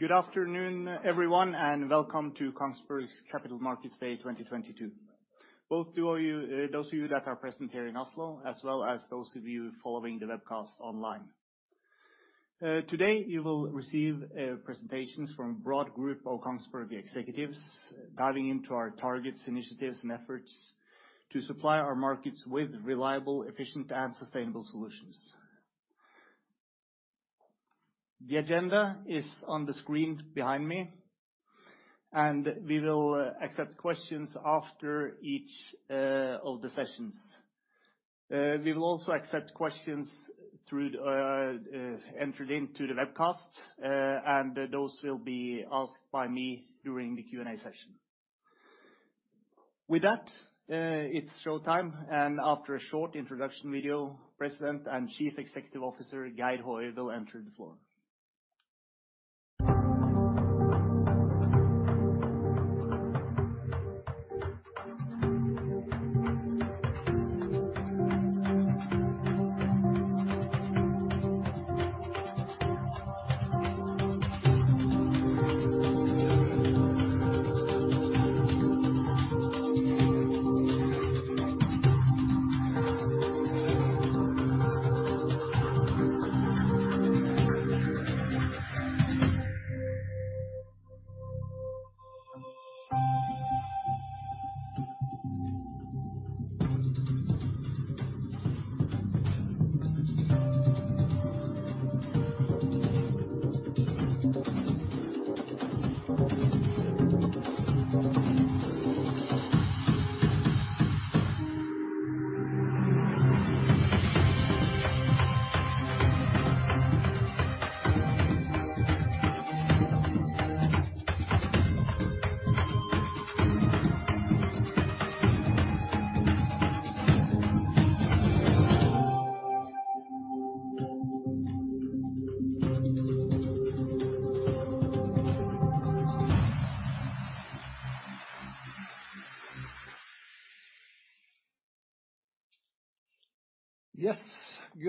Good afternoon everyone, and welcome to Kongsberg's Capital Markets Day 2022. Both to all of you, those of you that are present here in Oslo, as well as those of you following the webcast online. Today you will receive presentations from broad group of Kongsberg executives diving into our targets, initiatives and efforts to supply our markets with reliable, efficient and sustainable solutions. The agenda is on the screen behind me, and we will accept questions after each of the sessions. We will also accept questions entered into the webcast. Those will be asked by me during the Q&A session. With that, it's showtime and after a short introduction video, President and Chief Executive Officer Geir Håøy will take the floor.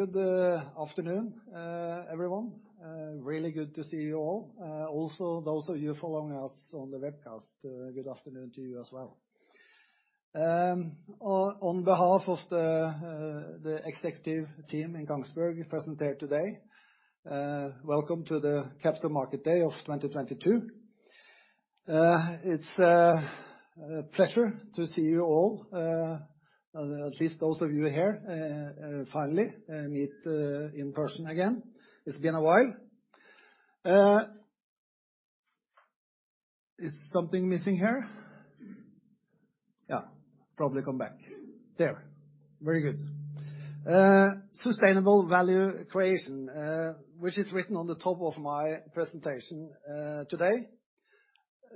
Yes. Good afternoon, everyone. Really good to see you all. Also those of you following us on the webcast, good afternoon to you as well. On behalf of the executive team in Kongsberg presented today, welcome to the Capital Market Day of 2022. It's a pleasure to see you all, at least those of you here, finally meet in person again. It's been a while. Is something missing here? Yeah, probably come back. There. Very good. Sustainable value creation, which is written on the top of my presentation, today.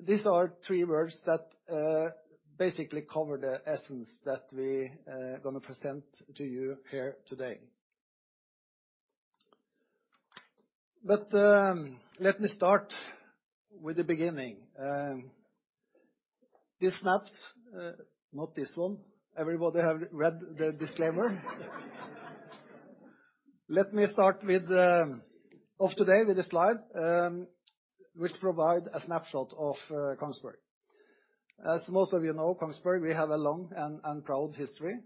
These are three words that basically cover the essence that we gonna present to you here today. Let me start with the beginning. These snaps, not this one. Everybody have read the disclaimer. Let me start off today with the slide which provide a snapshot of Kongsberg. As most of you know, Kongsberg, we have a long and proud history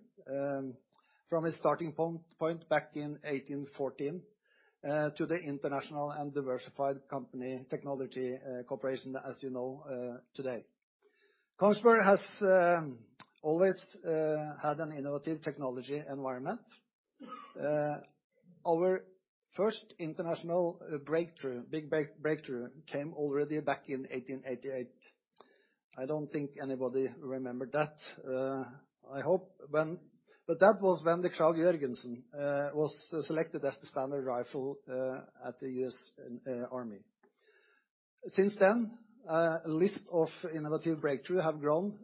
from a starting point back in 1814 to the international and diversified company technology corporation as you know today. Kongsberg has always had an innovative technology environment. Our first international breakthrough came already back in 1888. I don't think anybody remembered that. But that was when the Krag–Jørgensen was selected as the standard rifle at the US. Army. Since then list of innovative breakthrough have grown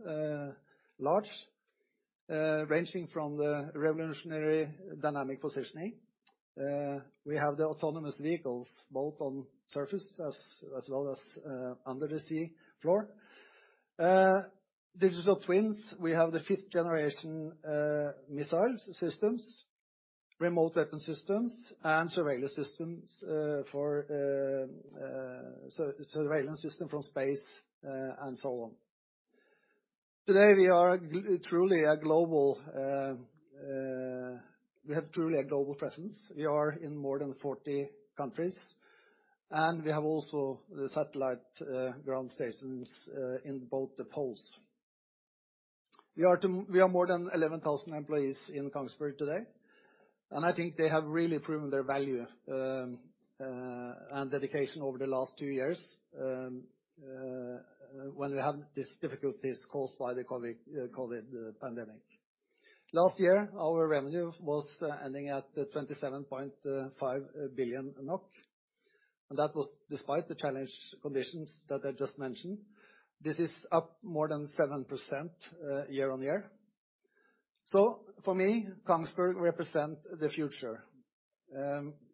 large ranging from the revolutionary dynamic positioning. We have the autonomous vehicles both on surface as well as under the sea floor. Digital twins, we have the fifth generation, missile systems, remote weapon systems and surveillance systems, for surveillance system from space, and so on. Today, we are truly a global. We have truly a global presence. We are in more than 40 countries, and we have also the satellite ground stations in both the poles. We are more than 11,000 employees in Kongsberg today, and I think they have really proven their value, and dedication over the last two years, when we had these difficulties caused by the COVID, the pandemic. Last year, our revenue was ending at 27.5 billion NOK, and that was despite the challenging conditions that I just mentioned. This is up more than 7%, year-on-year. For me, Kongsberg represent the future.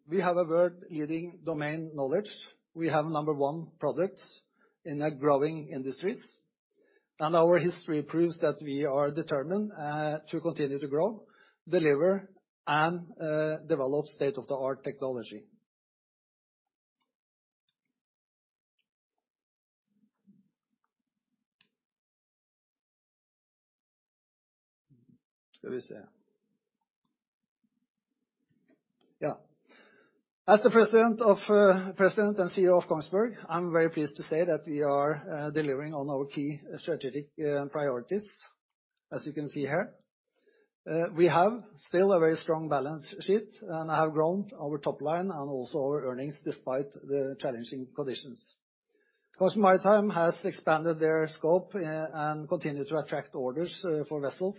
We have a world-leading domain knowledge. We have number one products in a growing industries. Our history proves that we are determined to continue to grow, deliver and develop state-of-the-art technology. As the president and CEO of Kongsberg, I'm very pleased to say that we are delivering on our key strategic priorities, as you can see here. We have still a very strong balance sheet and have grown our top line and also our earnings despite the challenging conditions. Kongsberg Maritime has expanded their scope and continue to attract orders for vessels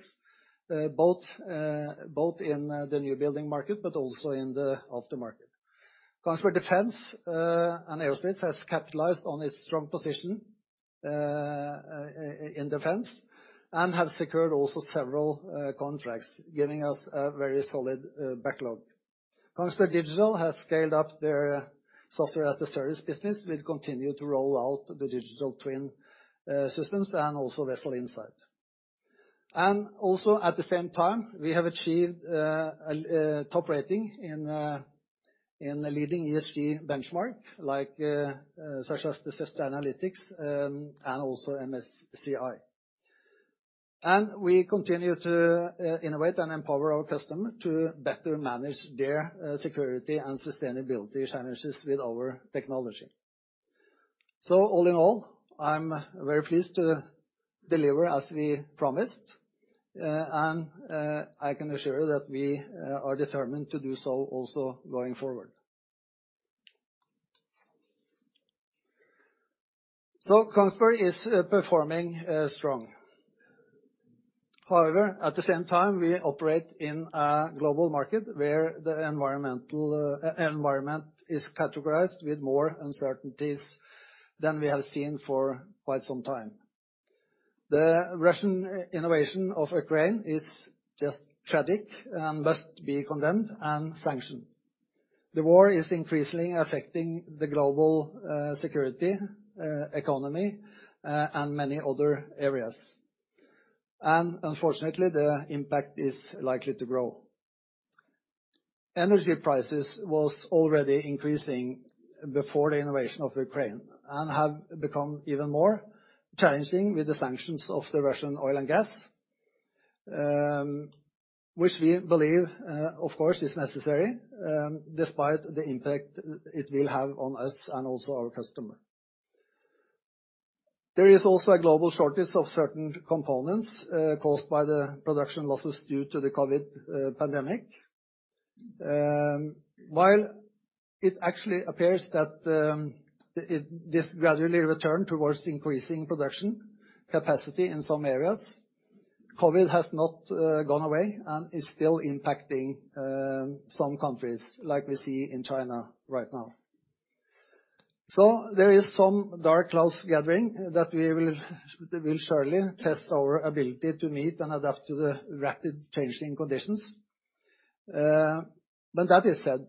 both in the new building market, but also in the aftermarket. Kongsberg Defence & Aerospace has capitalized on its strong position in defense and have secured also several contracts, giving us a very solid backlog. Kongsberg Digital has scaled up their software as a service business. We'll continue to roll out the Digital Twin systems and also Vessel Insight. We also at the same time have achieved a top rating in leading ESG benchmark like such as the Sustainalytics and also MSCI. We continue to innovate and empower our customer to better manage their security and sustainability challenges with our technology. All in all, I'm very pleased to deliver as we promised. I can assure you that we are determined to do so also going forward. Kongsberg is performing strong. However, at the same time, we operate in a global market where the environment is categorized with more uncertainties than we have seen for quite some time. The Russian invasion of Ukraine is just tragic and must be condemned and sanctioned. The war is increasingly affecting the global security economy and many other areas. Unfortunately, the impact is likely to grow. Energy prices was already increasing before the invasion of Ukraine and have become even more challenging with the sanctions on the Russian oil and gas, which we believe of course is necessary, despite the impact it will have on us and also our customer. There is also a global shortage of certain components caused by the production losses due to the COVID pandemic. While it actually appears that this gradually return towards increasing production capacity in some areas, COVID has not gone away and is still impacting some countries like we see in China right now. There is some dark clouds gathering that we will surely test our ability to meet and adapt to the rapid changing conditions. When that is said,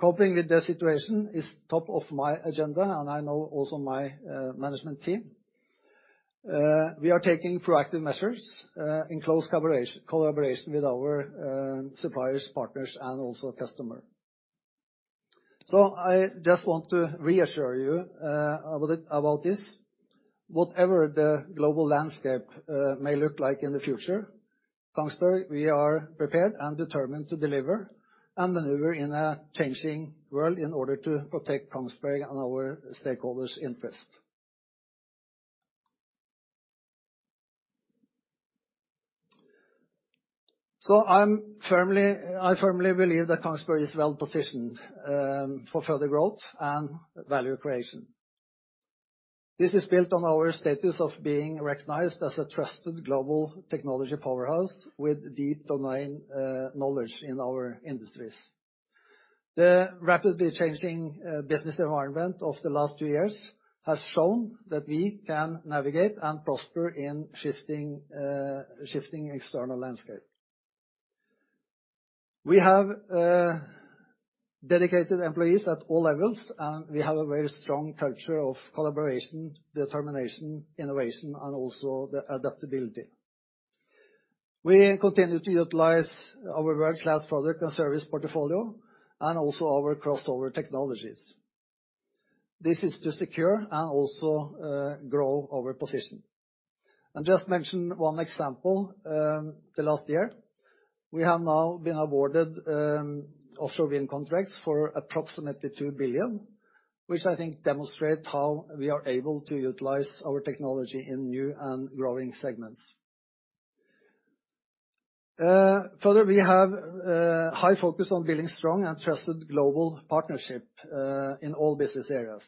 coping with the situation is top of my agenda, and I know also my management team. We are taking proactive measures in close collaboration with our suppliers, partners and also customer. I just want to reassure you about this. Whatever the global landscape may look like in the future, Kongsberg, we are prepared and determined to deliver and maneuver in a changing world in order to protect Kongsberg and our stakeholders' interest. I firmly believe that Kongsberg is well-positioned for further growth and value creation. This is built on our status of being recognized as a trusted global technology powerhouse with deep domain knowledge in our industries. The rapidly changing business environment of the last two years has shown that we can navigate and prosper in shifting external landscape. We have dedicated employees at all levels, and we have a very strong culture of collaboration, determination, innovation and also the adaptability. We continue to utilize our world-class product and service portfolio and also our crossover technologies. This is to secure and also grow our position. I'll just mention one example, the last year. We have now been awarded offshore wind contracts for approximately 2 billion, which I think demonstrates how we are able to utilize our technology in new and growing segments. Further, we have high focus on building strong and trusted global partnership in all business areas.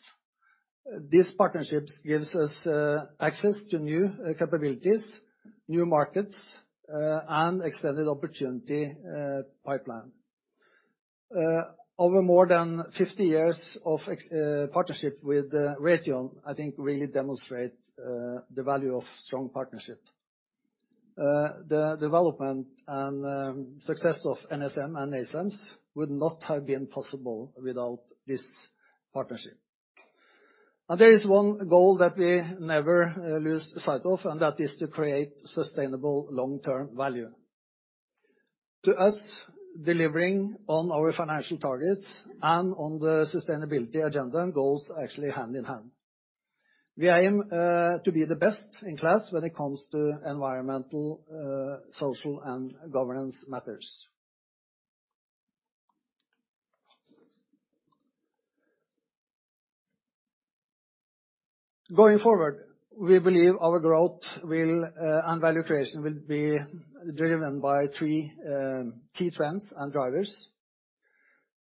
These partnerships gives us access to new capabilities, new markets, and extended opportunity pipeline. Over more than 50 years of partnership with Raytheon, I think really demonstrate the value of strong partnership. The development and success of NSM and NASAMS would not have been possible without this partnership. There is one goal that we never lose sight of, and that is to create sustainable long-term value. To us, delivering on our financial targets and on the sustainability agenda goes actually hand in hand. We aim to be the best in class when it comes to environmental, social and governance matters. Going forward, we believe our growth will and value creation will be driven by three key trends and drivers.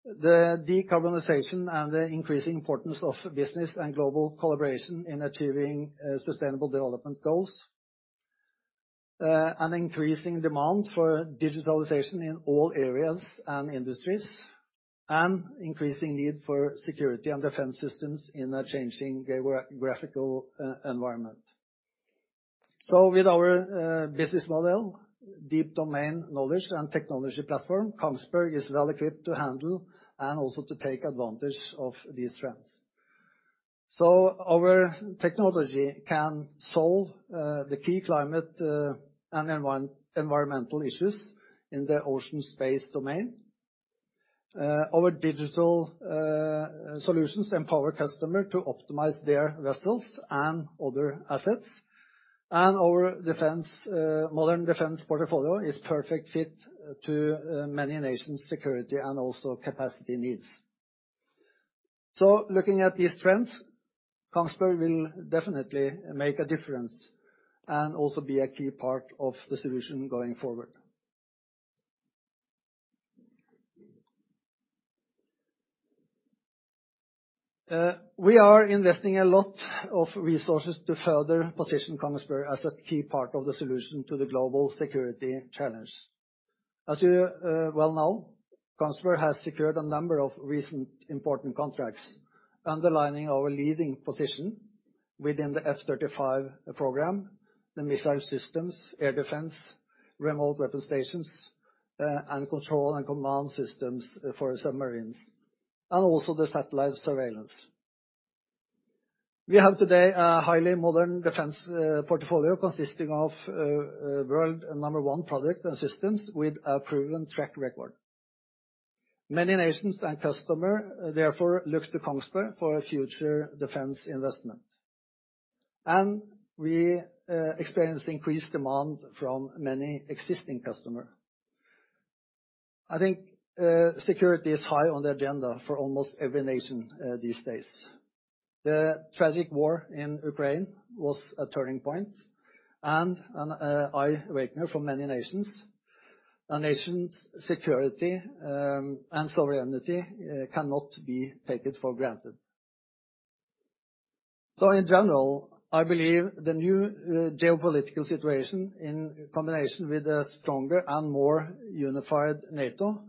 The decarbonization and the increasing importance of business and global collaboration in achieving sustainable development goals, an increasing demand for digitalization in all areas and industries, and increasing need for security and defense systems in a changing geographical environment. With our business model, deep domain knowledge and technology platform, Kongsberg is well-equipped to handle and also to take advantage of these trends. Our technology can solve the key climate and environmental issues in the ocean space domain. Our digital solutions empower customer to optimize their vessels and other assets. Our modern defense portfolio is perfect fit to many nations' security and also capacity needs. Looking at these trends, Kongsberg will definitely make a difference and also be a key part of the solution going forward. We are investing a lot of resources to further position Kongsberg as a key part of the solution to the global security challenge. As you well know, Kongsberg has secured a number of recent important contracts, underlining our leading position within the F-35 program, the missile systems, air defense, remote weapon stations, and control and command systems for submarines, and also the satellite surveillance. We have today a highly modern defense portfolio consisting of world number one product and systems with a proven track record. Many nations and customers therefore look to Kongsberg for future defense investment. We experienced increased demand from many existing customers. I think security is high on the agenda for almost every nation these days. The tragic war in Ukraine was a turning point and an eye-opening for many nations. A nation's security and sovereignty cannot be taken for granted. In general, I believe the new geopolitical situation in combination with a stronger and more unified NATO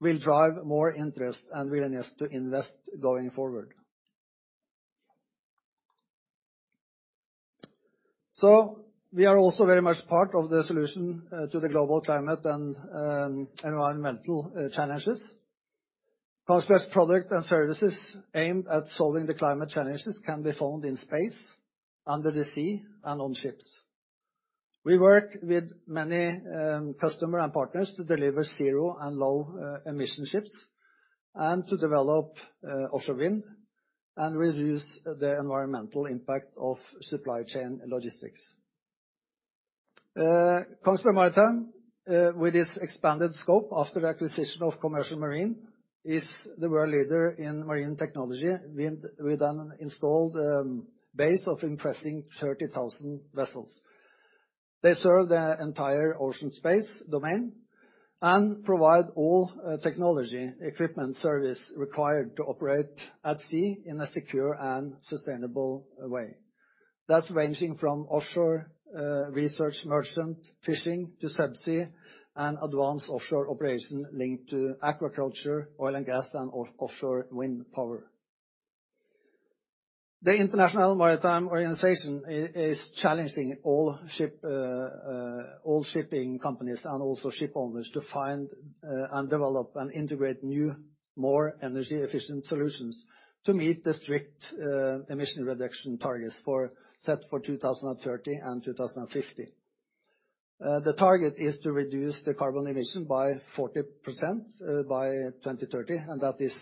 will drive more interest and willingness to invest going forward. We are also very much part of the solution to the global climate and environmental challenges. Kongsberg's products and services aimed at solving the climate challenges can be found in space, under the sea and on ships. We work with many customers and partners to deliver zero and low emission ships, and to develop offshore wind, and reduce the environmental impact of supply chain logistics. Kongsberg Maritime, with its expanded scope after acquisition of commercial marine, is the world leader in marine technology with an installed base of impressive 30,000 vessels. They serve the entire ocean space domain and provide all technology, equipment, service required to operate at sea in a secure and sustainable way. That's ranging from offshore research merchant fishing to subsea and advanced offshore operation linked to agriculture, oil and gas and offshore wind power. The International Maritime Organization is challenging all shipping companies and also ship owners to find and develop and integrate new, more energy efficient solutions to meet the strict emission reduction targets set for 2030 and 2050. The target is to reduce the carbon emission by 40%, by 2030, and that is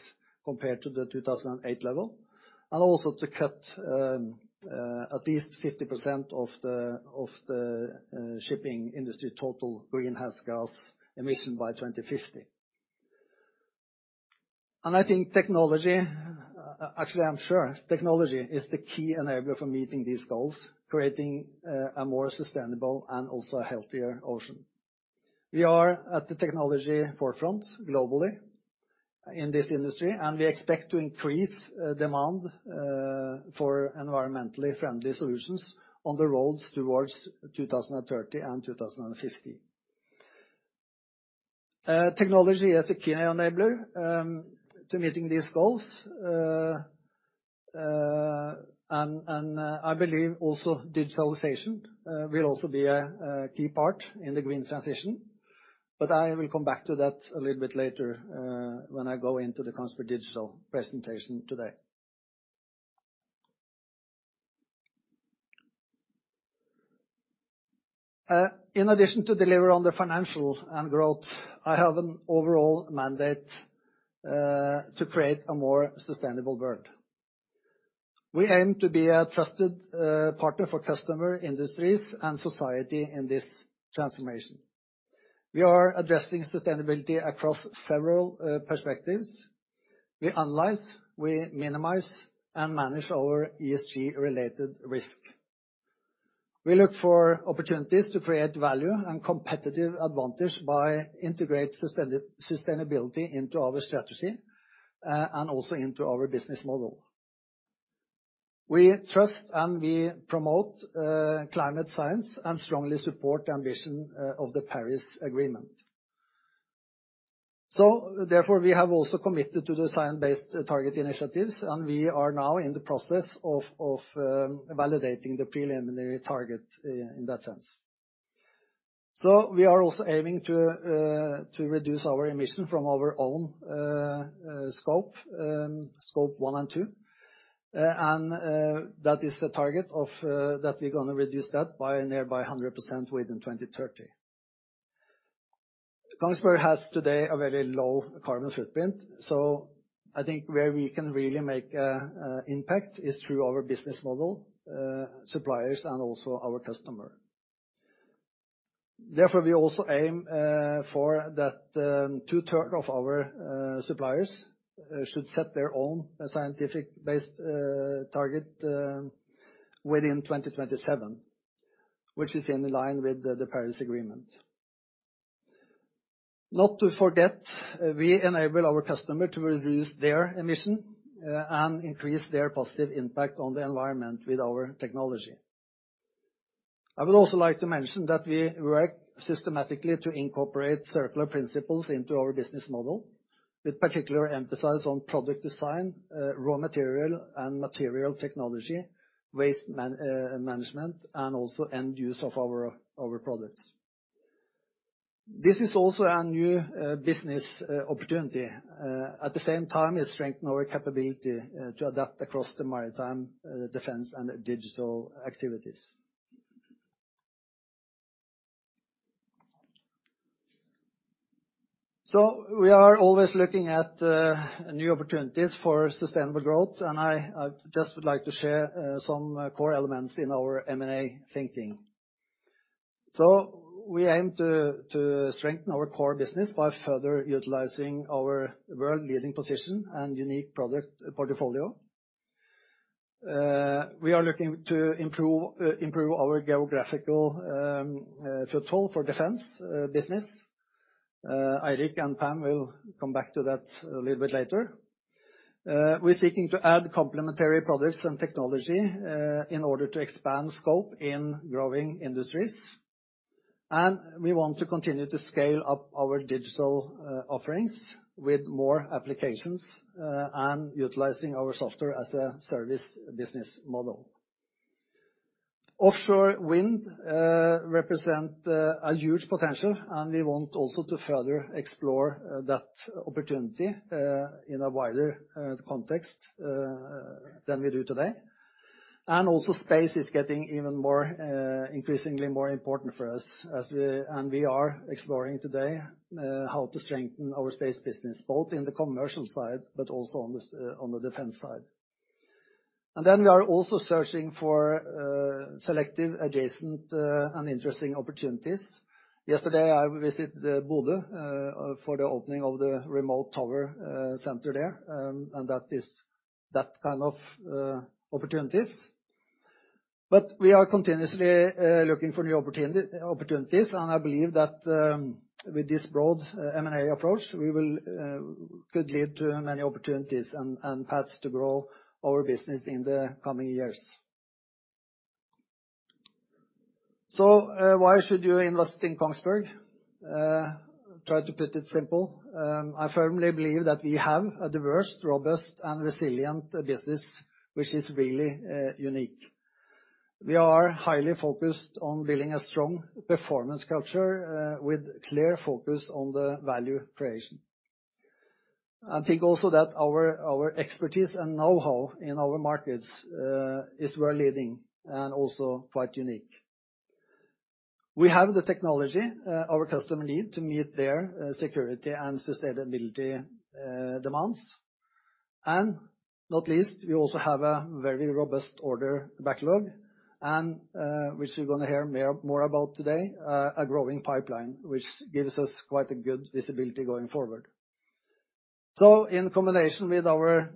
compared to the 2008 level, and also to cut at least 50% of the shipping industry total greenhouse gas emission by 2050. I think technology, actually, I'm sure technology is the key enabler for meeting these goals, creating a more sustainable and also a healthier ocean. We are at the technology forefront globally in this industry, and we expect to increase demand for environmentally friendly solutions on the roads towards 2030 and 2050. Technology as a key enabler to meeting these goals. I believe also digitalization will also be a key part in the green transition. I will come back to that a little bit later, when I go into the Kongsberg Digital presentation today. In addition to deliver on the financials and growth, I have an overall mandate to create a more sustainable world. We aim to be a trusted partner for customer industries and society in this transformation. We are addressing sustainability across several perspectives. We analyze, we minimize and manage our ESG-related risk. We look for opportunities to create value and competitive advantage by integrate sustainability into our strategy, and also into our business model. We trust and we promote climate science and strongly support the ambition of the Paris Agreement. Therefore, we have also committed to the Science Based Targets initiative, and we are now in the process of validating the preliminary target in that sense. We are also aiming to reduce our emission from our own scope one and two. That is the target that we're gonna reduce that by nearly 100% within 2030. Kongsberg has today a very low carbon footprint. I think where we can really make an impact is through our business model, suppliers and also our customer. Therefore, we also aim for that two-thirds of our suppliers should set their own science-based target within 2027, which is in line with the Paris Agreement. Not to forget, we enable our customer to reduce their emission and increase their positive impact on the environment with our technology. I would also like to mention that we work systematically to incorporate circular principles into our business model, with particular emphasis on product design, raw material and material technology, waste management, and also end use of our products. This is also a new business opportunity. At the same time, it strengthen our capability to adapt across the Maritime, defense and digital activities. We are always looking at new opportunities for sustainable growth, and I just would like to share some core elements in our M&A thinking. We aim to strengthen our core business by further utilizing our world leading position and unique product portfolio. We are looking to improve our geographical foothold for defense business. Eirik and Pam will come back to that a little bit later. We're seeking to add complementary products and technology, in order to expand scope in growing industries. We want to continue to scale up our digital offerings with more applications, and utilizing our software as a service business model. Offshore wind represent a huge potential, and we want also to further explore that opportunity, in a wider context than we do today. Space is getting even more increasingly more important for us and we are exploring today how to strengthen our space business, both in the commercial side but also on the defense side. We are also searching for selective, adjacent, and interesting opportunities. Yesterday, I visited Bodø for the opening of the remote tower center there, and that is that kind of opportunities. We are continuously looking for new opportunities, and I believe that with this broad M&A approach, we could lead to many opportunities and paths to grow our business in the coming years. Why should you invest in Kongsberg? Try to put it simply. I firmly believe that we have a diverse, robust, and resilient business which is really unique. We are highly focused on building a strong performance culture with clear focus on the value creation. I think also that our expertise and know-how in our markets is world leading and also quite unique. We have the technology our customers need to meet their security and sustainability demands. Not least, we also have a very robust order backlog and, which we're gonna hear more about today, a growing pipeline, which gives us quite a good visibility going forward. In combination with our,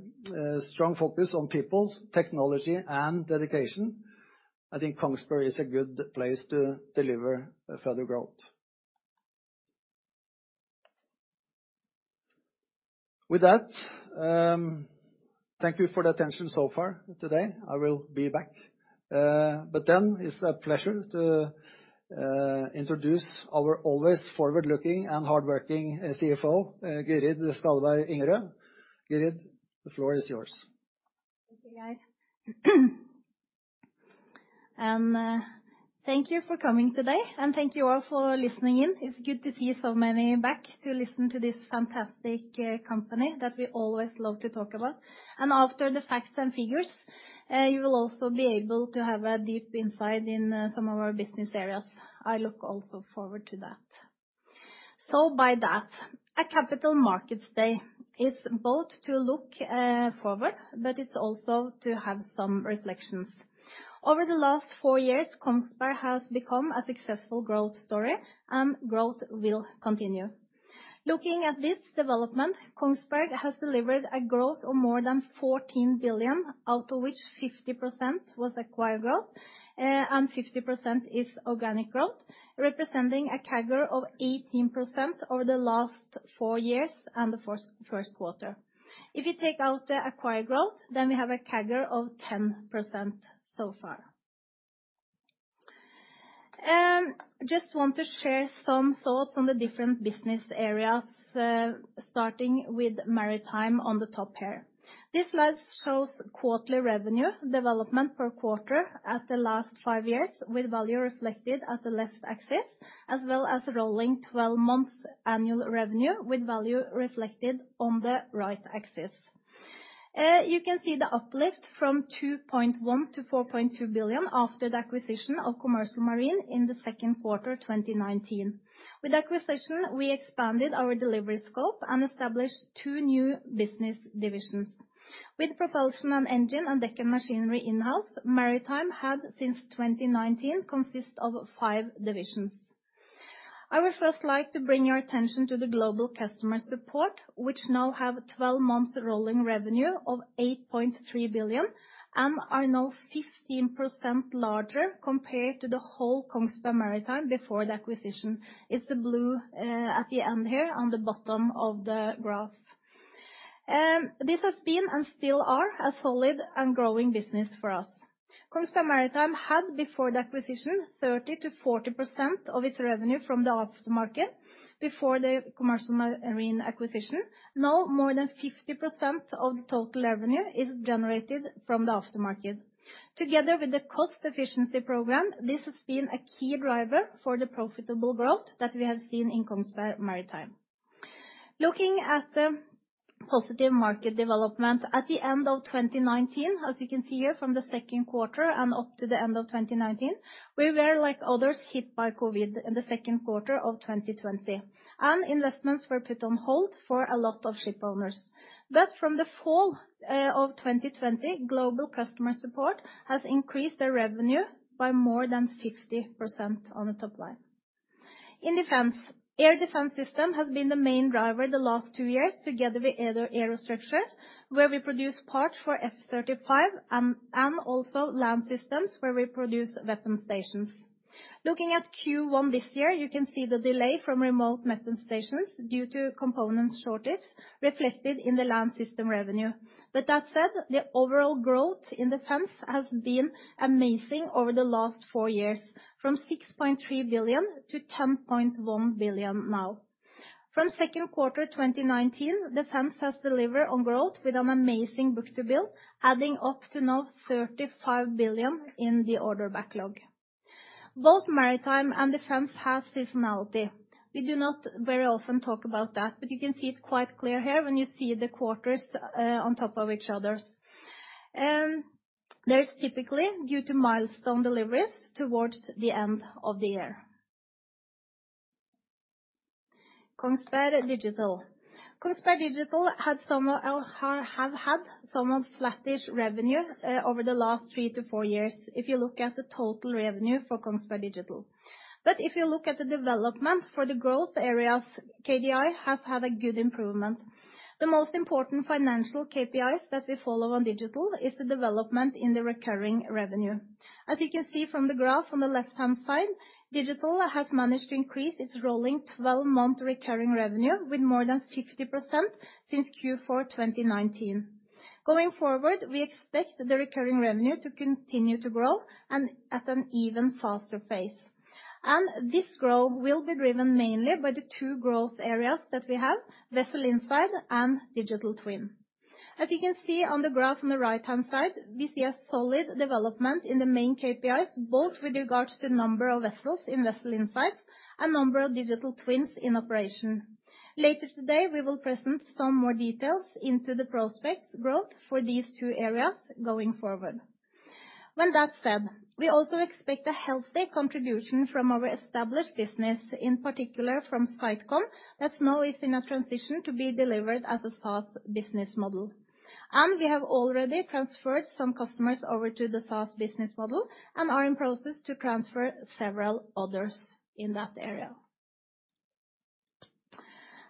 strong focus on people, technology and dedication, I think Kongsberg is a good place to deliver a further growth. With that, thank you for the attention so far today. I will be back. It's a pleasure to introduce our always forward-looking and hardworking CFO, Gyrid Skalleberg Ingerø. Gyrid, the floor is yours. Thank you, Geir. Thank you for coming today, and thank you all for listening in. It's good to see so many back to listen to this fantastic company that we always love to talk about. After the facts and figures, you will also be able to have a deep insight in some of our business areas. I look also forward to that. By that, our capital markets day is both to look forward, but it's also to have some reflections. Over the last four years, Kongsberg has become a successful growth story, and growth will continue. Looking at this development, Kongsberg has delivered a growth of more than 14 billion, out of which 50% was acquired growth, and 50% is organic growth, representing a CAGR of 18% over the last four years and the first quarter. If you take out the acquired growth, we have a CAGR of 10% so far. Just want to share some thoughts on the different business areas, starting with Maritime on the top here. This slide shows quarterly revenue development per quarter at the last five years, with value reflected at the left axis, as well as rolling twelve months annual revenue, with value reflected on the right axis. You can see the uplift from 2.1 billion-4.2 billion after the acquisition of Rolls-Royce Commercial Marine in the second quarter 2019. With acquisition, we expanded our delivery scope and established two new business divisions. With propulsion and engine and deck and machinery in-house, Maritime had, since 2019, consist of five divisions. I would first like to bring your attention to the global customer support, which now have 12 months rolling revenue of 8.3 billion and are now 15% larger compared to the whole Kongsberg Maritime before the acquisition. It's the blue, at the end here on the bottom of the graph. This has been, and still are, a solid and growing business for us. Kongsberg Maritime had, before the acquisition, 30%-40% of its revenue from the aftermarket before the Commercial Marine acquisition. Now more than 50% of the total revenue is generated from the aftermarket. Together with the cost efficiency program, this has been a key driver for the profitable growth that we have seen in Kongsberg Maritime. Looking at the positive market development at the end of 2019, as you can see here from the second quarter and up to the end of 2019, we were, like others, hit by COVID in the second quarter of 2020, and investments were put on hold for a lot of shipowners. From the fall of 2020, global customer support has increased their revenue by more than 50% on the top line. In Defense, air defense system has been the main driver the last two years, together with other aerostructures, where we produce parts for F-35 and also land systems where we produce weapon stations. Looking at Q1 this year, you can see the delay from remote weapon stations due to components shortage reflected in the land system revenue. That said, the overall growth in Defense has been amazing over the last four years, from 6.3 billion to 10.1 billion now. From second quarter 2019, Defense has delivered on growth with an amazing book-to-bill, adding up to now 35 billion in the order backlog. Both Maritime and Defense have seasonality. We do not very often talk about that, but you can see it quite clear here when you see the quarters on top of each other. That's typically due to milestone deliveries towards the end of the year. Kongsberg Digital. Kongsberg Digital has had some of flattish revenue over the last three to four years if you look at the total revenue for Kongsberg Digital. But if you look at the development for the growth areas, KDI has had a good improvement. The most important financial KPIs that we follow on Digital is the development in the recurring revenue. As you can see from the graph on the left-hand side, Digital has managed to increase its rolling 12-month recurring revenue with more than 50% since Q4 2019. Going forward, we expect the recurring revenue to continue to grow and at an even faster pace. This growth will be driven mainly by the two growth areas that we have, Vessel Insight and Digital Twin. As you can see on the graph on the right-hand side, we see a solid development in the main KPIs, both with regards to number of vessels in Vessel Insight and number of Digital Twins in operation. Later today, we will present some more details into the prospects growth for these two areas going forward. When that's said, we also expect a healthy contribution from our established business, in particular from SiteCom, that now is in a transition to be delivered as a SaaS business model. We have already transferred some customers over to the SaaS business model and are in process to transfer several others in that area.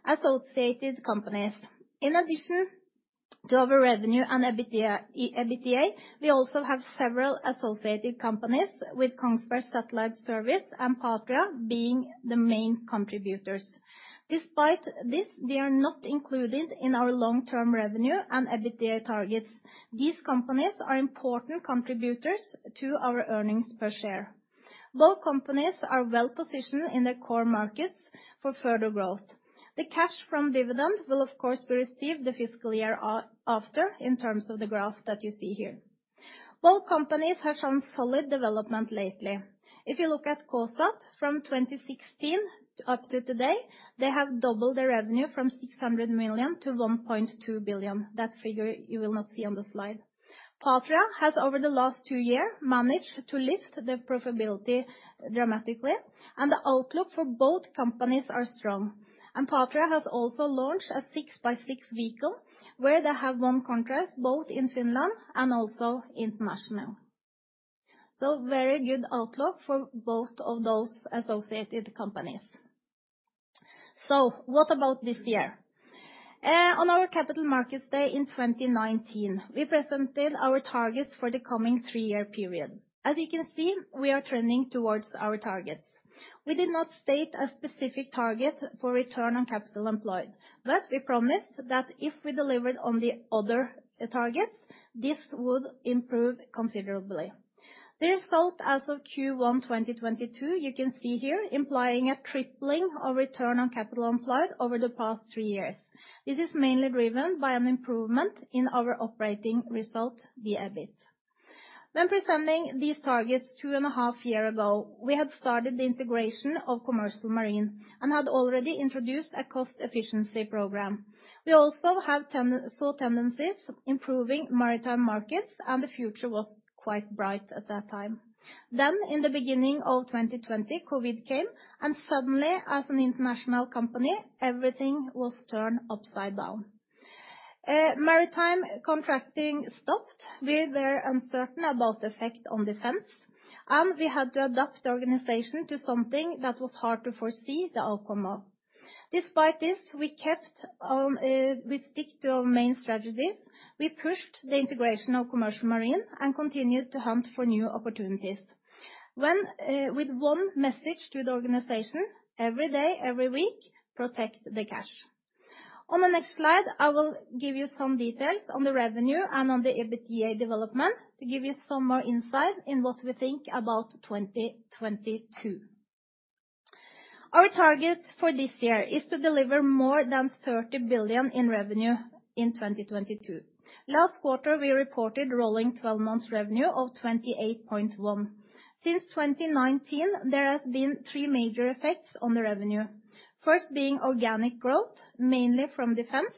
Associated companies. In addition to our revenue and EBITDA, we also have several associated companies with Kongsberg Satellite Services and Patria being the main contributors. Despite this, they are not included in our long-term revenue and EBITDA targets. These companies are important contributors to our earnings per share. Both companies are well-positioned in their core markets for further growth. The cash from dividends will of course be received the fiscal year after in terms of the graph that you see here. Both companies have shown solid development lately. If you look at KSAT from 2016 up to today, they have doubled their revenue from 600 million-1.2 billion. That figure you will not see on the slide. Patria has, over the last two years, managed to lift their profitability dramatically, and the outlook for both companies is strong. Patria has also launched a 6x6 vehicle where they have won contracts both in Finland and internationally. Very good outlook for both of those associated companies. What about this year? On our Capital Markets Day in 2019, we presented our targets for the coming three-year period. As you can see, we are trending towards our targets. We did not state a specific target for return on capital employed. We promised that if we delivered on the other targets, this would improve considerably. The result as of Q1 2022, you can see here implying a tripling of return on capital employed over the past three years. This is mainly driven by an improvement in our operating result, the EBITDA. When presenting these targets 2.5 years ago, we had started the integration of Commercial Marine and had already introduced a cost efficiency program. We also saw tendencies improving Maritime markets, and the future was quite bright at that time. In the beginning of 2020, COVID came and suddenly, as an international company, everything was turned upside down. Maritime contracting stopped. We were uncertain about the effect on defense, and we had to adapt the organization to something that was hard to foresee the outcome of. Despite this, we kept, we stick to our main strategy. We pushed the integration of Commercial Marine and continued to hunt for new opportunities. We had one message to the organization every day, every week: protect the cash. On the next slide, I will give you some details on the revenue and on the EBITDA development to give you some more insight in what we think about 2022. Our target for this year is to deliver more than 30 billion in revenue in 2022. Last quarter, we reported rolling 12 months revenue of 28.1 billion. Since 2019, there has been three major effects on the revenue. First being organic growth, mainly from defense.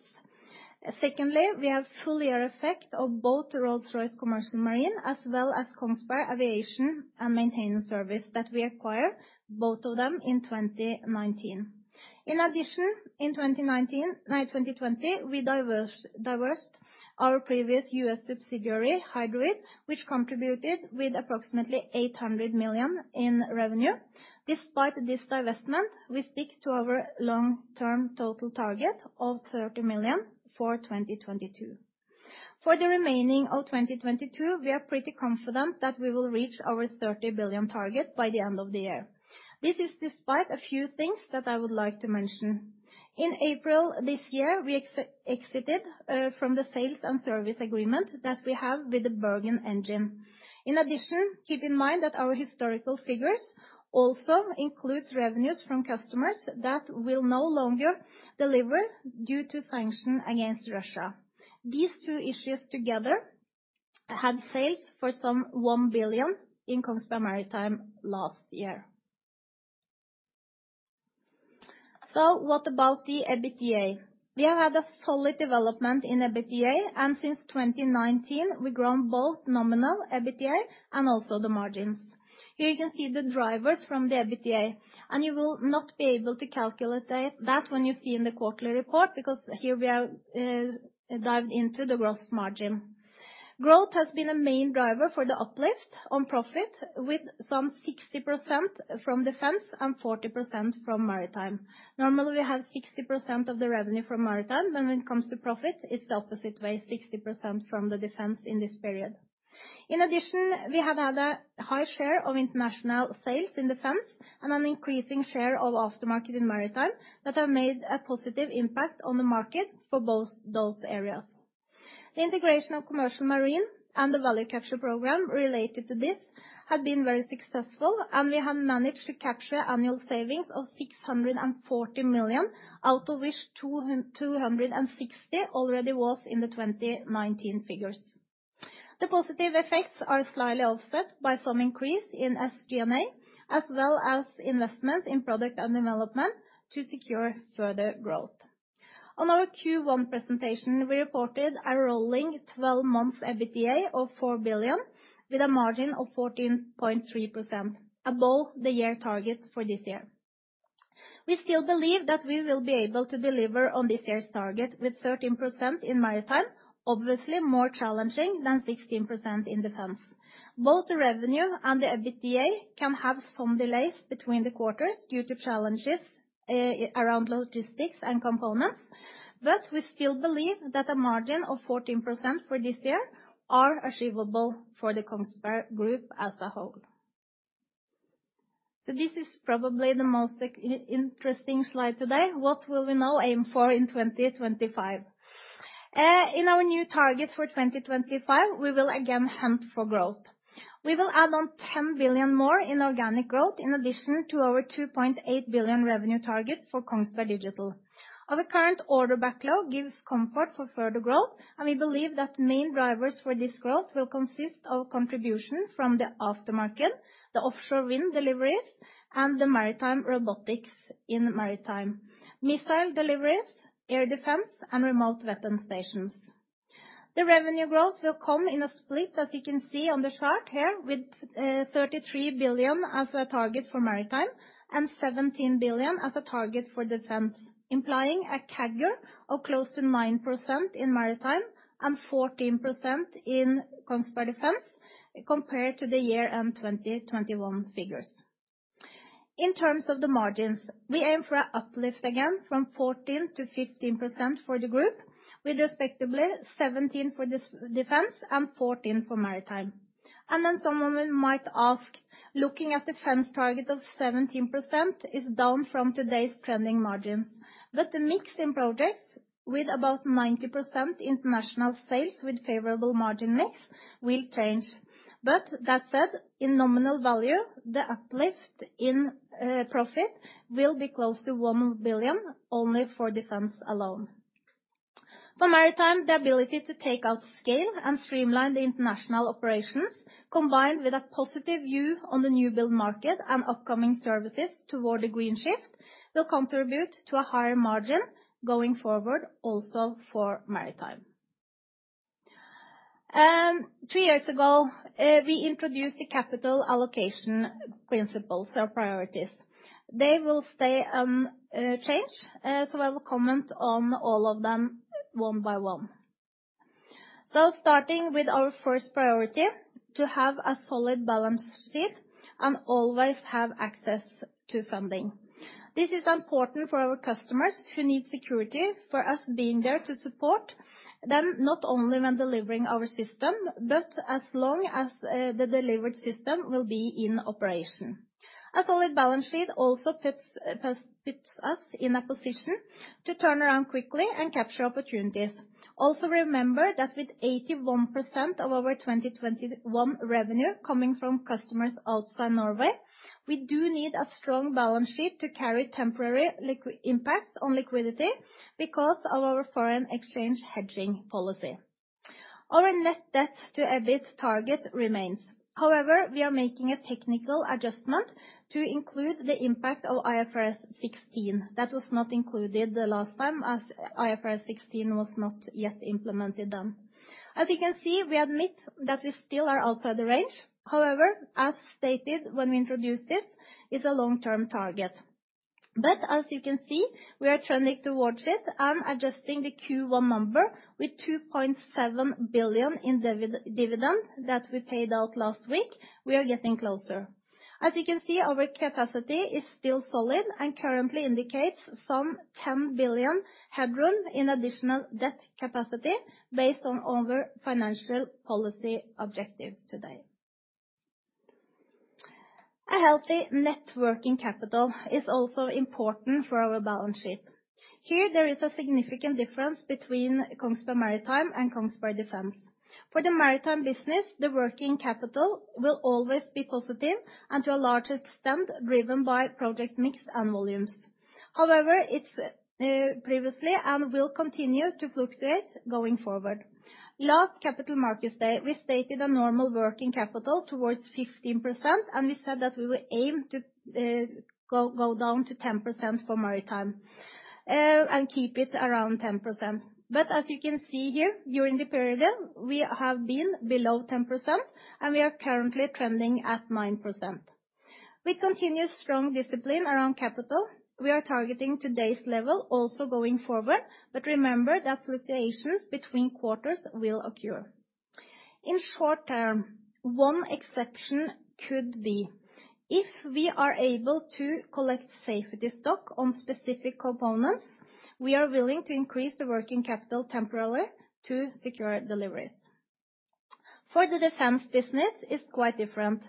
Secondly, we have full year effect of both the Rolls-Royce Commercial Marine, as well as Kongsberg Aviation Maintenance Services that we acquire both of them in 2019. In addition, in 2020, we divested our previous US subsidiary, Hydroid, which contributed with approximately 800 million in revenue. Despite this divestment, we stick to our long-term total target of 30 million for 2022. For the remaining of 2022, we are pretty confident that we will reach our 30 billion target by the end of the year. This is despite a few things that I would like to mention. In April this year, we exited from the sales and service agreement that we have with the Bergen Engines. In addition, keep in mind that our historical figures also includes revenues from customers that will no longer deliver due to sanctions against Russia. These two issues together had sales for some 1 billion in Kongsberg Maritime last year. What about the EBITDA? We have had a solid development in EBITDA, and since 2019, we've grown both nominal EBITDA and also the margins. Here you can see the drivers from the EBITDA, and you will not be able to calculate that when you see in the quarterly report because here we are dived into the gross margin. Growth has been a main driver for the uplift on profit with some 60% from defense and 40% from Maritime. Normally, we have 60% of the revenue from Maritime. When it comes to profit, it's the opposite way, 60% from the defense in this period. In addition, we have had a high share of international sales in defense and an increasing share of aftermarket in Maritime that have made a positive impact on the margin for both those areas. The integration of Commercial Marine and the value capture program related to this has been very successful, and we have managed to capture annual savings of 640 million, out of which 260 million already was in the 2019 figures. The positive effects are slightly offset by some increase in SG&A, as well as investment in product and development to secure further growth. On our Q1 presentation, we reported a rolling twelve months EBITDA of 4 billion with a margin of 14.3% above the year target for this year. We still believe that we will be able to deliver on this year's target with 13% in Maritime, obviously more challenging than 16% in Defense. Both the revenue and the EBITDA can have some delays between the quarters due to challenges around logistics and components. We still believe that a margin of 14% for this year are achievable for the Kongsberg Gruppen as a whole. This is probably the most interesting slide today. What will we now aim for in 2025? In our new target for 2025, we will again hunt for growth. We will add on 10 billion more in organic growth in addition to our 2.8 billion revenue targets for Kongsberg Digital. Our current order backlog gives comfort for further growth, and we believe that the main drivers for this growth will consist of contribution from the aftermarket, the offshore wind deliveries, and the Maritime robotics in Maritime, missile deliveries, air defense, and remote weapon stations. The revenue growth will come in a split, as you can see on the chart here, with 33 billion as a target for Maritime and 17 billion as a target for Defence, implying a CAGR of close to 9% in Maritime and 14% in Kongsberg Defence compared to the 2021 figures. In terms of the margins, we aim for a uplift again from 14%-15% for the group, with respectively 17% for Defence and 14% for Maritime. Then someone might ask, looking at Defence target of 17% is down from today's trending margins. The mix in projects with about 90% international sales with favorable margin mix will change. That said, in nominal value, the uplift in profit will be close to 1 billion only for Defence alone. For Maritime, the ability to take out scale and streamline the international operations combined with a positive view on the new build market and upcoming services toward the green shift will contribute to a higher margin going forward also for Maritime. Two years ago, we introduced the capital allocation principles or priorities. They will stay unchanged, so I will comment on all of them one by one. Starting with our first priority, to have a solid balance sheet and always have access to funding. This is important for our customers who need security for us being there to support them, not only when delivering our system, but as long as the delivered system will be in operation. A solid balance sheet also puts us in a position to turn around quickly and capture opportunities. Remember that with 81% of our 2021 revenue coming from customers outside Norway, we do need a strong balance sheet to carry temporary impacts on liquidity because of our foreign exchange hedging policy. Our net debt to EBIT target remains. However, we are making a technical adjustment to include the impact of IFRS 16. That was not included the last time as IFRS 16 was not yet implemented then. As you can see, we admit that we still are outside the range. However, as stated when we introduced it's a long-term target. As you can see, we are trending towards it and adjusting the Q1 number with 2.7 billion in dividend that we paid out last week, we are getting closer. As you can see, our capacity is still solid and currently indicates some 10 billion headroom in additional debt capacity based on our financial policy objectives today. A healthy net working capital is also important for our balance sheet. Here, there is a significant difference between Kongsberg Maritime and Kongsberg Defence. For the Maritime business, the working capital will always be positive and to a large extent driven by project mix and volumes. However, it's previously and will continue to fluctuate going forward. Last Capital Markets Day, we stated a normal working capital towards 15%, and we said that we will aim to go down to 10% for Maritime and keep it around 10%. But as you can see here, during the period, we have been below 10%, and we are currently trending at 9%. With continued strong discipline around capital, we are targeting today's level also going forward, but remember that fluctuations between quarters will occur. In short term, one exception could be if we are able to collect safety stock on specific components, we are willing to increase the working capital temporarily to secure deliveries. For the defense business, it's quite different.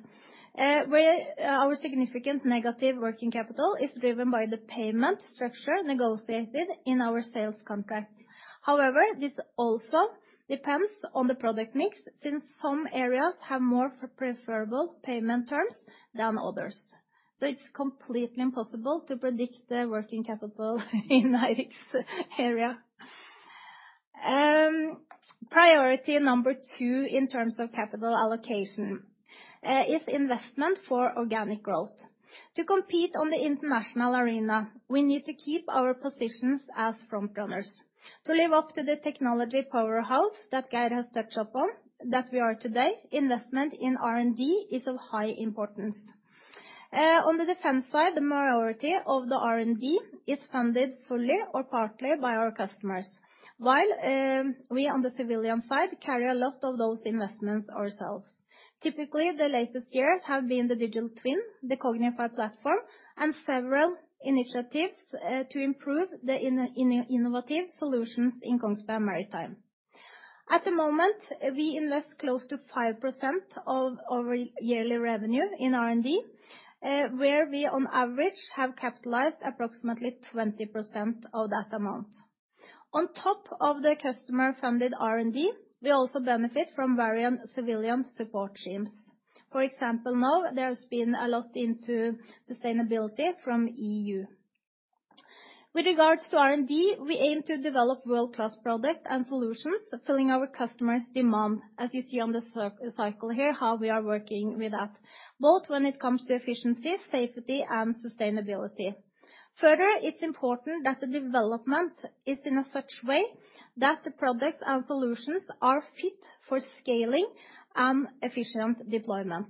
Our significant negative working capital is driven by the payment structure negotiated in our sales contract. However, this also depends on the product mix, since some areas have more preferable payment terms than others. It's completely impossible to predict the working capital in Eirik's area. Priority number two in terms of capital allocation is investment for organic growth. To compete on the international arena, we need to keep our positions as front runners. To live up to the technology powerhouse that Geir has touched upon that we are today, investment in R&D is of high importance. On the defense side, the majority of the R&D is funded fully or partly by our customers. While we on the civilian side carry a lot of those investments ourselves. Typically, the latest years have been the Digital Twin, the Kognitwin platform, and several initiatives to improve the innovative solutions in Kongsberg Maritime. At the moment, we invest close to 5% of our yearly revenue in R&D, where we on average have capitalized approximately 20% of that amount. On top of the customer-funded R&D, we also benefit from varying civilian support streams. For example, now there has been a lot into sustainability from EU. With regards to R&D, we aim to develop world-class products and solutions, fulfilling our customers' demand, as you see on the circle here, how we are working with that, both when it comes to efficiency, safety, and sustainability. It's important that the development is in such a way that the products and solutions are fit for scaling and efficient deployment.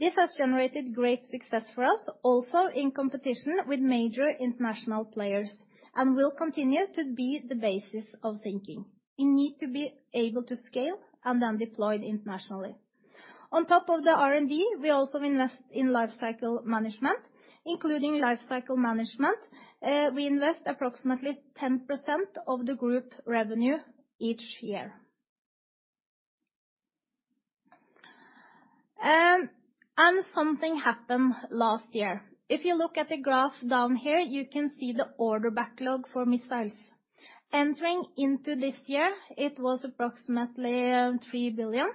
This has generated great success for us, also in competition with major international players and will continue to be the basis of thinking. We need to be able to scale and then deploy internationally. On top of the R&D, we also invest in lifecycle management. Including lifecycle management, we invest approximately 10% of the group revenue each year. Something happened last year. If you look at the graph down here, you can see the order backlog for missiles. Entering into this year, it was approximately 3 billion.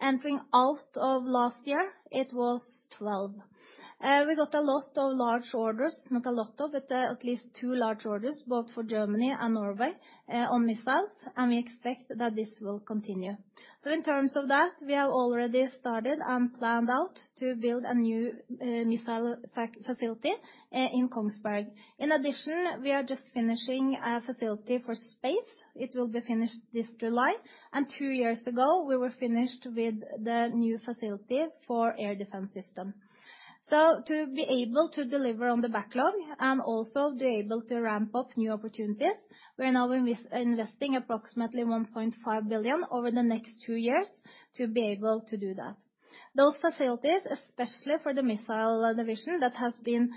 Entering out of last year, it was 12 billion. We got a lot of large orders, not a lot of, but at least two large orders, both for Germany and Norway, on missiles, and we expect that this will continue. In terms of that, we have already started and planned out to build a new missile facility in Kongsberg. In addition, we are just finishing a facility for space. It will be finished this July. Two years ago, we were finished with the new facility for air defense system. To be able to deliver on the backlog and also be able to ramp up new opportunities, we are now investing approximately 1.5 billion over the next two years to be able to do that. Those facilities, especially for the missile division that has been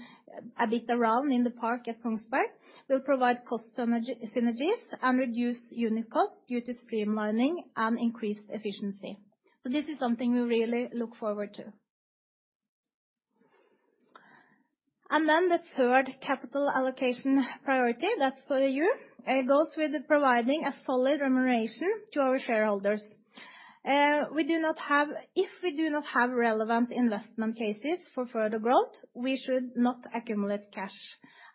a bit around in the park at Kongsberg, will provide cost synergies and reduce unit costs due to streamlining and increased efficiency. This is something we really look forward to. The third capital allocation priority, that's for the year, goes with providing a solid remuneration to our shareholders. If we do not have relevant investment cases for further growth, we should not accumulate cash.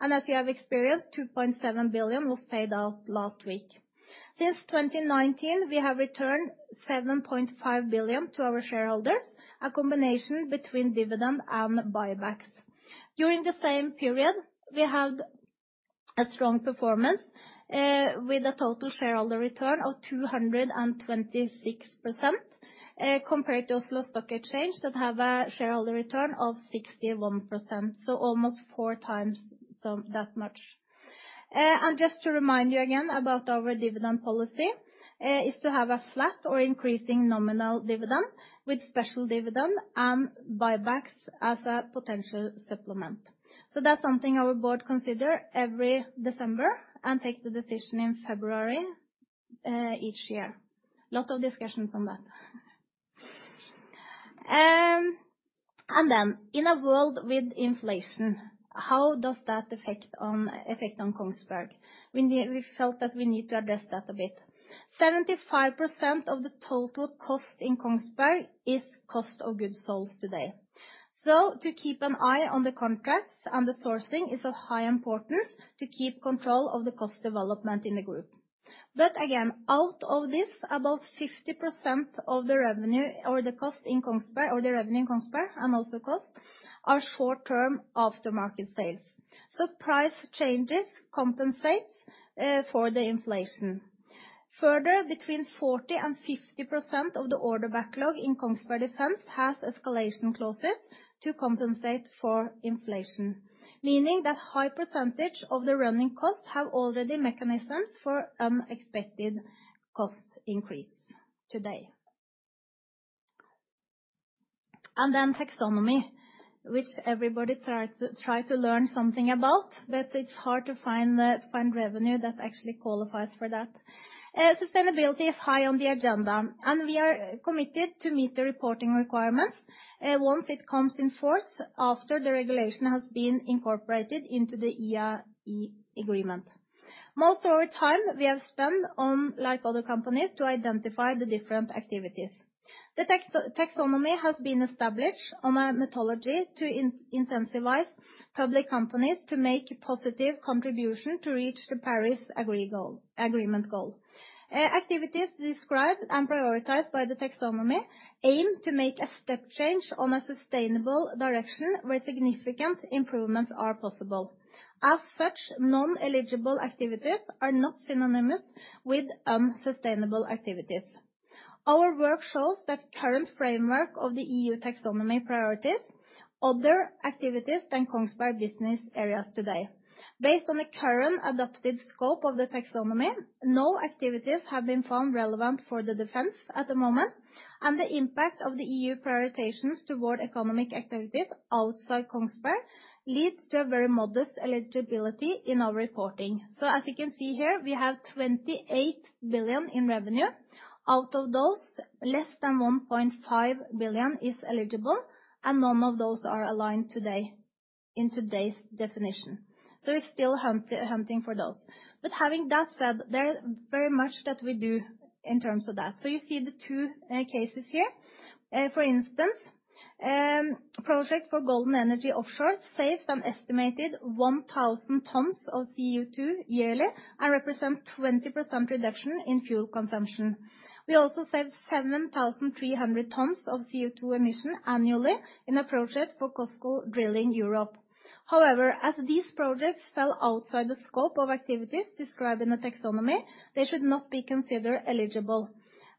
As you have experienced, 2.7 billion was paid out last week. Since 2019, we have returned 7.5 billion to our shareholders, a combination between dividend and buybacks. During the same period, we had a strong performance, with a total shareholder return of 226%, compared to Oslo Stock Exchange that have a shareholder return of 61%, so almost 4x, so that much. Just to remind you again about our dividend policy is to have a flat or increasing nominal dividend with special dividend and buybacks as a potential supplement. That's something our board consider every December and take the decision in February, each year. Lots of discussions on that. Then in a world with inflation, how does that affect on Kongsberg? We felt that we need to address that a bit. 75% of the total cost in Kongsberg is cost of goods sold today. To keep an eye on the contracts and the sourcing is of high importance to keep control of the cost development in the group. Again, out of this, about 50% of the revenue or the cost in Kongsberg, or the revenue in Kongsberg and also cost, are short-term after market sales. Price changes compensate for the inflation. Further, between 40% and 50% of the order backlog in Kongsberg Defence & Aerospace has escalation clauses to compensate for inflation, meaning that high percentage of the running costs have already mechanisms for unexpected cost increase today. Then taxonomy, which everybody try to learn something about, but it's hard to find revenue that actually qualifies for that. Sustainability is high on the agenda, and we are committed to meet the reporting requirements, once it comes in force after the regulation has been incorporated into the ERE agreement. Most of our time we have spent on, like other companies, to identify the different activities. The taxonomy has been established on a methodology to incentivize public companies to make a positive contribution to reach the Paris Agreement goal. Activities described and prioritized by the taxonomy aim to make a step change on a sustainable direction where significant improvements are possible. As such, non-eligible activities are not synonymous with sustainable activities. Our work shows that current framework of the EU taxonomy prioritizes other activities than Kongsberg business areas today. Based on the current adaptive scope of the taxonomy, no activities have been found relevant for the defense at the moment, and the impact of the EU prioritizations toward economic activities outside Kongsberg leads to a very modest eligibility in our reporting. As you can see here, we have 28 billion in revenue. Out of those, less than 1.5 billion is eligible, and none of those are aligned today, in today's definition. We're still hunting for those. Having that said, there are very much that we do in terms of that. You see the two cases here. For instance, project for Golden Energy Offshore saved an estimated 1,000 tons of CO2 yearly and represent 20% reduction in fuel consumption. We also saved 7,300 tons of CO2 emission annually in a project for COSL Drilling Europe. However, as these projects fell outside the scope of activities described in the taxonomy, they should not be considered eligible.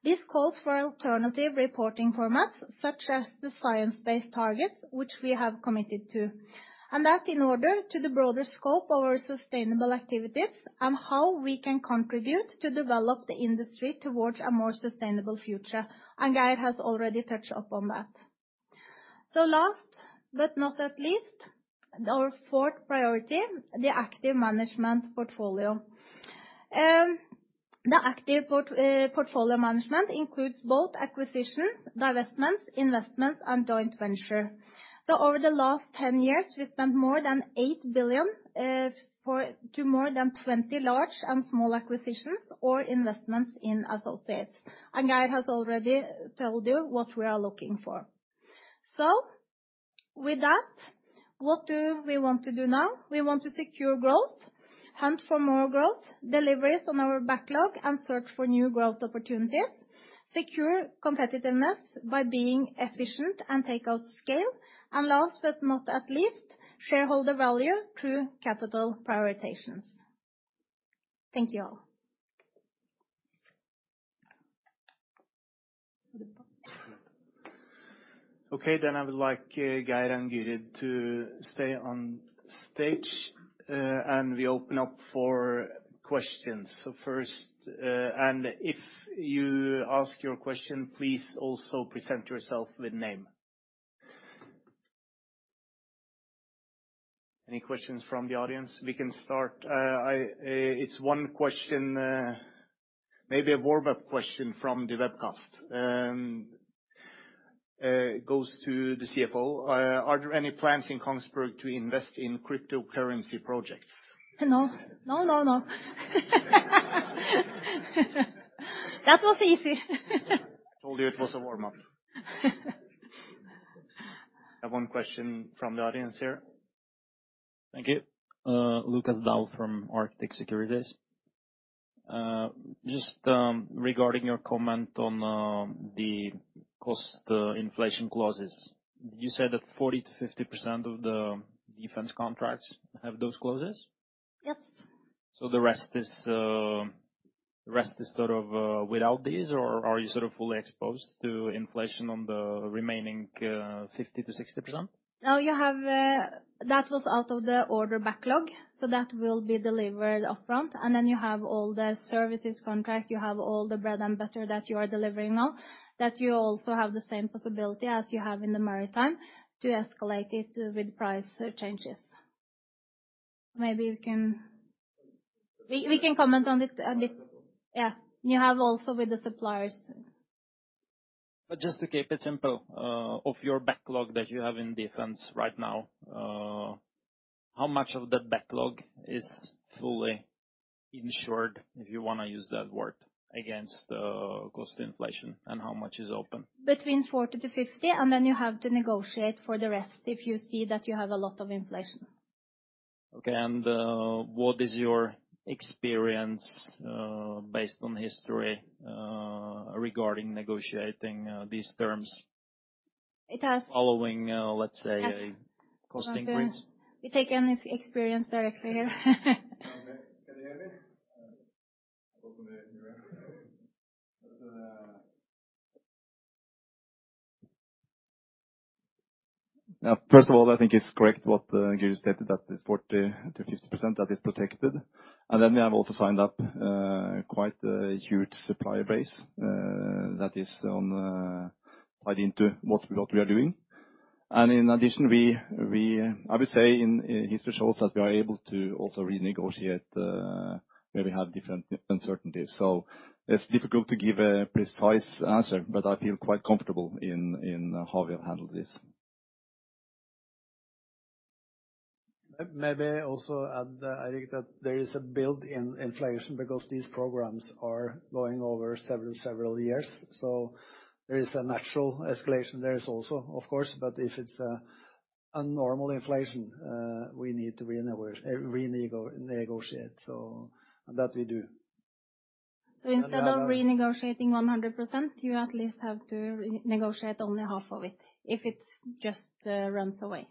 This calls for alternative reporting formats, such as the science-based targets, which we have committed to. That in order to the broader scope of our sustainable activities and how we can contribute to develop the industry towards a more sustainable future. Geir has already touched upon that. Last but not least, our fourth priority, the active management portfolio. The active portfolio management includes both acquisitions, divestments, investments, and joint venture. Over the last 10 years, we spent more than 8 billion to more than 20 large and small acquisitions or investments in associates. Geir has already told you what we are looking for. With that, what do we want to do now? We want to secure growth, hunt for more growth, deliver on our backlog, and search for new growth opportunities, secure competitiveness by being efficient and take out costs. Last but not least, shareholder value through capital prioritizations. Thank you, all. Okay. I would like Geir and Gyrid to stay on stage, and we open up for questions. First, if you ask your question, please also present yourself with name. Any questions from the audience? We can start. It's one question, maybe a warm-up question from the webcast, goes to the CFO. Are there any plans in Kongsberg to invest in cryptocurrency projects? No. No, no. That was easy. Told you it was a warm-up. I have one question from the audience here. Thank you. Lukas Daul from Arctic Securities. Just regarding your comment on the cost inflation clauses. You said that 40%-50% of the defense contracts have those clauses? Yep. The rest is sort of without these or are you sort of fully exposed to inflation on the remaining 50%-60%? No, you have. That was out of the order backlog, so that will be delivered upfront. You have all the services contract, you have all the bread and butter that you are delivering now, that you also have the same possibility as you have in the Maritime to escalate it with price changes. We can comment on this a bit. Yeah. You have also with the suppliers. Just to keep it simple, of your backlog that you have in defense right now, how much of that backlog is fully insured, if you wanna use that word, against cost inflation and how much is open? Between 40-50, and then you have to negotiate for the rest if you see that you have a lot of inflation. Okay. What is your experience, based on history, regarding negotiating these terms? It has- following, let's say, a cost increase? We take any experience directly here. Okay. Can you hear me? Welcome to everyone. Yeah, first of all, I think it's correct what Gyrid stated that it's 40%-50% that is protected. Then we have also signed up quite a huge supplier base that is tied into what we are doing. In addition, I would say history shows that we are able to also renegotiate where we have different uncertainties. It's difficult to give a precise answer, but I feel quite comfortable in how we have handled this. Maybe also add, I think that there is a built-in inflation because these programs are going over several years. There is a natural escalation there, also, of course. But if it's a normal inflation, we need to renew, renegotiate. That we do. Instead of renegotiating 100%, you at least have to renegotiate only half of it if it just runs away.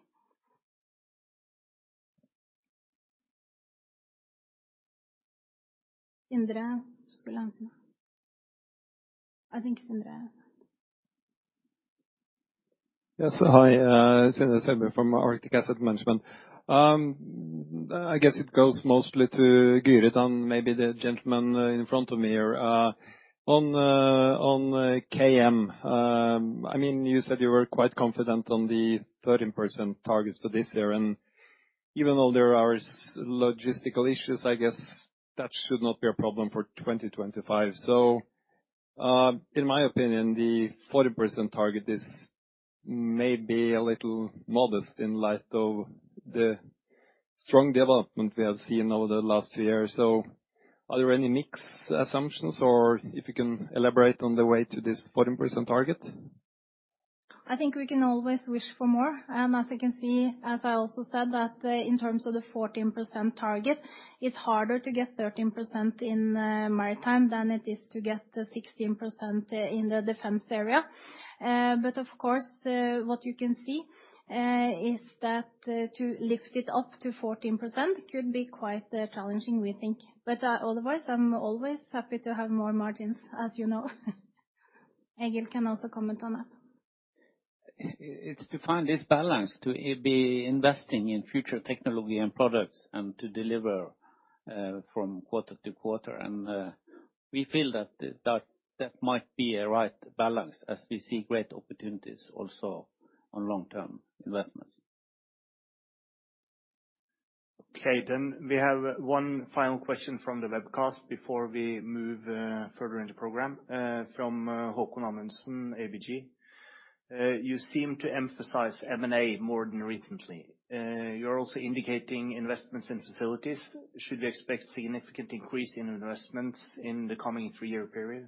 Sindre Sørbye, I think from there. Yes. Hi, it's Sindre Sørbye from Arctic Asset Management. I guess it goes mostly to Gyrid Skalleberg Ingerø and maybe the gentleman in front of me here. On KM, I mean, you said you were quite confident on the 13% target for this year, and even though there are logistical issues, I guess that should not be a problem for 2025. In my opinion, the 40% target is maybe a little modest in light of the strong development we have seen over the last year. Are there any mixed assumptions, or if you can elaborate on the way to this 14% target? I think we can always wish for more. As you can see, as I also said that, in terms of the 14% target, it's harder to get 13% in Maritime than it is to get 16% in the defense area. Of course, what you can see is that to lift it up to 14% could be quite challenging, we think. Otherwise, I'm always happy to have more margins, as you know. And Geir can also comment on that. It's to find this balance, to be investing in future technology and products and to deliver from quarter-to-quarter. We feel that that might be a right balance as we see great opportunities also on long-term investments. Okay. We have one final question from the webcast before we move further into program from Haakon Amundsen, ABG. You seem to emphasize M&A more than recently. You're also indicating investments in facilities. Should we expect significant increase in investments in the coming three-year period?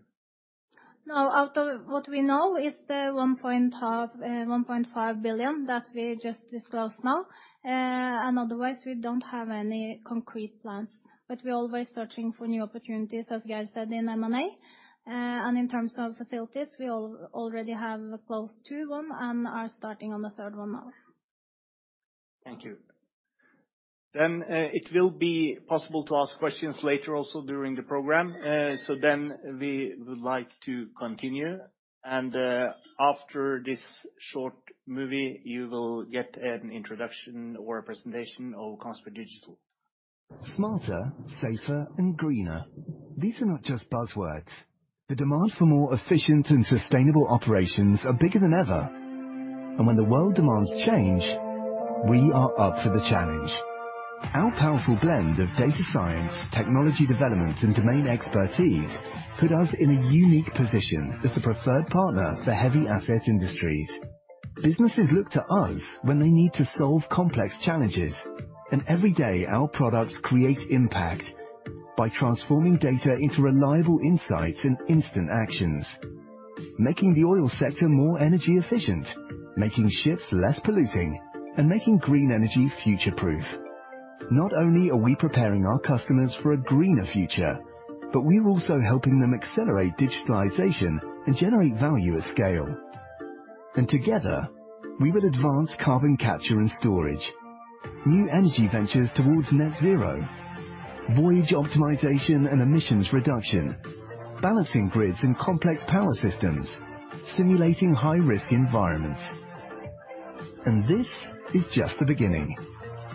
No. Out of what we know is the 1.5 billion that we just disclosed now. Otherwise, we don't have any concrete plans. We're always searching for new opportunities, as Geir said, in M&A. In terms of facilities, we already have close to 1 and are starting on the third one now. Thank you. It will be possible to ask questions later also during the program. We would like to continue. After this short movie, you will get an introduction or a presentation of Kongsberg Digital. Smarter, safer, and greener. These are not just buzzwords. The demand for more efficient and sustainable operations are bigger than ever. When the world demands change, we are up for the challenge. Our powerful blend of data science, technology development, and domain expertise put us in a unique position as the preferred partner for heavy asset industries. Businesses look to us when they need to solve complex challenges, and every day, our products create impact by transforming data into reliable insights and instant actions, making the oil sector more energy efficient, making ships less polluting, and making green energy future-proof. Not only are we preparing our customers for a greener future, but we're also helping them accelerate digitalization and generate value at scale. Together, we will advance carbon capture and storage, new energy ventures towards net zero, voyage optimization and emissions reduction, balancing grids and complex power systems, simulating high-risk environments. This is just the beginning.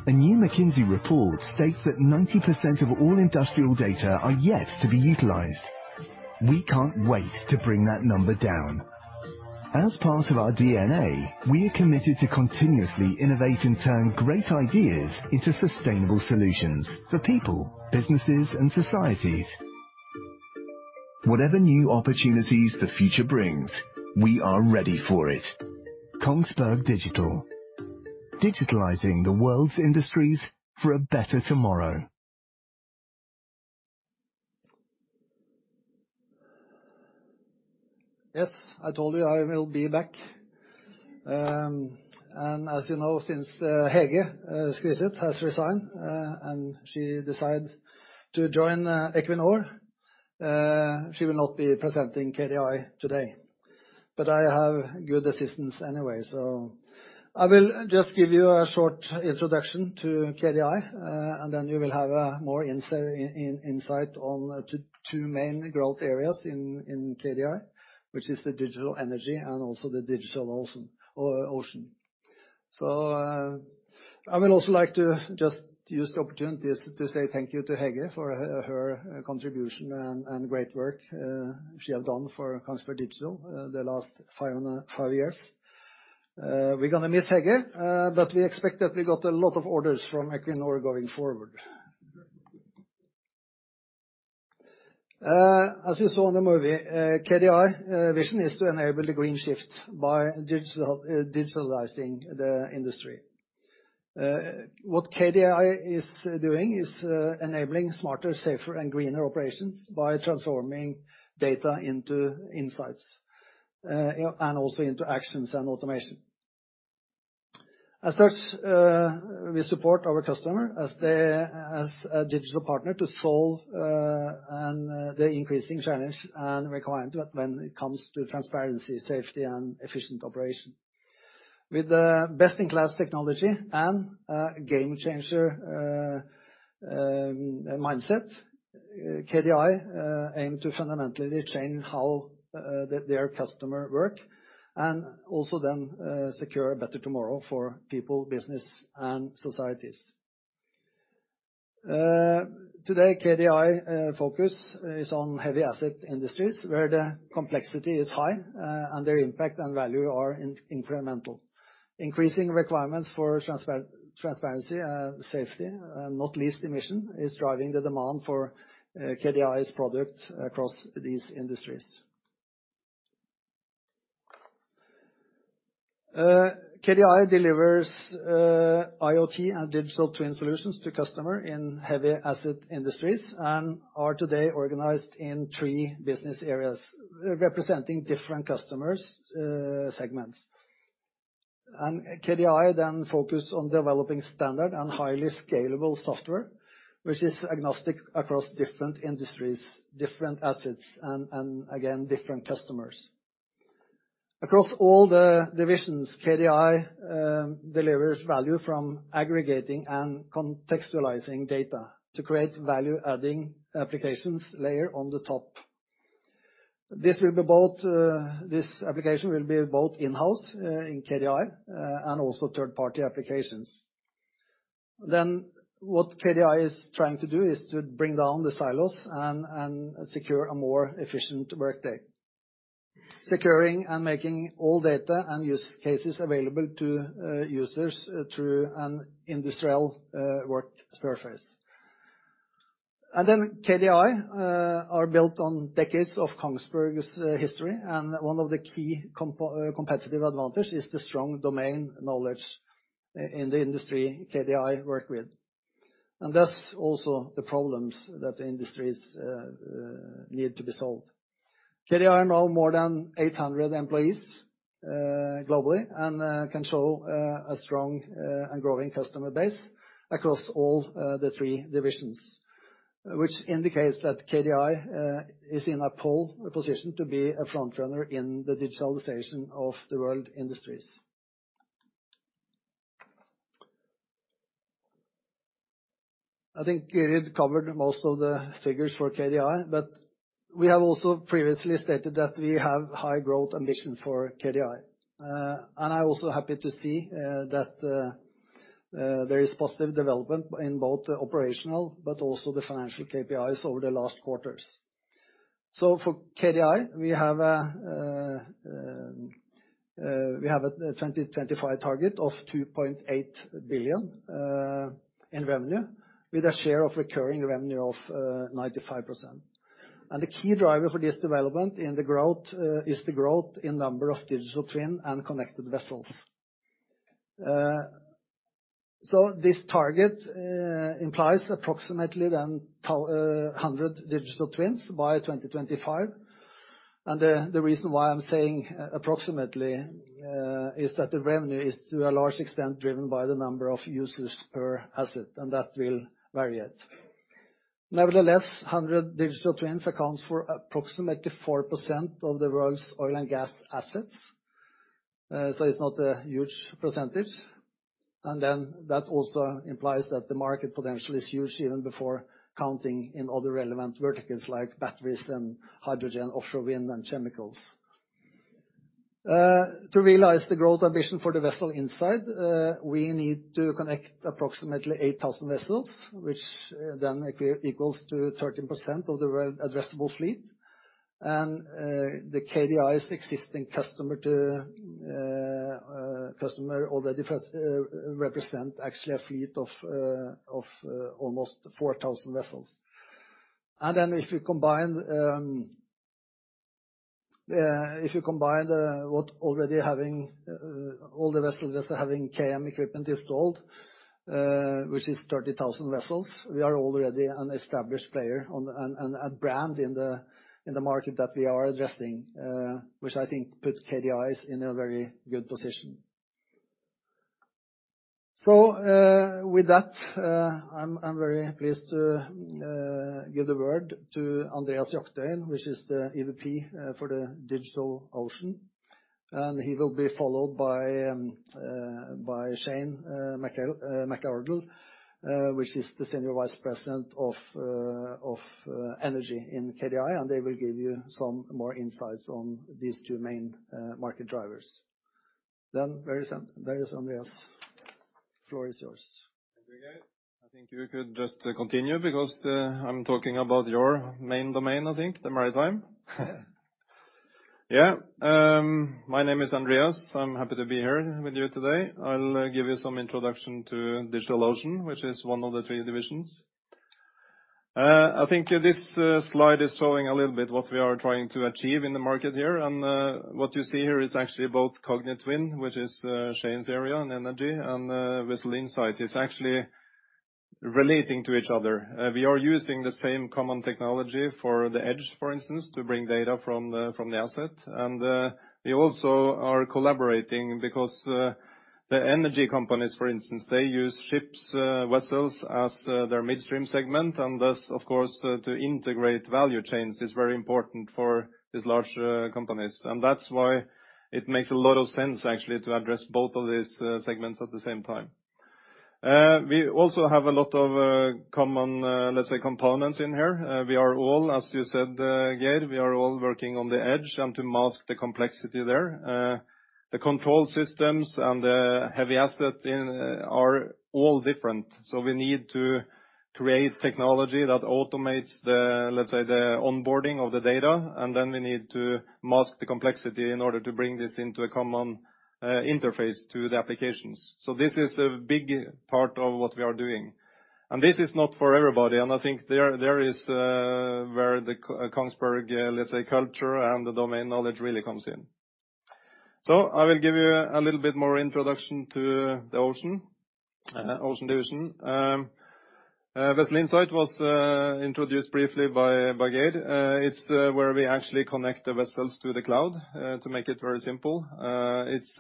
A new McKinsey report states that 90% of all industrial data are yet to be utilized. We can't wait to bring that number down. As part of our DNA, we are committed to continuously innovate and turn great ideas into sustainable solutions for people, businesses, and societies. Whatever new opportunities the future brings, we are ready for it. Kongsberg Digital, digitalizing the world's industries for a better tomorrow. Yes, I told you I will be back. As you know, since Hege Skryseth has resigned, and she decided to join Equinor, she will not be presenting KDI today. I have good assistance anyway. I will just give you a short introduction to KDI, and then you will have more insight into two main growth areas in KDI, which is the digital energy and also the digital ocean. I would also like to just use the opportunity to say thank you to Hege for her contribution and great work she has done for Kongsberg Digital the last five years. We're gonna miss Hege, but we expect that we got a lot of orders from Equinor going forward. As you saw in the movie, KDI vision is to enable the green shift by digitalizing the industry. What KDI is doing is enabling smarter, safer, and greener operations by transforming data into insights and also into actions and automation. As such, we support our customer as a digital partner to solve the increasing challenge and requirement when it comes to transparency, safety, and efficient operation. With the best-in-class technology and game changer mindset, KDI aim to fundamentally change how their customer work, and also then secure a better tomorrow for people, business and societies. Today, KDI focus is on heavy asset industries, where the complexity is high, and their impact and value are incremental. Increasing requirements for transparency, safety, not least emissions, is driving the demand for KDI's product across these industries. KDI delivers IoT and digital twin solutions to customers in heavy asset industries, and are today organized in three business areas, representing different customers segments. KDI then focus on developing standard and highly scalable software, which is agnostic across different industries, different assets and again, different customers. Across all the divisions, KDI delivers value from aggregating and contextualizing data to create value adding applications layer on the top. This will be both, this application will be both in-house in KDI, and also third party applications. What KDI is trying to do is to bring down the silos and secure a more efficient work day. Securing and making all data and use cases available to users through an industrial work surface. Then KDI are built on decades of Kongsberg's history, and one of the key competitive advantage is the strong domain knowledge in the industry KDI work with. Thus also the problems that the industries need to be solved. KDI are now more than 800 employees globally, and can show a strong and growing customer base across all the three divisions. Which indicates that KDI is in a pole position to be a front runner in the digitalization of the world industries. I think Gyrid covered most of the figures for KDI, but we have also previously stated that we have high growth ambition for KDI. I'm also happy to see that there is positive development in both the operational but also the financial KPIs over the last quarters. For KDI, we have a 2025 target of 2.8 billion in revenue, with a share of recurring revenue of 95%. The key driver for this development in the growth is the growth in number of Digital Twin and connected vessels. This target implies approximately 100 Digital Twins by 2025. The reason why I'm saying approximately is that the revenue is to a large extent driven by the number of users per asset, and that will vary it. Nevertheless, 100 Digital Twins accounts for approximately 4% of the world's oil and gas assets, so it's not a huge percentage. That also implies that the market potential is huge even before counting in other relevant verticals like batteries and hydrogen, offshore wind and chemicals. To realize the growth ambition for the Vessel Insight, we need to connect approximately 8,000 vessels, which then equals to 13% of the world addressable fleet. The KDI's existing customers already represent actually a fleet of almost 4,000 vessels. If you combine what we already have, all the vessels that are having KM equipment installed, which is 30,000 vessels, we are already an established player in the market and a brand in the market that we are addressing, which I think puts KDI in a very good position. With that, I'm very pleased to give the word to Andreas Jagtøyen, which is the EVP for the Digital Ocean. He will be followed by Shane McArdle, which is the Senior Vice President of Digital Energy in KDI, and they will give you some more insights on these two main market drivers. There is Andreas. Floor is yours. Thank you, Geir. I think you could just continue because I'm talking about your main domain, I think, the Maritime. My name is Andreas. I'm happy to be here with you today. I'll give you some introduction to Digital Ocean, which is one of the three divisions. I think this slide is showing a little bit what we are trying to achieve in the market here and what you see here is actually both Kognitwin, which is Shane's area in energy, and Vessel Insight. It's actually relating to each other. We are using the same common technology for the edge, for instance, to bring data from the asset. We also are collaborating because the energy companies, for instance, they use ships, vessels as their midstream segment, and thus, of course, to integrate value chains is very important for these large, companies. That's why it makes a lot of sense actually to address both of these, segments at the same time. We also have a lot of, common, let's say, components in here. We are all, as you said, Geir Håøy, we are all working on the edge and to mask the complexity there. The control systems and the heavy asset are all different. We need to create technology that automates the, let's say, the onboarding of the data, and then we need to mask the complexity in order to bring this into a common, interface to the applications. This is the big part of what we are doing, and this is not for everybody. I think there is where the Kongsberg, let's say, culture and the domain knowledge really comes in. I will give you a little bit more introduction to the Ocean Division. Vessel Insight was introduced briefly by Geir. It's where we actually connect the vessels to the cloud to make it very simple. It's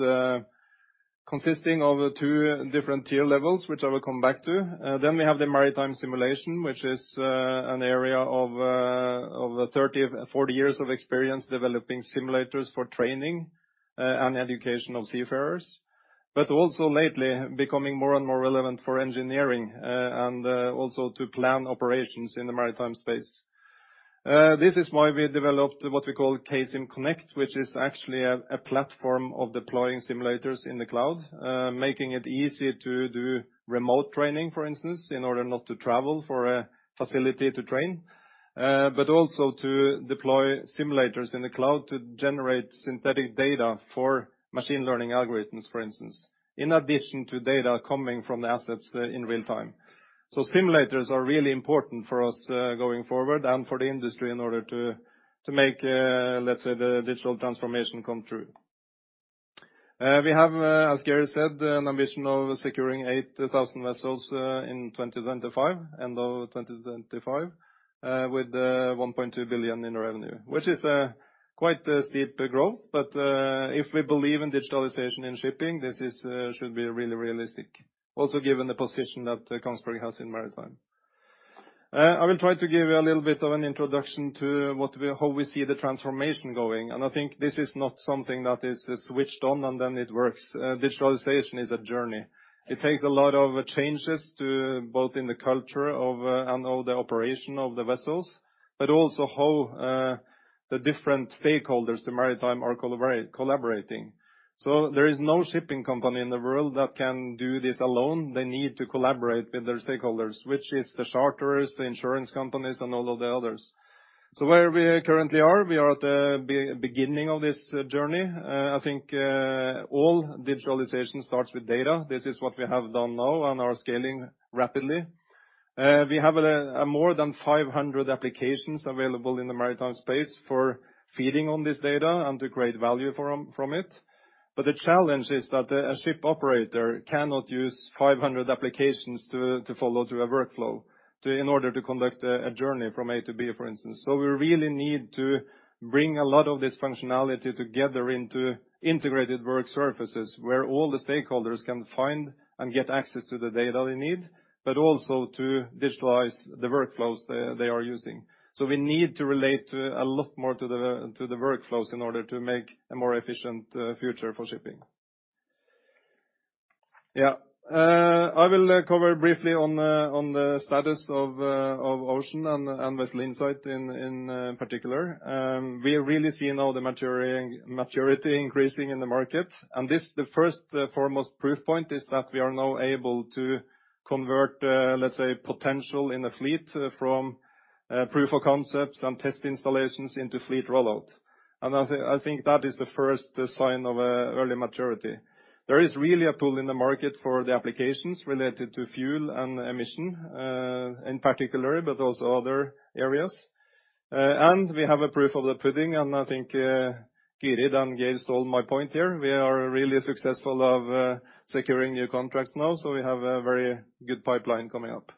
consisting of two different tier levels, which I will come back to. Then we have the Maritime Simulation, which is an area of 30-40 years of experience developing simulators for training and education of seafarers. also lately becoming more and more relevant for engineering and also to plan operations in the Maritime space. This is why we developed what we call K-Sim Connect, which is actually a platform for deploying simulators in the cloud, making it easy to do remote training, for instance, in order not to travel to a facility to train. Also to deploy simulators in the cloud to generate synthetic data for machine learning algorithms, for instance, in addition to data coming from the assets in real-time. Simulators are really important for us, going forward and for the industry in order to make, let's say, the digital transformation come true. We have, as Geir said, an ambition of securing 8,000 vessels, in 2025, end of 2025, with 1.2 billion in revenue, which is quite a steep growth. If we believe in digitalization and shipping, this is should be really realistic, also given the position that Kongsberg has in Maritime. I will try to give you a little bit of an introduction to how we see the transformation going, and I think this is not something that is switched on and then it works. Digitalization is a journey. It takes a lot of changes to both in the culture of and all the operation of the vessels, but also how the different stakeholders, the Maritime are collaborating. There is no shipping company in the world that can do this alone. They need to collaborate with their stakeholders, which is the charters, the insurance companies, and all of the others. Where we currently are, we are at the beginning of this journey. I think all digitalization starts with data. This is what we have done now and are scaling rapidly. We have more than 500 applications available in the Maritime space for feeding on this data and to create value from it. The challenge is that a ship operator cannot use 500 applications to follow through a workflow in order to conduct a journey from A to B, for instance. We really need to bring a lot of this functionality together into integrated work surfaces where all the stakeholders can find and get access to the data they need, but also to visualize the workflows they are using. We need to relate to a lot more to the workflows in order to make a more efficient future for shipping. Yeah. I will cover briefly on the status of Ocean and Vessel Insight in particular. We are really seeing now the maturity increasing in the market. This is the first and foremost proof point is that we are now able to convert, let's say, potential in the fleet from proof of concepts and test installations into fleet rollout. I think that is the first sign of early maturity. There is really a pull in the market for the applications related to fuel and emission in particular, but also other areas. We have a proof of the pudding, and I think Gyrid and Geir stole my point here. We are really successful in securing new contracts now, so we have a very good pipeline coming up.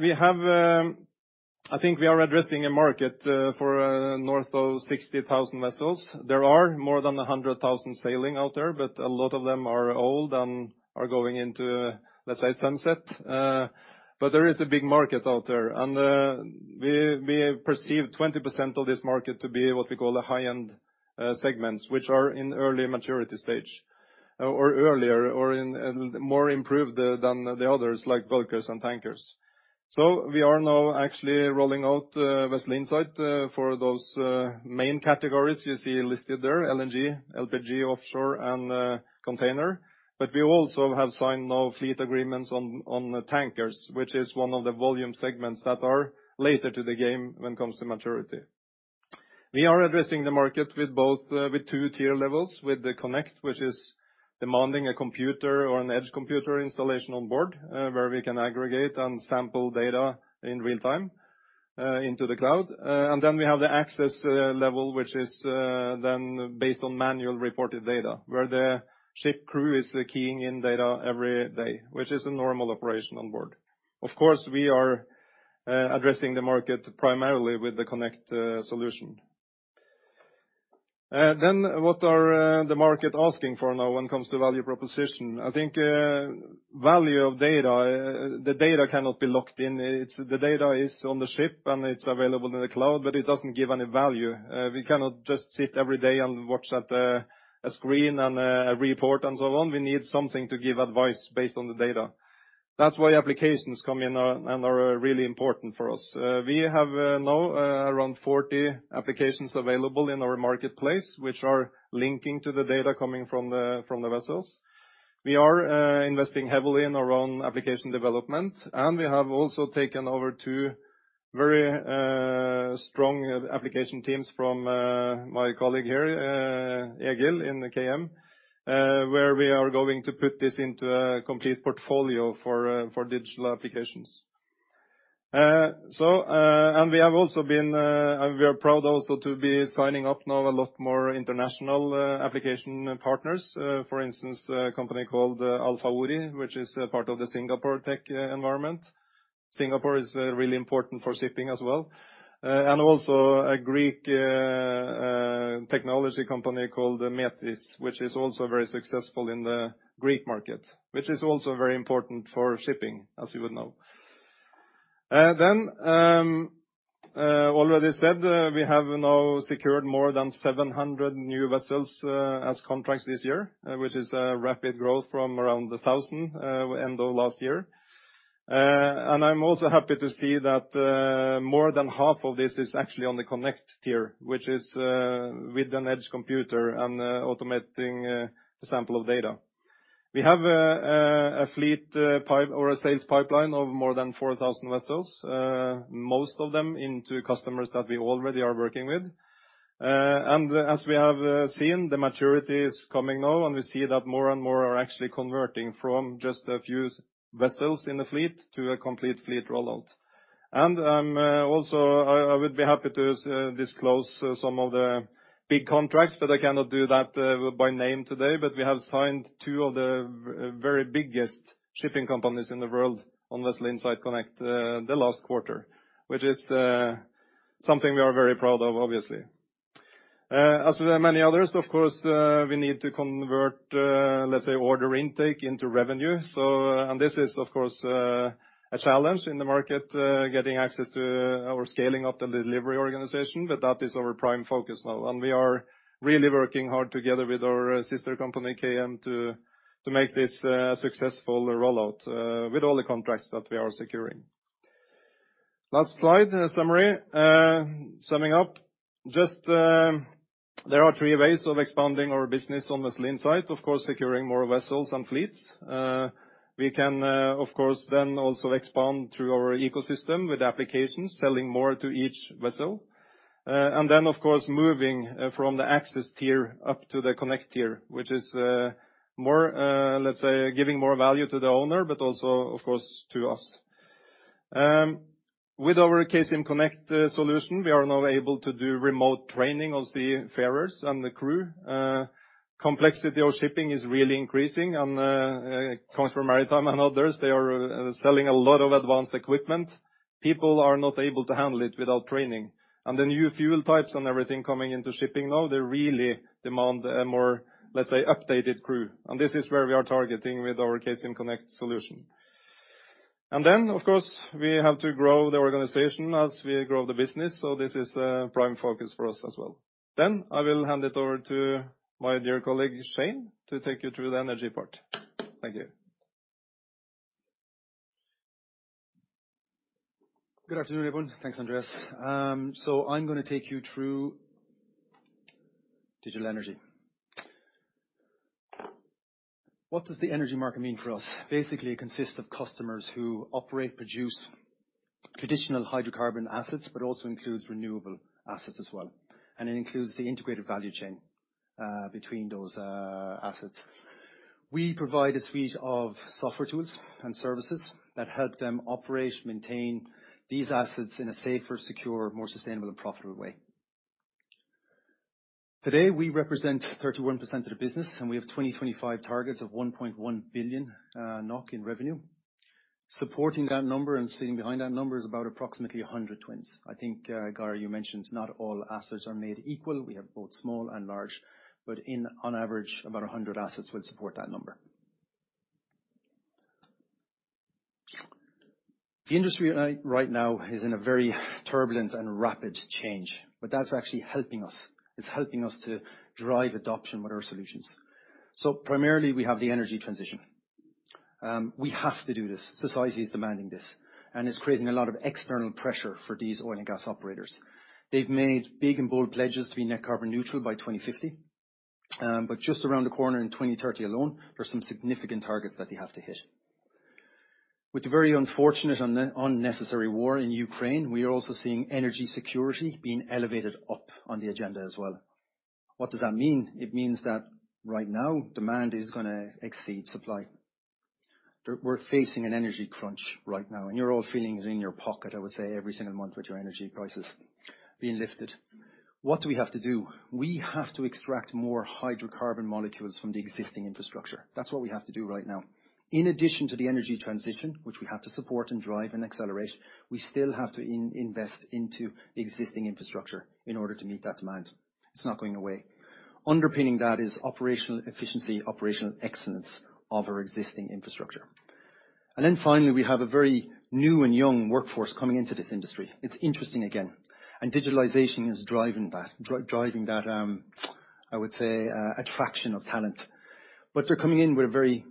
We have, I think we are addressing a market for north of 60,000 vessels. There are more than 100,000 sailing out there, but a lot of them are old and are going into, let's say, sunset. There is a big market out there, and we perceive 20% of this market to be what we call the high-end segments, which are in early maturity stage or earlier, or in more improved than the others, like bulkers and tankers. We are now actually rolling out Vessel Insight for those main categories you see listed there, LNG, LPG, offshore and container. We also have signed now fleet agreements on tankers, which is one of the volume segments that are later to the game when it comes to maturity. We are addressing the market with two tier levels, with the Connect, which is demanding a computer or an edge computer installation on board, where we can aggregate and sample data in real time into the cloud. We have the access level, which is based on manual reported data, where the ship crew is keying in data every day, which is a normal operation on board. Of course, we are addressing the market primarily with the Connect solution. What are the market asking for now when it comes to value proposition? I think value of data, the data cannot be locked in. The data is on the ship, and it is available in the cloud, but it does not give any value. We cannot just sit every day and look at a screen and a report and so on. We need something to give advice based on the data. That's why applications come in and are really important for us. We have now around 40 applications available in our marketplace, which are linking to the data coming from the vessels. We are investing heavily in our own application development, and we have also taken over two very strong application teams from my colleague here, Egil in the KM, where we are going to put this into a complete portfolio for digital applications. We are proud also to be signing up now a lot more international application partners. For instance, a company called Alpha Ori, which is a part of the Singapore tech environment. Singapore is really important for shipping as well. Also a Greek technology company called Metis, which is also very successful in the Greek market, which is also very important for shipping, as you would know. We have now secured more than 700 new vessels as contracts this year, which is a rapid growth from around 1,000 end of last year. I'm also happy to see that more than half of this is actually on the connect tier, which is with an edge computer and automating the sampling of data. We have a fleet pipeline or a sales pipeline of more than 4,000 vessels. Most of them into customers that we already are working with. As we have seen, the maturity is coming now, and we see that more and more are actually converting from just a few vessels in the fleet to a complete fleet rollout. I would be happy to disclose some of the big contracts, but I cannot do that by name today, but we have signed two of the very biggest shipping companies in the world on Vessel Insight Connect the last quarter, which is something we are very proud of, obviously. As there are many others, of course, we need to convert, let's say, order intake into revenue. This is of course a challenge in the market, getting access to our scaling up the delivery organization, but that is our prime focus now, and we are really working hard together with our sister company, KM, to make this successful rollout with all the contracts that we are securing. Last slide, a summary. Summing up, just, there are three ways of expanding our business on Vessel Insight. Of course, securing more vessels and fleets. We can of course then also expand through our ecosystem with applications, selling more to each vessel. Then of course moving from the access tier up to the connect tier, which is more let's say giving more value to the owner, but also of course to us. With our K-Sim Connect solution, we are now able to do remote training of seafarers and the crew. Complexity of shipping is really increasing, and it comes from Maritime and others. They are selling a lot of advanced equipment. People are not able to handle it without training. The new fuel types and everything coming into shipping now, they really demand a more, let's say, updated crew. This is where we are targeting with our K-Sim Connect solution. Of course, we have to grow the organization as we grow the business. This is the prime focus for us as well. I will hand it over to my dear colleague, Shane, to take you through the energy part. Thank you. Good afternoon, everyone. Thanks, Andreas. I'm gonna take you through digital energy. What does the energy market mean for us? Basically, it consists of customers who operate, produce traditional hydrocarbon assets, but also includes renewable assets as well, and it includes the integrated value chain between those assets. We provide a suite of software tools and services that help them operate, maintain these assets in a safer, secure, more sustainable and profitable way. Today, we represent 31% of the business, and we have 2025 targets of 1.1 billion NOK in revenue. Supporting that number and sitting behind that number is about approximately 100 twins. I think, Geir Håøy, you mentioned not all assets are made equal. We have both small and large, but on average, about 100 assets would support that number. The industry, right now, is in a very turbulent and rapid change, but that's actually helping us. It's helping us to drive adoption with our solutions. Primarily, we have the energy transition. We have to do this. Society is demanding this, and it's creating a lot of external pressure for these oil and gas operators. They've made big and bold pledges to be net carbon neutral by 2050. But just around the corner in 2030 alone, there's some significant targets that they have to hit. With the very unfortunate unnecessary war in Ukraine, we are also seeing energy security being elevated up on the agenda as well. What does that mean? It means that right now, demand is gonna exceed supply. We're facing an energy crunch right now, and you're all feeling it in your pocket, I would say, every single month with your energy prices being lifted. What do we have to do? We have to extract more hydrocarbon molecules from the existing infrastructure. That's what we have to do right now. In addition to the energy transition, which we have to support and drive and accelerate, we still have to invest into existing infrastructure in order to meet that demand. It's not going away. Underpinning that is operational efficiency, operational excellence of our existing infrastructure. Finally, we have a very new and young workforce coming into this industry. It's interesting again. Digitalization is driving that, I would say, attraction of talent. They're coming in with a very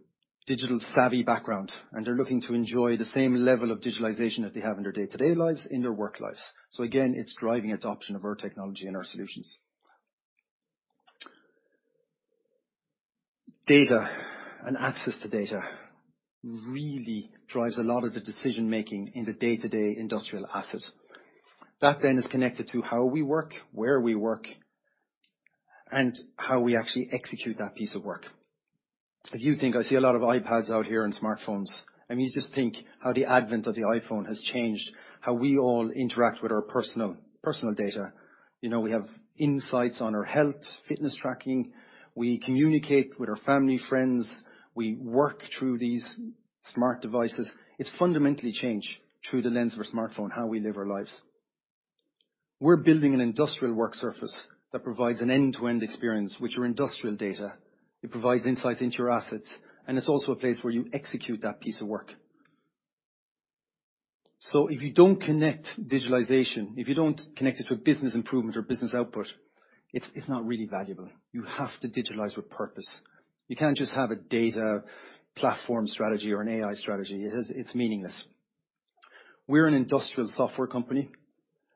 digital savvy background, and they're looking to enjoy the same level of digitalization that they have in their day-to-day lives, in their work lives. Again, it's driving adoption of our technology and our solutions. Data and access to data really drives a lot of the decision-making in the day-to-day industrial assets. That then is connected to how we work, where we work, and how we actually execute that piece of work. If you think I see a lot of iPads out here and smartphones, and you just think how the advent of the iPhone has changed how we all interact with our personal data. You know, we have insights on our health, fitness tracking. We communicate with our family, friends. We work through these smart devices. It's fundamentally changed through the lens of a smartphone, how we live our lives. We're building an industrial work surface that provides an end-to-end experience with your industrial data. It provides insights into your assets, and it's also a place where you execute that piece of work. If you don't connect digitalization, if you don't connect it to a business improvement or business output, it's not really valuable. You have to digitalize with purpose. You can't just have a data platform strategy or an AI strategy. It's meaningless. We're an industrial software company,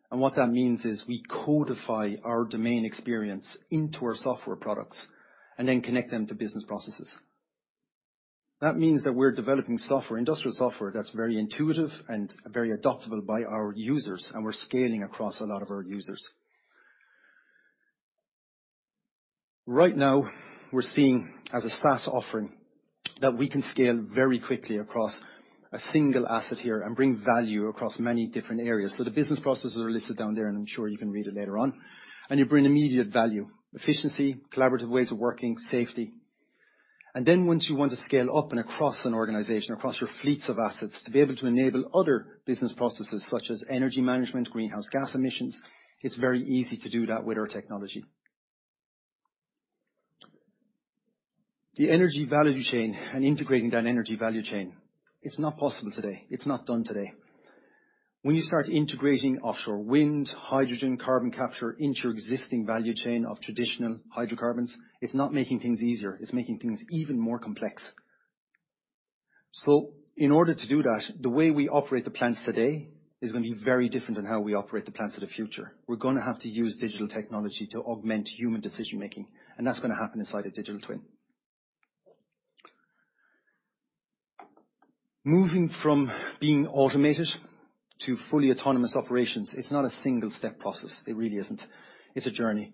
and what that means is we codify our domain experience into our software products and then connect them to business processes. That means that we're developing software, industrial software that's very intuitive and very adoptable by our users, and we're scaling across a lot of our users. Right now, we're seeing as a SaaS offering that we can scale very quickly across a single asset here and bring value across many different areas. The business processes are listed down there, and I'm sure you can read it later on. You bring immediate value, efficiency, collaborative ways of working, safety. Then once you want to scale up and across an organization, across your fleets of assets, to be able to enable other business processes such as energy management, greenhouse gas emissions, it's very easy to do that with our technology. The energy value chain and integrating that energy value chain, it's not possible today. It's not done today. When you start integrating offshore wind, hydrogen, carbon capture into your existing value chain of traditional hydrocarbons, it's not making things easier, it's making things even more complex. In order to do that, the way we operate the plants today is gonna be very different than how we operate the plants of the future. We're gonna have to use digital technology to augment human decision-making, and that's gonna happen inside a Digital Twin. Moving from being automated to fully autonomous operations, it's not a single step process. It really isn't. It's a journey.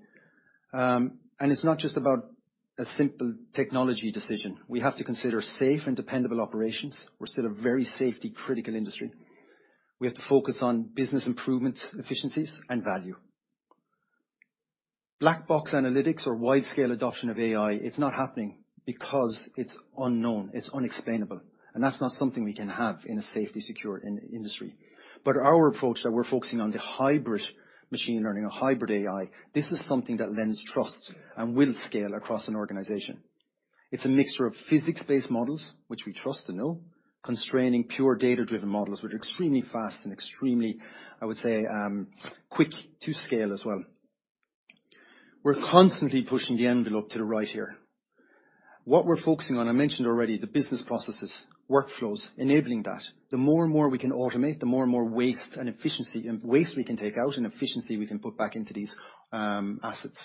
It's not just about a simple technology decision. We have to consider safe and dependable operations. We're still a very safety-critical industry. We have to focus on business improvement, efficiencies and value. Black box analytics or wide-scale adoption of AI, it's not happening because it's unknown, it's unexplainable. That's not something we can have in a safety-critical industry. Our approach that we're focusing on the hybrid machine learning or hybrid AI, this is something that lends trust and will scale across an organization. It's a mixture of physics-based models, which we trust and know, constraining pure data-driven models with extremely fast and extremely, I would say, quick to scale as well. We're constantly pushing the envelope to the right here. What we're focusing on, I mentioned already the business processes, workflows, enabling that. The more and more we can automate, the more and more waste and inefficiency we can take out and efficiency we can put back into these assets.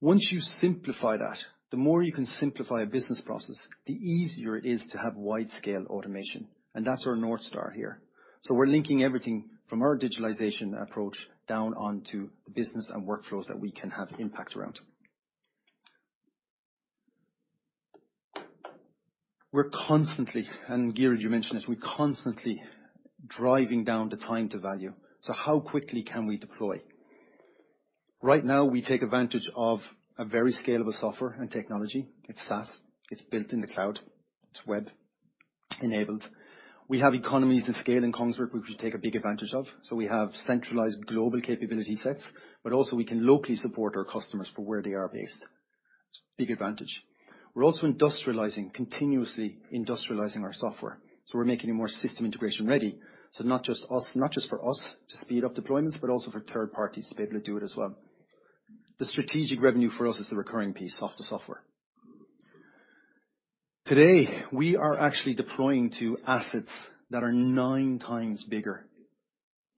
Once you simplify that, the more you can simplify a business process, the easier it is to have wide scale automation. That's our North Star here. We're linking everything from our digitalization approach down onto the business and workflows that we can have impact around. We're constantly, and Geir Håøy, you mentioned it, we're constantly driving down the time to value. How quickly can we deploy? Right now, we take advantage of a very scalable software and technology. It's SaaS. It's built in Cloud. It's web-enabled. We have economies of scale in Kongsberg we've taken big advantage of. We have centralized global capability sets, but also we can locally support our customers for where they are based. It's big advantage. We're also industrializing, continuously industrializing our software. We're making it more system integration ready. Not just us, not just for us to speed up deployments, but also for third parties to be able to do it as well. The strategic revenue for us is the recurring piece of the software. Today, we are actually deploying to assets that are 9x times bigger,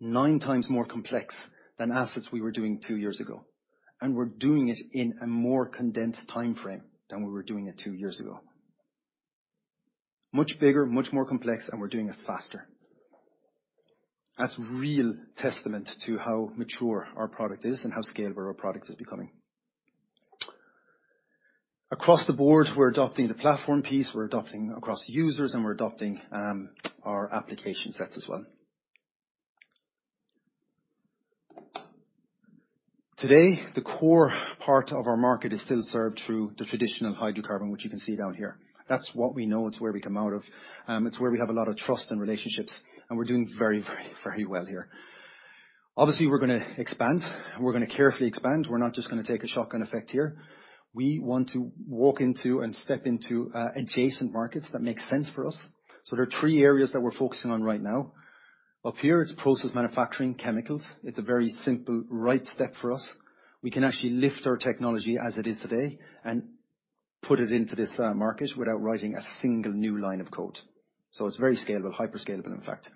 9x times more complex than assets we were doing two years ago. We're doing it in a more condensed timeframe than we were doing it two years ago. Much bigger, much more complex, and we're doing it faster. That's real testament to how mature our product is and how scalable our product is becoming. Across the board, we're adopting the platform piece, we're adopting across users, and we're adopting our application sets as well. Today, the core part of our market is still served through the traditional hydrocarbon, which you can see down here. That's what we know. It's where we come out of. It's where we have a lot of trust and relationships, and we're doing very, very, very well here. Obviously, we're gonna expand. We're gonna carefully expand. We're not just gonna take a shotgun effect here. We want to walk into and step into adjacent markets that make sense for us. There are three areas that we're focusing on right now. Up here is process manufacturing, chemicals. It's a very simple right step for us. We can actually lift our technology as it is today and put it into this market without writing a single new line of code. It's very scalable, hyper scalable, in fact.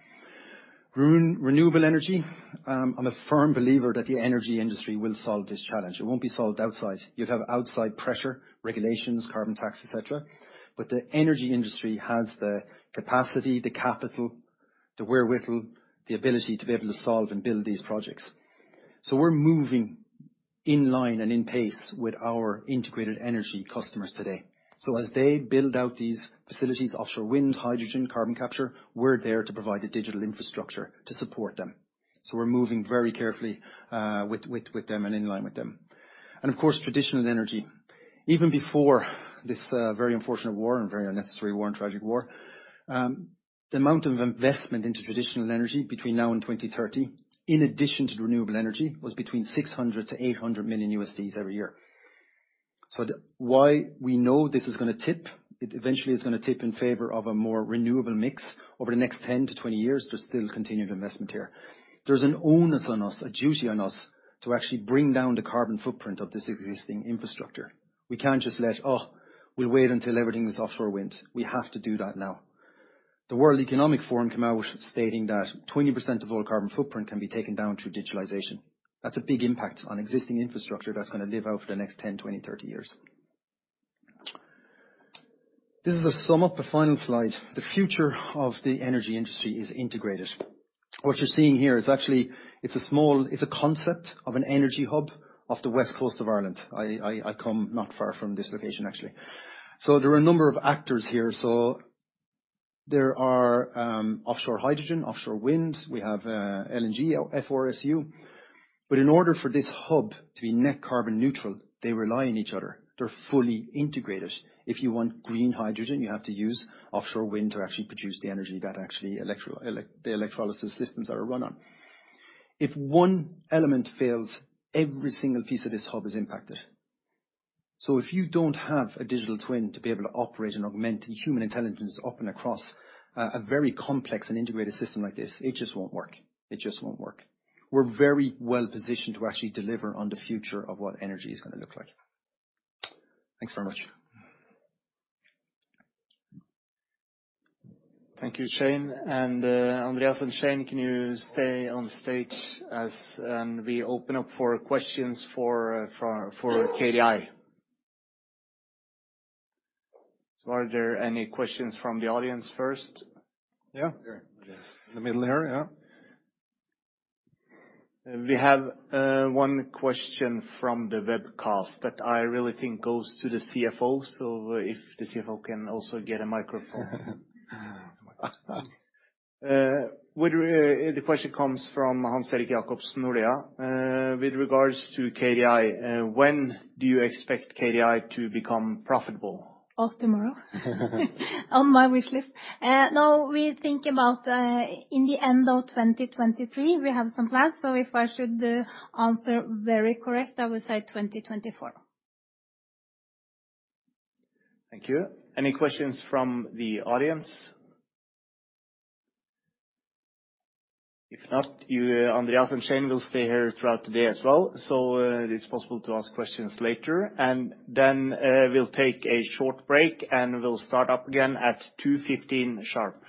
Renewable energy, I'm a firm believer that the energy industry will solve this challenge. It won't be solved outside. You'd have outside pressure, regulations, carbon tax, et cetera, but the energy industry has the capacity, the capital, the wherewithal, the ability to be able to solve and build these projects. We're moving in line and in pace with our integrated energy customers today. As they build out these facilities, offshore wind, hydrogen, carbon capture, we're there to provide the digital infrastructure to support them. We're moving very carefully with them and in line with them. Of course, traditional energy. Even before this very unfortunate war and very unnecessary war and tragic war, the amount of investment into traditional energy between now and 2030, in addition to renewable energy, was between $600 million-$800 million every year. Why we know this is gonna tip, it eventually is gonna tip in favor of a more renewable mix over the next 10-20 years, there's still continued investment here. There's an onus on us, a duty on us to actually bring down the carbon footprint of this existing infrastructure. We can't just let, oh, we'll wait until everything is offshore wind. We have to do that now. The World Economic Forum came out stating that 20% of all carbon footprint can be taken down through digitalization. That's a big impact on existing infrastructure that's gonna live out for the next 10, 20, 30 years. This is a sum up, the final slide. The future of the energy industry is integrated. What you're seeing here is actually a concept of an energy hub off the west coast of Ireland. I come not far from this location, actually. So there are a number of actors here. There are offshore hydrogen, offshore wind. We have LNG, FPSO. But in order for this hub to be net carbon neutral, they rely on each other. They're fully integrated. If you want green hydrogen, you have to use offshore wind to actually produce the energy that actually the electrolysis systems are run on. If one element fails, every single piece of this hub is impacted. If you don't have a digital twin to be able to operate and augment the human intelligence up and across a very complex and integrated system like this, it just won't work. It just won't work. We're very well-positioned to actually deliver on the future of what energy is gonna look like. Thanks very much. Thank you, Shane. Andreas and Shane, can you stay on stage as we open up for questions for KDI? Are there any questions from the audience first? Yeah. Sure. The middle here, yeah. We have one question from the webcast that I really think goes to the CFO. If the CFO can also get a microphone. The question comes from Hans Erik Jacobsen, Nordea. With regards to KDI, when do you expect KDI to become profitable? Of tomorrow. On my wish list. No, we think about in the end of 2023, we have some plans. If I should answer very correct, I would say 2024. Thank you. Any questions from the audience? If not, you, Andreas and Shane will stay here throughout the day as well. It is possible to ask questions later. We'll take a short break, and we'll start up again at 2:15 P.M. sharp.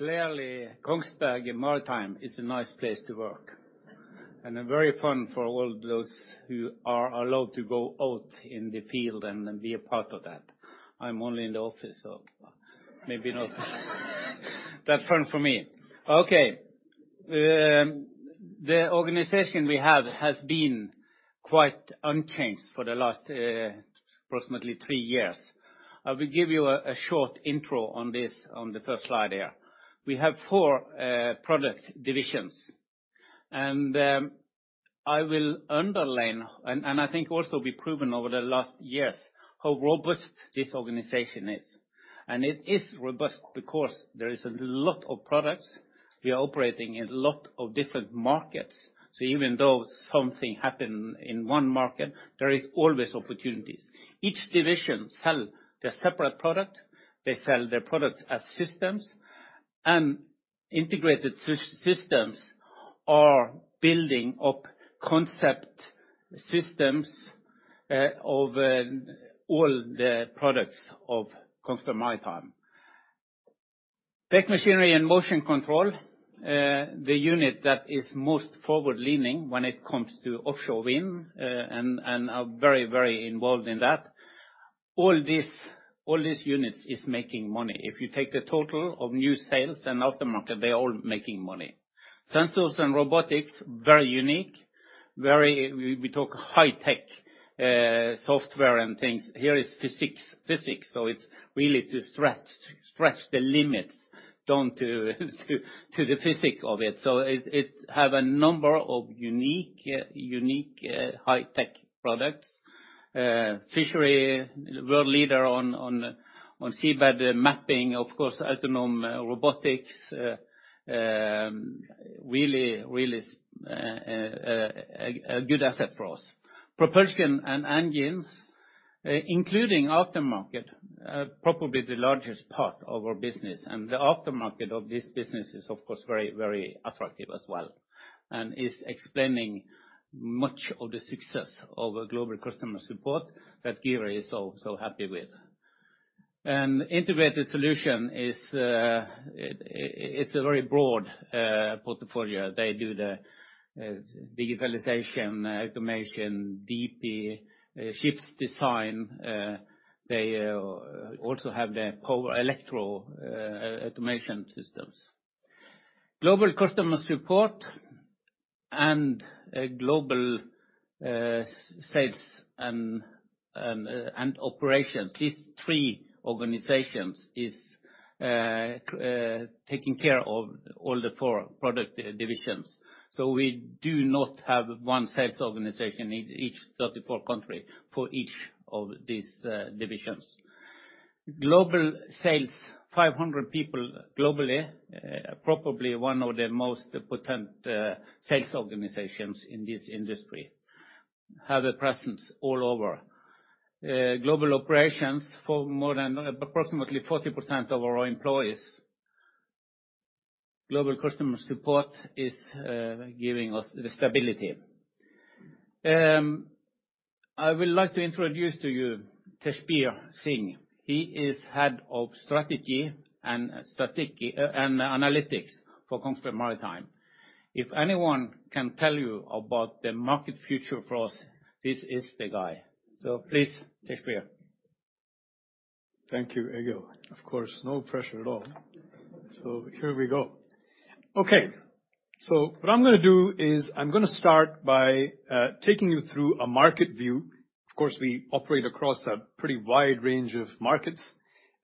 It's clearly Kongsberg Maritime is a nice place to work, and very fun for all those who are allowed to go out in the field and be a part of that. I'm only in the office, so maybe not that fun for me. Okay. The organization we have has been quite unchanged for the last approximately three years. I will give you a short intro on this, on the first slide here. We have four product divisions, and I will underline and I think also be proven over the last years how robust this organization is. It is robust because there is a lot of products. We are operating in a lot of different markets, so even though something happen in one market, there is always opportunities. Each division sell their separate product. They sell their products as systems, and integrated systems are building up concept systems of all the products of Kongsberg Maritime. Deck Machinery and Motion Control, the unit that is most forward-leaning when it comes to offshore wind, and are very involved in that, all these units is making money. If you take the total of new sales and aftermarket, they're all making money. Sensors and Robotics, very unique. We talk high tech, software and things. Here is physics, so it's really to stretch the limits down to the physics of it. So it have a number of unique high tech products. Fishery, world leader on seabed mapping, of course, autonomous robotics, really good asset for us. Propulsion & Engines, including aftermarket, probably the largest part of our business, and the aftermarket of this business is, of course, very attractive as well and is explaining much of the success of our global customer support that Geir is so happy with. Integrated solution is, it's a very broad portfolio. They do the visualization, automation, DP, ships design. They also have their power electro automation systems. Global customer support and global sales and operations. These three organizations is taking care of all the four product divisions. We do not have one sales organization in each 34 country for each of these divisions. Global sales, 500 people globally, probably one of the most potent sales organizations in this industry. Have a presence all over. Global operations for more than approximately 40% of our employees. Global customer support is giving us the stability. I would like to introduce to you, Tejbir Singh. He is head of strategy and analytics for Kongsberg Maritime. If anyone can tell you about the market future for us, this is the guy. Please, Tejbir. Thank you, Egil. Of course, no pressure at all. Here we go. Okay, what I'm gonna do is I'm gonna start by taking you through a market view. Of course, we operate across a pretty wide range of markets.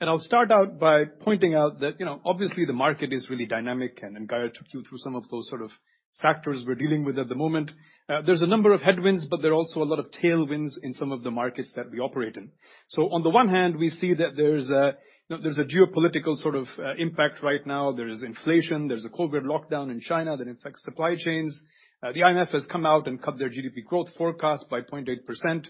I'll start out by pointing out that, you know, obviously the market is really dynamic, and Geir Håøy took you through some of those sort of factors we're dealing with at the moment. There's a number of headwinds, but there are also a lot of tailwinds in some of the markets that we operate in. On the one hand, we see that there's a, you know, there's a geopolitical sort of impact right now. There's inflation, there's a COVID lockdown in China that affects supply chains. The IMF has come out and cut their GDP growth forecast by 0.8%,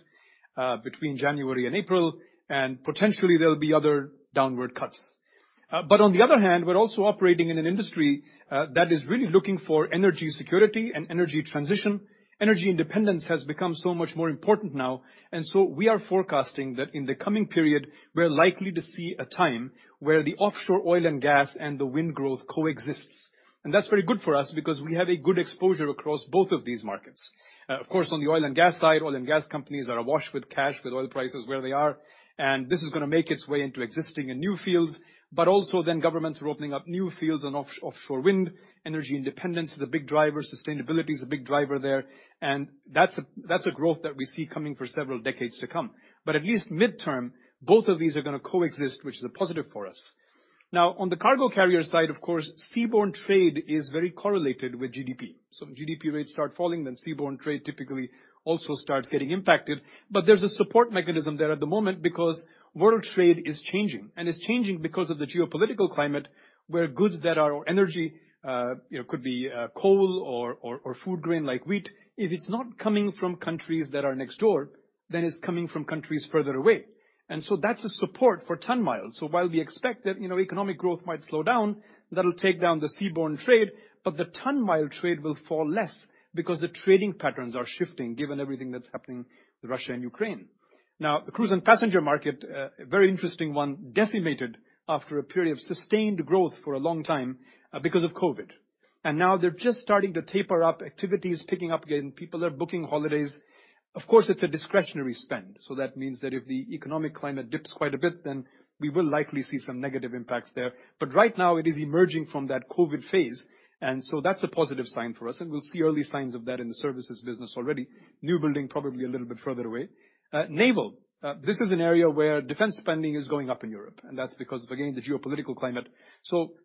between January and April, and potentially there'll be other downward cuts. But on the other hand, we're also operating in an industry that is really looking for energy security and energy transition. Energy independence has become so much more important now. We are forecasting that in the coming period, we're likely to see a time where the offshore oil and gas and the wind growth coexists. That's very good for us because we have a good exposure across both of these markets. Of course, on the oil and gas side, oil and gas companies are awash with cash with oil prices where they are, and this is gonna make its way into existing and new fields. Also then governments are opening up new fields and offshore wind. Energy independence is a big driver, sustainability is a big driver there, and that's a growth that we see coming for several decades to come. At least midterm, both of these are gonna coexist, which is a positive for us. Now, on the cargo carrier side, of course, seaborne trade is very correlated with GDP. GDP rates start falling, then seaborne trade typically also starts getting impacted. There's a support mechanism there at the moment because world trade is changing, and it's changing because of the geopolitical climate where goods that are energy, you know, could be coal or food grain like wheat. If it's not coming from countries that are next door, then it's coming from countries further away. That's a support for ton miles. While we expect that, you know, economic growth might slow down, that'll take down the seaborne trade, but the ton mile trade will fall less because the trading patterns are shifting given everything that's happening with Russia and Ukraine. Now, the cruise and passenger market, a very interesting one, decimated after a period of sustained growth for a long time, because of COVID. Now they're just starting to taper up. Activity is picking up again. People are booking holidays. Of course, it's a discretionary spend, so that means that if the economic climate dips quite a bit, then we will likely see some negative impacts there. Right now it is emerging from that COVID phase, and so that's a positive sign for us, and we'll see early signs of that in the services business already. New building probably a little bit further away. Naval. This is an area where defense spending is going up in Europe, and that's because of, again, the geopolitical climate.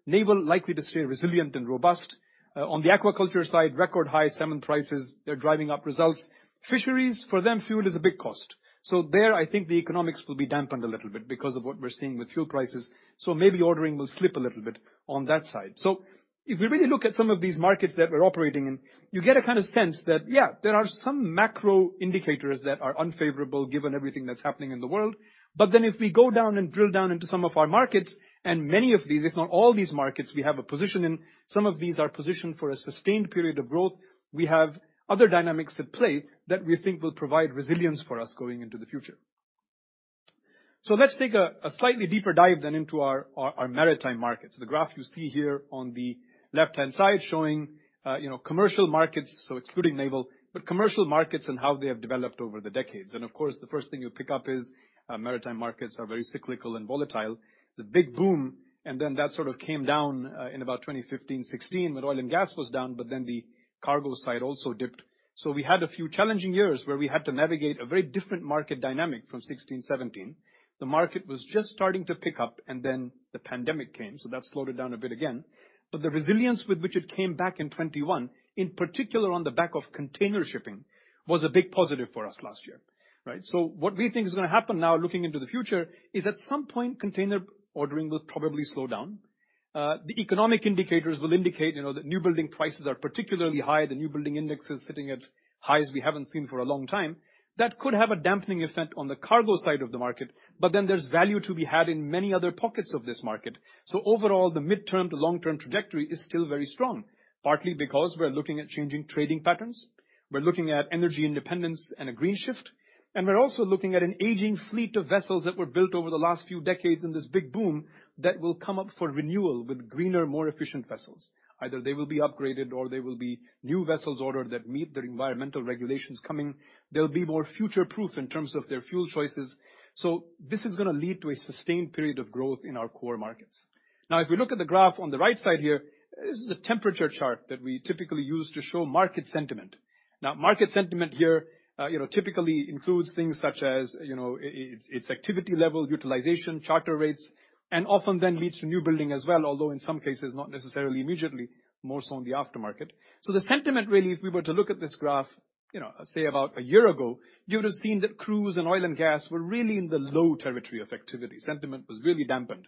Naval likely to stay resilient and robust. On the aquaculture side, record high salmon prices, they're driving up results. Fisheries, for them, fuel is a big cost. There, I think the economics will be dampened a little bit because of what we're seeing with fuel prices. Maybe ordering will slip a little bit on that side. If we really look at some of these markets that we're operating in, you get a kind of sense that, yeah, there are some macro indicators that are unfavorable given everything that's happening in the world. If we go down and drill down into some of our markets, and many of these, if not all these markets we have a position in, some of these are positioned for a sustained period of growth. We have other dynamics at play that we think will provide resilience for us going into the future. Let's take a slightly deeper dive then into our Maritime markets. The graph you see here on the left-hand side showing commercial markets, so excluding naval, but commercial markets and how they have developed over the decades. Of course, the first thing you pick up is Maritime markets are very cyclical and volatile. It's a big boom, and then that sort of came down in about 2015, 2016, when oil and gas was down, but then the cargo side also dipped. We had a few challenging years where we had to navigate a very different market dynamic from 2016, 2017. The market was just starting to pick up and then the pandemic came, so that slowed it down a bit again. The resilience with which it came back in 2021, in particular on the back of container shipping, was a big positive for us last year. Right? What we think is gonna happen now looking into the future is at some point, container ordering will probably slow down. The economic indicators will indicate, you know, that new building prices are particularly high. The new building index is sitting at highs we haven't seen for a long time. That could have a dampening effect on the cargo side of the market, but then there's value to be had in many other pockets of this market. Overall, the midterm to long-term trajectory is still very strong, partly because we're looking at changing trading patterns. We're looking at energy independence and a green shift, and we're also looking at an aging fleet of vessels that were built over the last few decades in this big boom that will come up for renewal with greener, more efficient vessels. Either they will be upgraded or they will be new vessels ordered that meet the environmental regulations coming. They'll be more future-proof in terms of their fuel choices, so this is gonna lead to a sustained period of growth in our core markets. Now, if we look at the graph on the right side here, this is a temperature chart that we typically use to show market sentiment. Now, market sentiment here, you know, typically includes things such as, you know, its activity level, utilization, charter rates, and often then leads to new building as well. Although in some cases, not necessarily immediately, more so on the aftermarket. The sentiment, really, if we were to look at this graph, you know, say about a year ago, you would have seen that cruise and oil and gas were really in the low territory of activity. Sentiment was really dampened.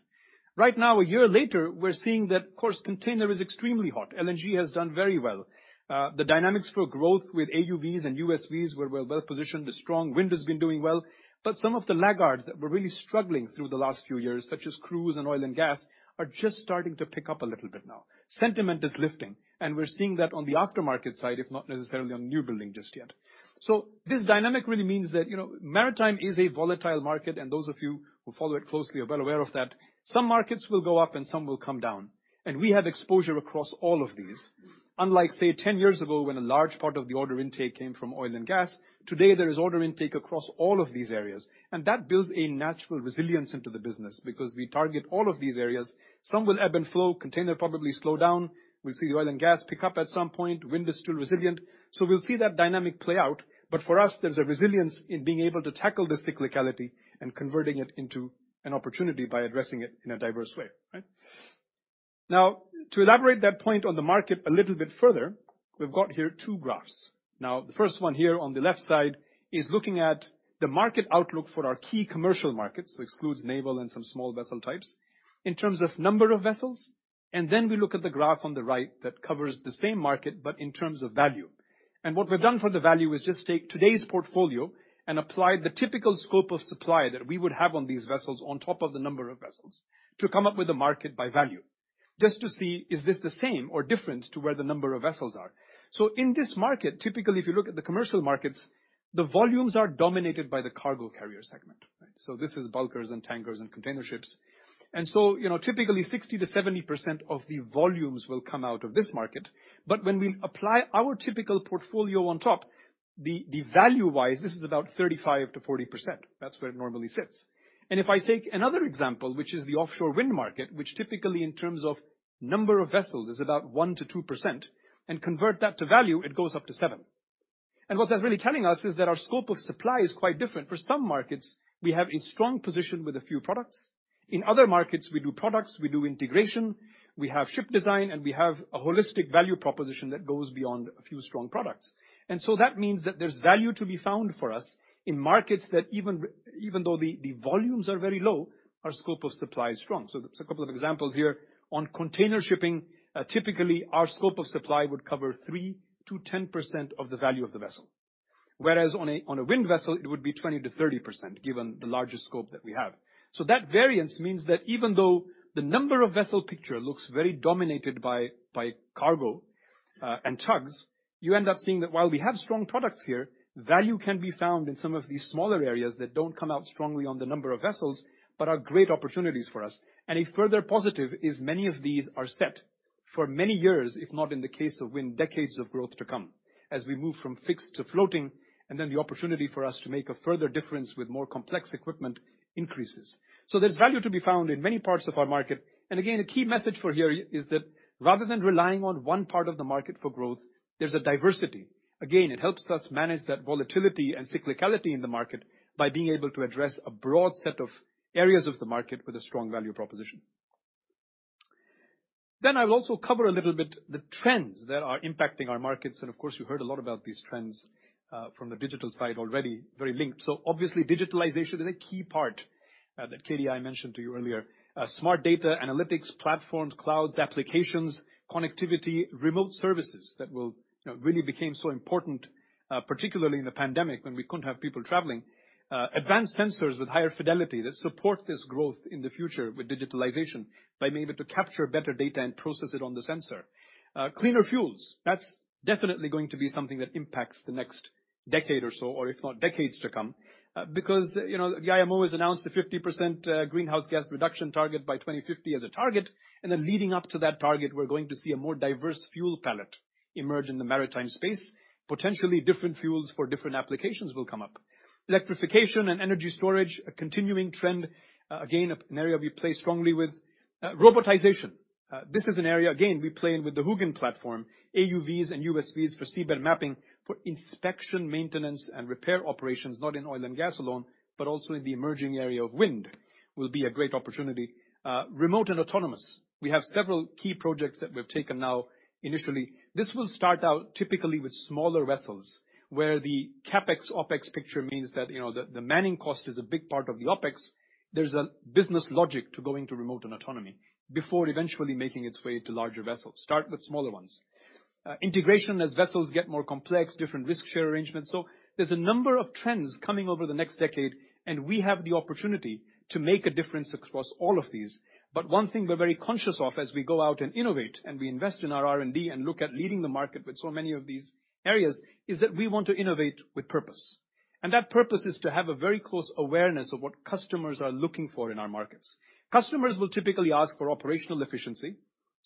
Right now, a year later, we're seeing that, of course, container is extremely hot. LNG has done very well. The dynamics for growth with AUVs and USVs where we're well-positioned is strong. Wind has been doing well. Some of the laggards that were really struggling through the last few years, such as cruise and oil and gas, are just starting to pick up a little bit now. Sentiment is lifting, and we're seeing that on the aftermarket side, if not necessarily on new building just yet. This dynamic really means that, you know, Maritime is a volatile market, and those of you who follow it closely are well aware of that. Some markets will go up, and some will come down. We have exposure across all of these. Unlike, say, 10 years ago, when a large part of the order intake came from oil and gas, today, there is order intake across all of these areas, and that builds a natural resilience into the business because we target all of these areas. Some will ebb and flow. Container probably slow down. We'll see oil and gas pick up at some point. Wind is still resilient. We'll see that dynamic play out, but for us, there's a resilience in being able to tackle the cyclicality and converting it into an opportunity by addressing it in a diverse way, right? Now, to elaborate that point on the market a little bit further, we've got here two graphs. Now, the first one here on the left side is looking at the market outlook for our key commercial markets. This excludes naval and some small vessel types. In terms of number of vessels, and then we look at the graph on the right that covers the same market, but in terms of value. What we've done for the value is just take today's portfolio and apply the typical scope of supply that we would have on these vessels on top of the number of vessels to come up with a market by value, just to see, is this the same or different to where the number of vessels are? In this market, typically, if you look at the commercial markets, the volumes are dominated by the cargo carrier segment. This is bulkers and tankers and container ships. You know, typically 60%-70% of the volumes will come out of this market. But when we apply our typical portfolio on top, the value-wise, this is about 35%-40%. That's where it normally sits. If I take another example, which is the offshore wind market, which typically in terms of number of vessels is about 1%-2%, and convert that to value, it goes up to 7%. What that's really telling us is that our scope of supply is quite different. For some markets, we have a strong position with a few products. In other markets, we do products, we do integration, we have ship design, and we have a holistic value proposition that goes beyond a few strong products. That means that there's value to be found for us in markets that even though the volumes are very low, our scope of supply is strong. Just a couple of examples here. On container shipping, typically our scope of supply would cover 3%-10% of the value of the vessel. Whereas on a wind vessel, it would be 20%-30%, given the larger scope that we have. That variance means that even though the number of vessel picture looks very dominated by cargo and tugs, you end up seeing that while we have strong products here, value can be found in some of these smaller areas that don't come out strongly on the number of vessels but are great opportunities for us. A further positive is many of these are set for many years, if not in the case of wind, decades of growth to come as we move from fixed to floating, and then the opportunity for us to make a further difference with more complex equipment increases. There's value to be found in many parts of our market. Again, a key message for here is that rather than relying on one part of the market for growth, there's a diversity. Again, it helps us manage that volatility and cyclicality in the market by being able to address a broad set of areas of the market with a strong value proposition. I'll also cover a little bit the trends that are impacting our markets. Of course, you heard a lot about these trends from the digital side already, very linked. Obviously, digitalization is a key part that Katie and I mentioned to you earlier. Smart data, analytics, platforms, clouds, applications, connectivity, remote services that will, you know, really became so important, particularly in the pandemic when we couldn't have people traveling. Advanced sensors with higher fidelity that support this growth in the future with digitalization by being able to capture better data and process it on the sensor. Cleaner fuels, that's definitely going to be something that impacts the next decade or so, or if not decades to come. Because, you know, the IMO has announced a 50% greenhouse gas reduction target by 2050 as a target, and then leading up to that target, we're going to see a more diverse fuel palette emerge in the Maritime space. Potentially different fuels for different applications will come up. Electrification and energy storage, a continuing trend, again, an area we play strongly with. Robotization. This is an area, again, we play in with the HUGIN platform, AUVs and USVs for seabed mapping for inspection, maintenance, and repair operations, not in oil and gas alone, but also in the emerging area of wind. This will be a great opportunity. Remote and autonomous. We have several key projects that we've taken now initially. This will start out typically with smaller vessels, where the CapEx, OpEx picture means that, you know, the manning cost is a big part of the OpEx. There's a business logic to going to remote and autonomy before eventually making its way to larger vessels. Start with smaller ones. Integration as vessels get more complex, different risk share arrangements. There's a number of trends coming over the next decade, and we have the opportunity to make a difference across all of these. One thing we're very conscious of as we go out and innovate, and we invest in our R&D, and look at leading the market with so many of these areas, is that we want to innovate with purpose. That purpose is to have a very close awareness of what customers are looking for in our markets. Customers will typically ask for operational efficiency.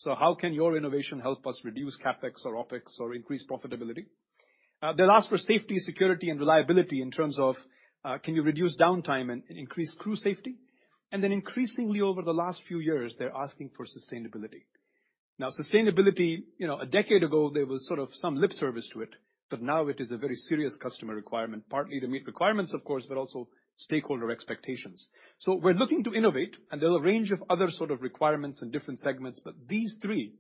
How can your innovation help us reduce CapEx or OpEx or increase profitability? They'll ask for safety, security, and reliability in terms of, can you reduce downtime and increase crew safety? Increasingly over the last few years, they're asking for sustainability. Now, sustainability, you know, a decade ago, there was sort of some lip service to it, but now it is a very serious customer requirement, partly to meet requirements, of course, but also stakeholder expectations. We're looking to innovate, and there's a range of other sort of requirements and different segments, but these three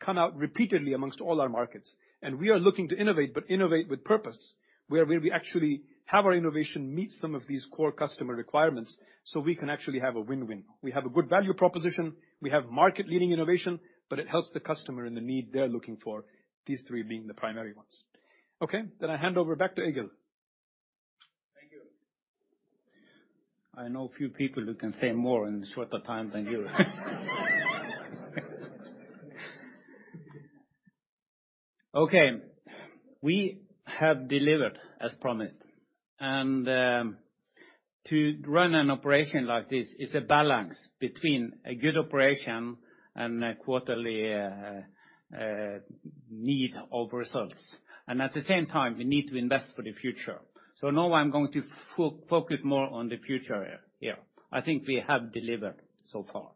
come out repeatedly among all our markets. We are looking to innovate, but innovate with purpose, where we actually have our innovation meet some of these core customer requirements, so we can actually have a win-win. We have a good value proposition, we have market-leading innovation, but it helps the customer and the need they're looking for, these three being the primary ones. Okay. I hand over back to Egil. Thank you. I know a few people who can say more in a shorter time than you. Okay. We have delivered as promised. To run an operation like this is a balance between a good operation and a quarterly need of results. At the same time, we need to invest for the future. Now I'm going to focus more on the future here. I think we have delivered so far.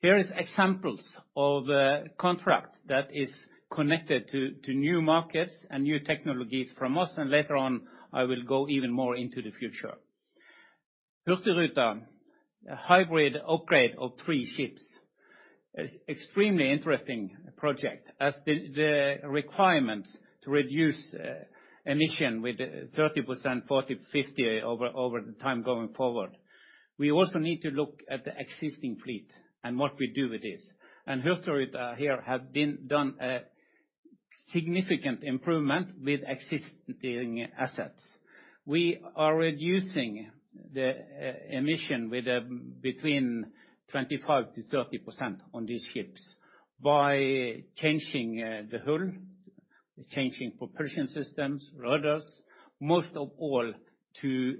Here is examples of a contract that is connected to new markets and new technologies from us, and later on, I will go even more into the future. Hurtigruten, a hybrid upgrade of three ships. Extremely interesting project. As the requirements to reduce emission with 30%, 40%, 50% over the time going forward, we also need to look at the existing fleet and what we do with this. For Hurtigruten, we have done a significant improvement with existing assets. We are reducing the emission by between 25%-30% on these ships by changing the hull, changing propulsion systems, rudders, most of all, to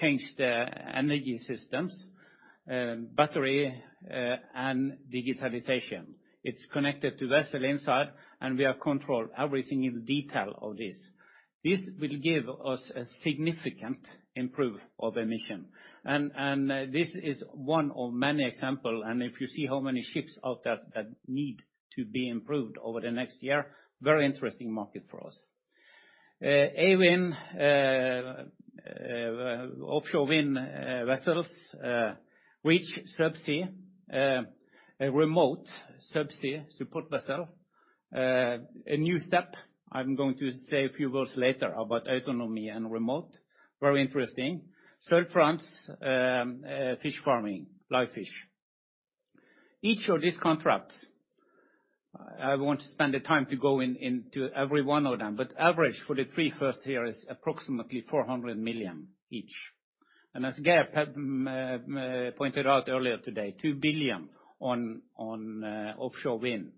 change the energy systems, battery and digitalization. It's connected to Vessel Insight, and we have controlled everything in detail of this. This will give us a significant improvement of emission. This is one of many examples, and if you see how many ships out there that need to be improved over the next year, very interesting market for us. In offshore wind vessels with subsea, a remote subsea support vessel. A new step, I'm going to say a few words later about autonomy and remote. Very interesting. Third, fish farming, live fish. Each of these contracts, I want to spend the time to go into every one of them, but average for the three first here is approximately 400 million each. As Geir Håøy pointed out earlier today, 2 billion on offshore wind.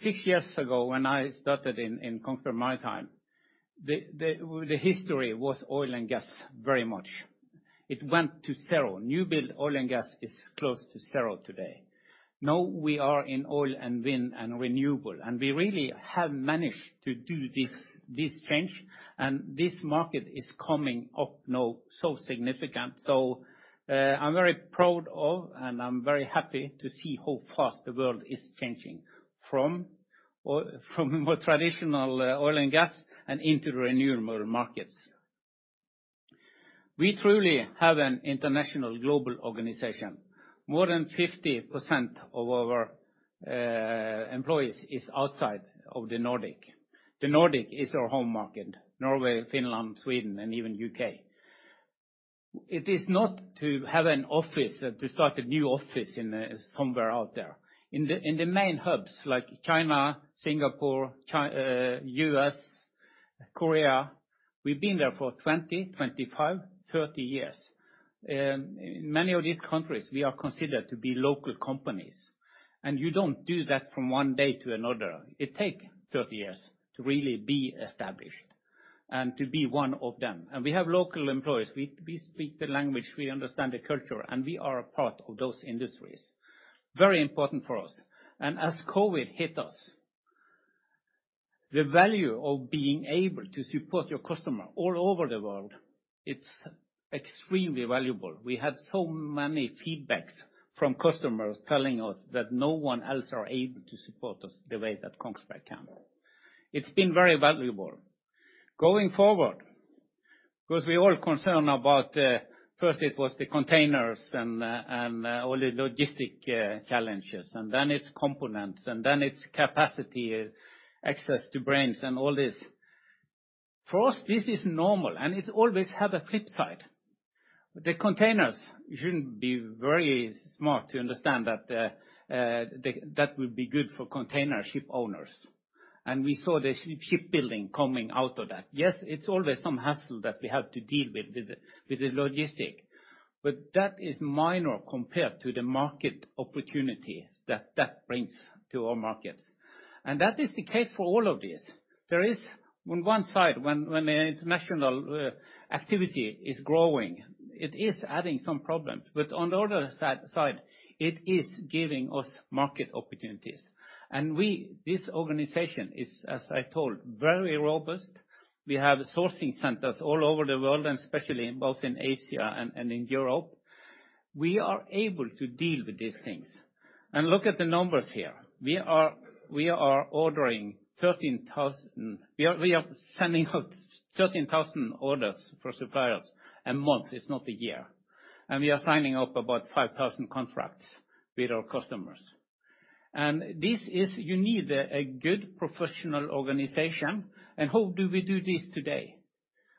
Six years ago, when I started in Kongsberg Maritime, the history was oil and gas very much. It went to zero. New build oil and gas is close to zero today. Now we are in oil and wind and renewable, and we really have managed to do this change. This market is coming up now so significant. I'm very proud of, and I'm very happy to see how fast the world is changing from more traditional oil and gas and into renewable markets. We truly have an international global organization. More than 50% of our employees is outside of the Nordic. The Nordic is our home market, Norway, Finland, Sweden, and even U.K. It is not to have an office, to start a new office in, somewhere out there. In the main hubs like China, Singapore, U.S., Korea, we've been there for 20, 25, 30 years. In many of these countries, we are considered to be local companies. You don't do that from one day to another. It take 30 years to really be established and to be one of them. We have local employees. We speak the language, we understand the culture, and we are a part of those industries. Very important for us. As COVID hit us, the value of being able to support your customer all over the world, it's extremely valuable. We have so many feedback from customers telling us that no one else are able to support us the way that Kongsberg can. It's been very valuable. Going forward, 'cause we're all concerned about first it was the containers and all the logistics challenges, and then it's components, and then it's capacity, access to brains, and all this. For us, this is normal, and it's always have a flip side. The containers shouldn't be very hard to understand that that would be good for container ship owners. We saw the shipbuilding coming out of that. Yes, it's always some hassle that we have to deal with with the logistics. But that is minor compared to the market opportunity that brings to our markets. That is the case for all of this. There is on one side, when an international activity is growing, it is adding some problems, but on the other side, it is giving us market opportunities. This organization is, as I told, very robust. We have sourcing centers all over the world, and especially both in Asia and in Europe. We are able to deal with these things. Look at the numbers here. We are ordering 13,000. We are sending out 13,000 orders for suppliers a month. It's not a year. We are signing up about 5,000 contracts with our customers. You need a good professional organization. How do we do this today?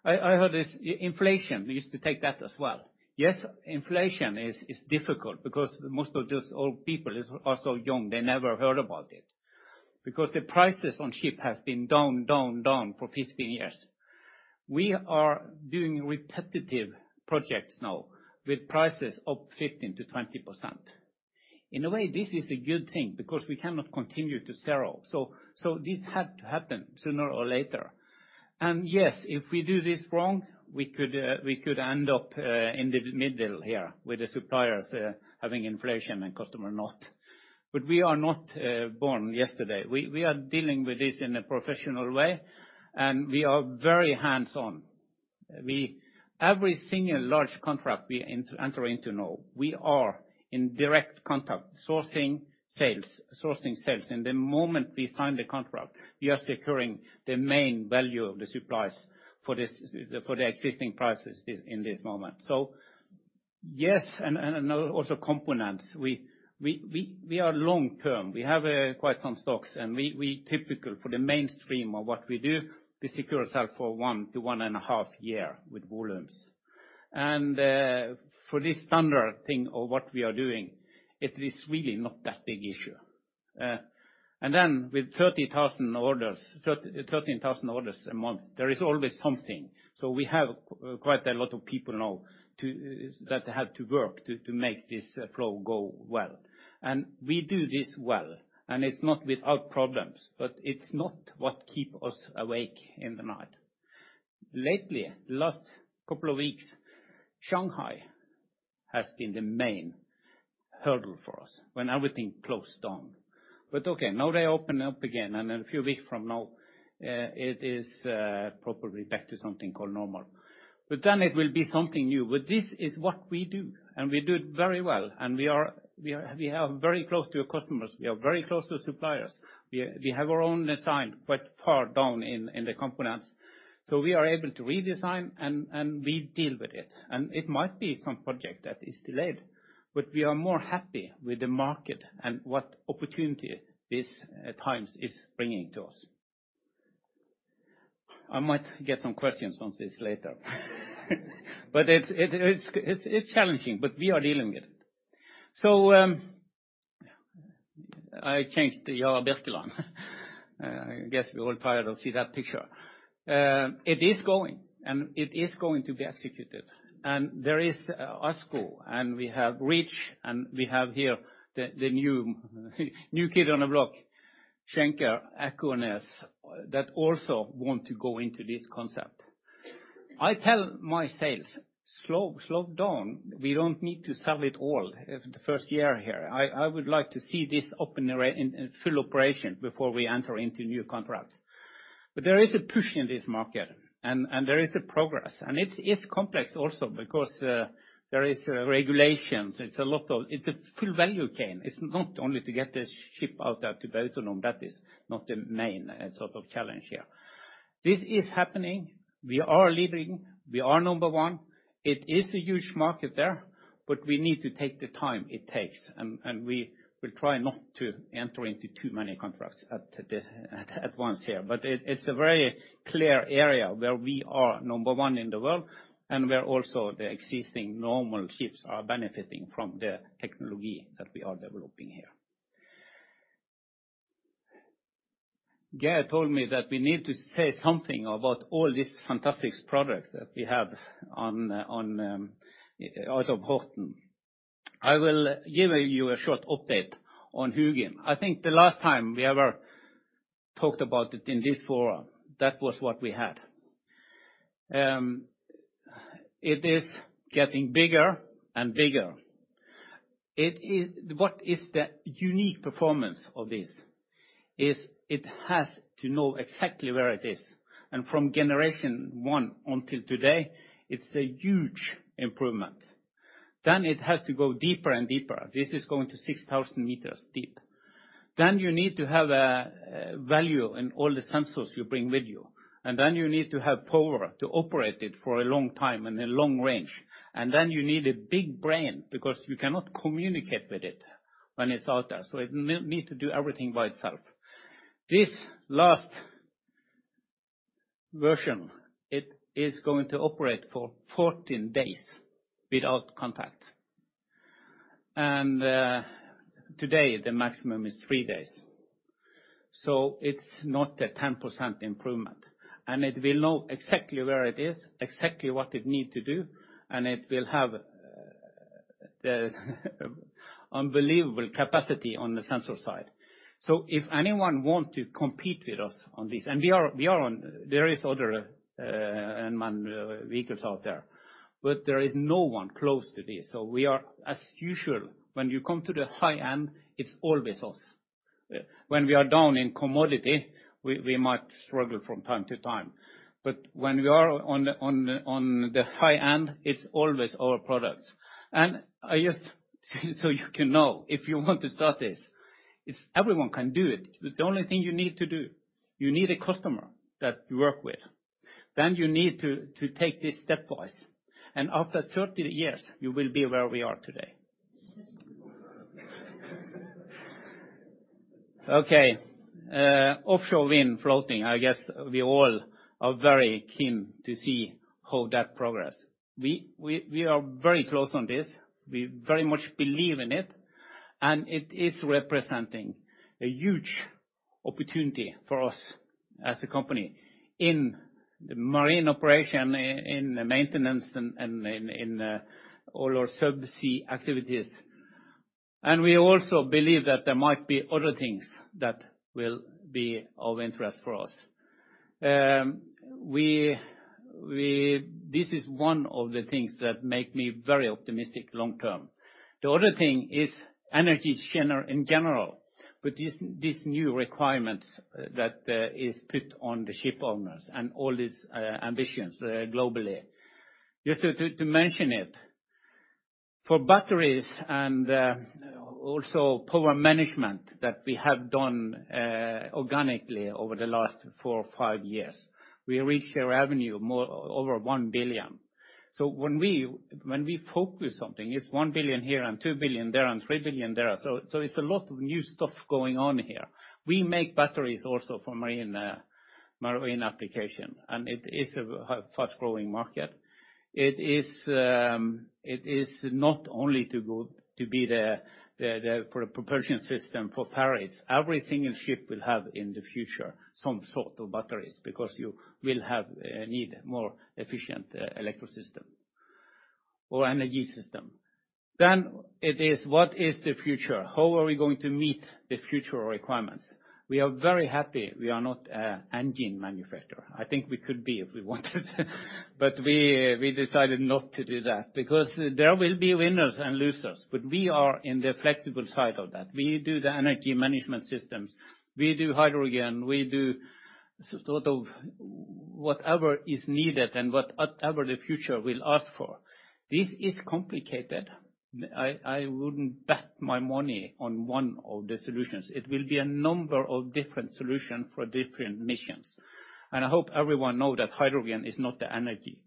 I heard this inflation. We used to take that as well. Yes, inflation is difficult because most of those old people are also young, they never heard about it. The prices on ships have been down for 15 years. We are doing repetitive projects now with prices up 15%-20%. In a way, this is a good thing because we cannot continue to zero. This had to happen sooner or later. Yes, if we do this wrong, we could end up in the middle here with the suppliers having inflation and customer not. We are not born yesterday. We are dealing with this in a professional way, and we are very hands-on. Every single large contract we enter into now, we are in direct contact, sourcing sales. The moment we sign the contract, we are securing the main value of the supplies for the existing prices in this moment. Yes, and also components. We are long-term. We have quite some stocks, and we typically for the mainstream of what we do, we secure ourselves for one to one and a half year with volumes. For this standard thing of what we are doing, it is really not that big issue. Then with 30,000 orders, 13,000 orders a month, there is always something. We have quite a lot of people now to that have to work to make this flow go well. We do this well, and it's not without problems, but it's not what keep us awake in the night. Lately, the last couple of weeks, Shanghai has been the main hurdle for us when everything closed down. Okay, now they open up again, and a few weeks from now, it is probably back to something called normal. It will be something new. This is what we do, and we do it very well. We are very close to our customers, we are very close to suppliers. We have our own design quite far down in the components. We are able to redesign and we deal with it. It might be some project that is delayed, but we are more happy with the market and what opportunity this time is bringing to us. I might get some questions on this later. It's challenging, but we are dealing with it. I changed to Yara Birkeland. I guess we're all tired of seeing that picture. It is going, and it is going to be executed. There is ASKO, and we have Rich, and we have here the new kid on the block, DB Schenker, Ekornes, that also want to go into this concept. I tell my sales, slow down. We don't need to sell it all the first year here. I would like to see this up and running in full operation before we enter into new contracts. There is a push in this market, and there is a progress. It is complex also because there is regulations. It's a full value chain. It's not only to get the ship out there to Brevik. That is not the main sort of challenge here. This is happening. We are leading. We are number one. It is a huge market there, but we need to take the time it takes, and we will try not to enter into too many contracts at once here. It's a very clear area where we are number one in the world, and where also the existing normal ships are benefiting from the technology that we are developing here. Geir Håøy told me that we need to say something about all these fantastic products that we have on out of Horten. I will give you a short update on HUGIN. I think the last time we ever talked about it in this forum, that was what we had. It is getting bigger and bigger. What is the unique performance of this? It has to know exactly where it is. From generation one until today, it's a huge improvement. It has to go deeper and deeper. This is going to 6,000 meters deep. You need to have a value in all the sensors you bring with you. You need to have power to operate it for a long time and a long range. You need a big brain because you cannot communicate with it. When it's out there, so it needs to do everything by itself. This last version, it is going to operate for 14 days without contact. Today, the maximum is three days. It's not a 10% improvement, and it will know exactly where it is, exactly what it need to do, and it will have the unbelievable capacity on the sensor side. If anyone want to compete with us on this, and we are on. There are other unmanned vehicles out there, but there is no one close to this. We are, as usual, when you come to the high end, it's always us. When we are down in commodity, we might struggle from time to time. But when we are on the high end, it's always our products. I just, so you can know, if you want to start this, it's everyone can do it. The only thing you need to do, you need a customer that you work with. Then you need to take this stepwise. After 30 years, you will be where we are today. Okay, offshore wind floating, I guess we all are very keen to see how that progress. We are very close on this. We very much believe in it, and it is representing a huge opportunity for us as a company in the marine operation, in maintenance, and in all our sub-sea activities. We also believe that there might be other things that will be of interest for us. This is one of the things that make me very optimistic long term. The other thing is energy in general, with these new requirements that is put on the ship owners and all these ambitions globally. Just to mention it, for batteries and also power management that we have done organically over the last four or five years, we reached a revenue over 1 billion. When we focus something, it's 1 billion here and 2 billion there and 3 billion there. It's a lot of new stuff going on here. We make batteries also for marine application, and it is a fast-growing market. It is not only to be the propulsion system for ferries. Every single ship will have in the future some sort of batteries because you will have need more efficient ecosystem or energy system. It is what is the future? How are we going to meet the future requirements? We are very happy we are not engine manufacturer. I think we could be if we wanted, but we decided not to do that because there will be winners and losers. We are in the flexible side of that. We do the energy management systems. We do hydrogen. We do sort of whatever is needed and whatever the future will ask for. This is complicated. I wouldn't bet my money on one of the solutions. It will be a number of different solution for different missions. I hope everyone know that hydrogen is not the energy.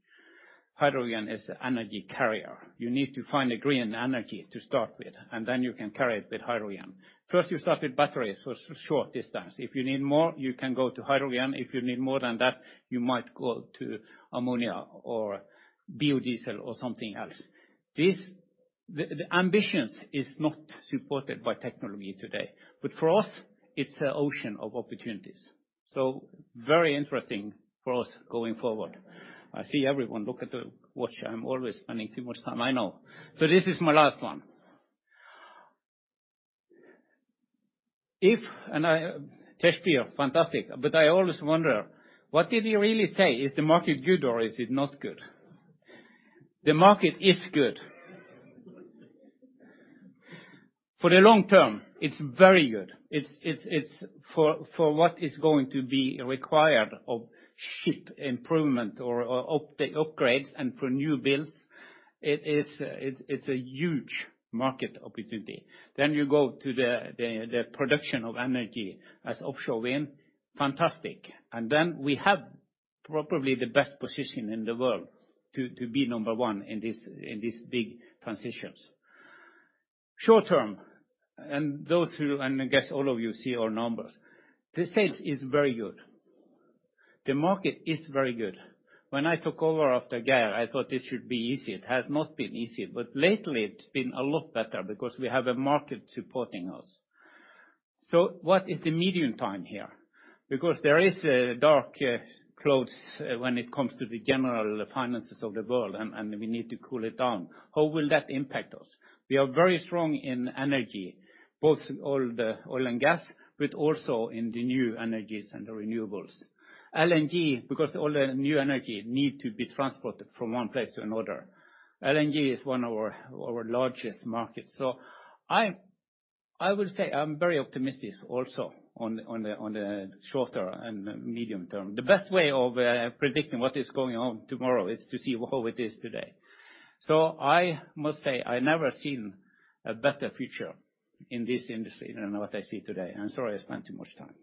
Hydrogen is the energy carrier. You need to find a green energy to start with, and then you can carry it with hydrogen. First, you start with batteries for short distance. If you need more, you can go to hydrogen. If you need more than that, you might go to ammonia or biodiesel or something else. The ambitions is not supported by technology today, but for us, it's an ocean of opportunities. Very interesting for us going forward. I see everyone look at the watch. I'm always spending too much time, I know. This is my last one. Kjetil, fantastic. I always wonder, what did he really say? Is the market good or is it not good? The market is good. For the long term, it's very good. It's for what is going to be required of ship improvement or upgrades and for new builds, it is a huge market opportunity. You go to the production of energy as offshore wind, fantastic. We have probably the best position in the world to be number one in this big transitions. Short-term, I guess all of you see our numbers, the sales is very good. The market is very good. When I took over after Geir Håøy, I thought this should be easy. It has not been easy, but lately it's been a lot better because we have a market supporting us. What is the medium term here? Because there is a dark clouds when it comes to the general finances of the world, and we need to cool it down. How will that impact us? We are very strong in energy, both all the oil and gas, but also in the new energies and the renewables. LNG, because all the new energy need to be transported from one place to another. LNG is one of our largest markets. I would say I'm very optimistic also on the shorter and medium term. The best way of predicting what is going on tomorrow is to see how it is today. I must say I never seen a better future in this industry than what I see today. I'm sorry I spent too much time.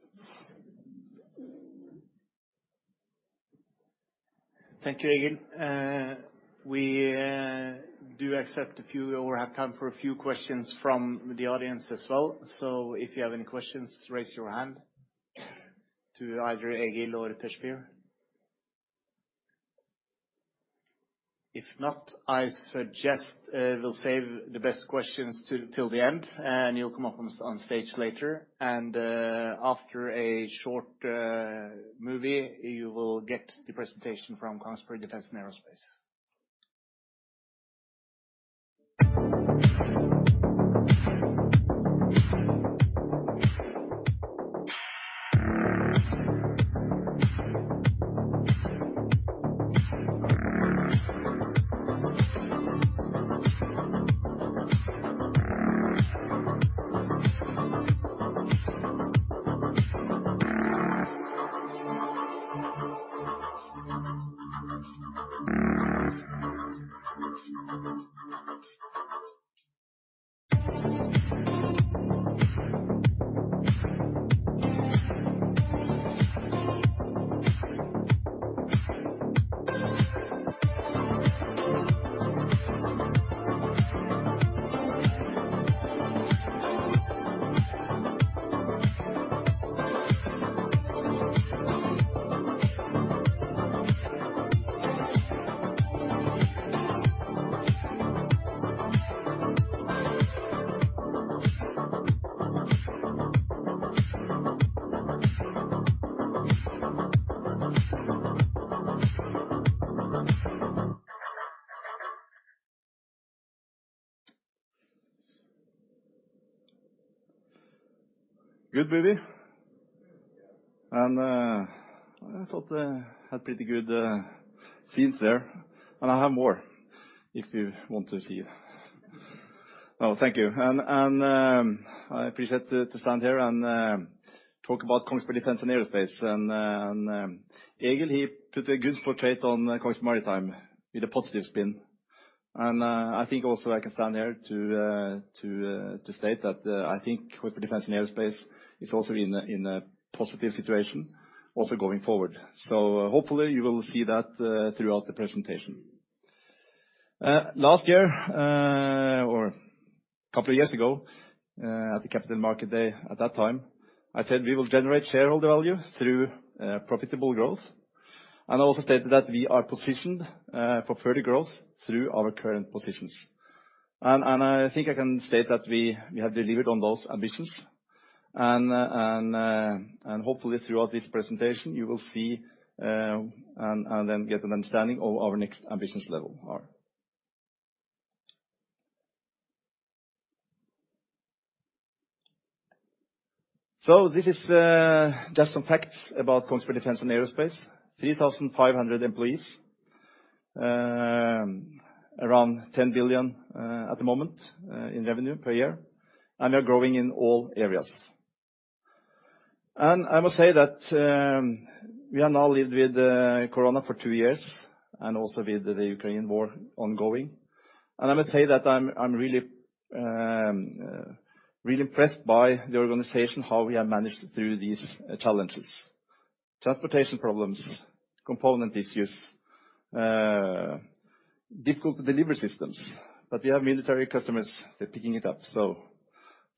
Thank you, Egil. We do accept a few or have time for a few questions from the audience as well. If you have any questions, raise your hand to either Egil or to Tejbir. If not, I suggest we'll save the best questions till the end, and you'll come up on stage later. After a short movie, you will get the presentation from Kongsberg Defence & Aerospace. Good movie? Yeah. I thought it had pretty good scenes there. I have more if you want to see. Oh, thank you. I appreciate to stand here and talk about Kongsberg Defence & Aerospace. Egil, he put a good portrait on Kongsberg Maritime with a positive spin. I think also I can stand here to state that, I think with the Defence & Aerospace is also in a positive situation, also going forward. Hopefully, you will see that throughout the presentation. Last year, or couple of years ago, at the Capital Market Day at that time, I said we will generate shareholder values through profitable growth and also stated that we are positioned for further growth through our current positions. I think I can state that we have delivered on those ambitions and hopefully throughout this presentation, you will see and then get an understanding of our next ambitions level are. This is just some facts about Kongsberg Defence & Aerospace, 3,500 employees, around 10 billion at the moment in revenue per year, and we are growing in all areas. I must say that we are now lived with Corona for two years and also with the Ukraine war ongoing. I must say that I'm really impressed by the organization, how we have managed through these challenges, transportation problems, component issues, difficult to deliver systems. We have military customers, they're picking it up,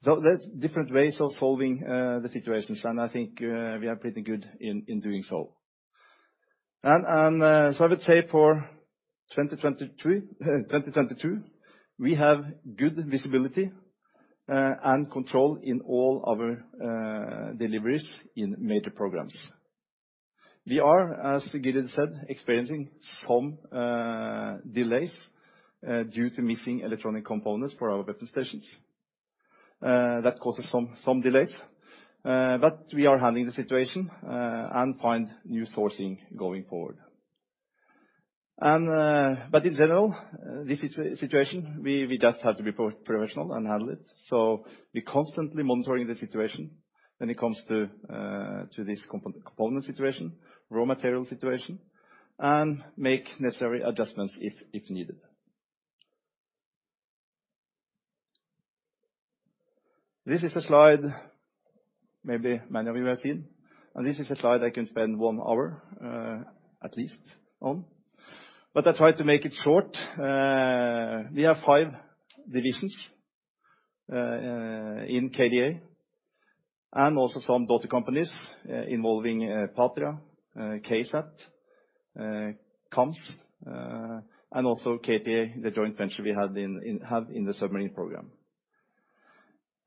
so. There's different ways of solving the situations, and I think we are pretty good in doing so. I would say for 2023, 2022, we have good visibility and control in all our deliveries in major programs. We are, as Egil said, experiencing some delays due to missing electronic components for our weapon stations that causes some delays. We are handling the situation and find new sourcing going forward. In general, this situation, we just have to be professional and handle it, so we're constantly monitoring the situation when it comes to this component situation, raw material situation, and make necessary adjustments if needed. This is a slide maybe many of you have seen, and this is a slide I can spend 1 hour on. I try to make it short. We have five divisions in KDA and also some daughter companies involving Patria, KSAT, KAMS, and also KTA Naval Systems, the joint venture we have in the submarine program.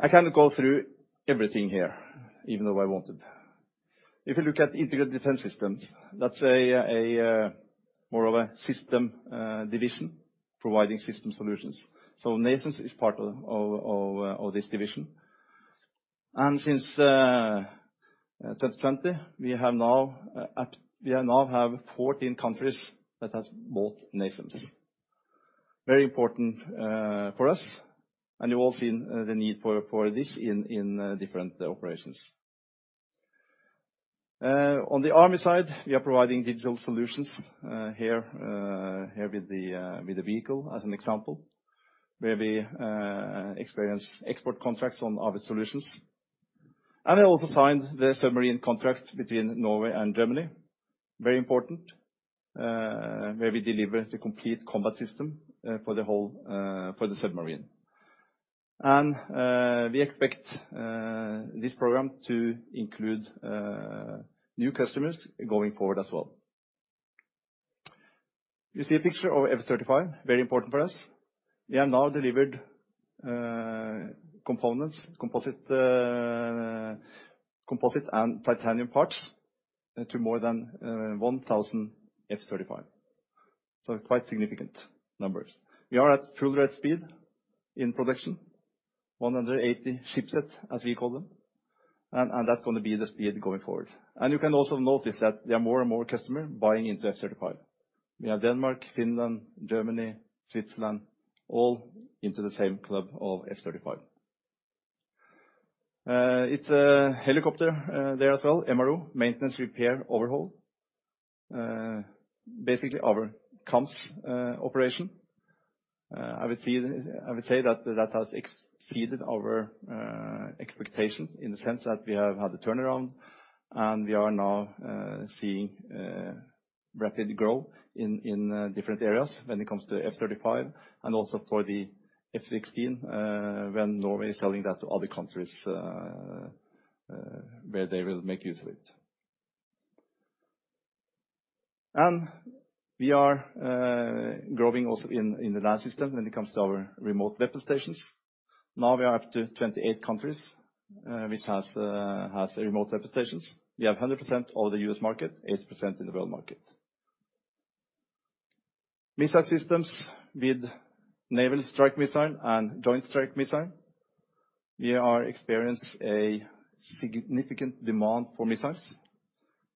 I can't go through everything here, even though I wanted. If you look at Integrated Defence Systems, that's more of a system division providing system solutions, so NASAMS is part of this division. Since 2020, we now have 14 countries that has bought NASAMS. Very important for us, and you all seen the need for this in different operations. On the army side, we are providing digital solutions here with the vehicle as an example, where we experience export contracts on other solutions. They also signed the submarine contract between Norway and Germany. Very important, where we deliver the complete combat system for the whole submarine. We expect this program to include new customers going forward as well. You see a picture of F-35, very important for us. We have now delivered components, composite and titanium parts to more than 1,000 F-35s, so quite significant numbers. We are at full rate speed in production, 180 ship sets, as we call them, and that's gonna be the speed going forward. You can also notice that there are more and more customers buying into F-35. We have Denmark, Finland, Germany, Switzerland, all into the same club of F-35. It's a helicopter there as well, MRO, maintenance, repair, overhaul. Basically our comms operation. I would say that has exceeded our expectations in the sense that we have had the turnaround, and we are now seeing rapid growth in different areas when it comes to F-35 and also for the F-16, when Norway is selling that to other countries, where they will make use of it. We are growing also in the land system when it comes to our remote weapon stations. Now we are up to 28 countries, which has the remote weapon stations. We have 100% of the US market, 80% in the world market. Missile systems with Naval Strike Missile and Joint Strike Missile, we are experiencing a significant demand for missiles.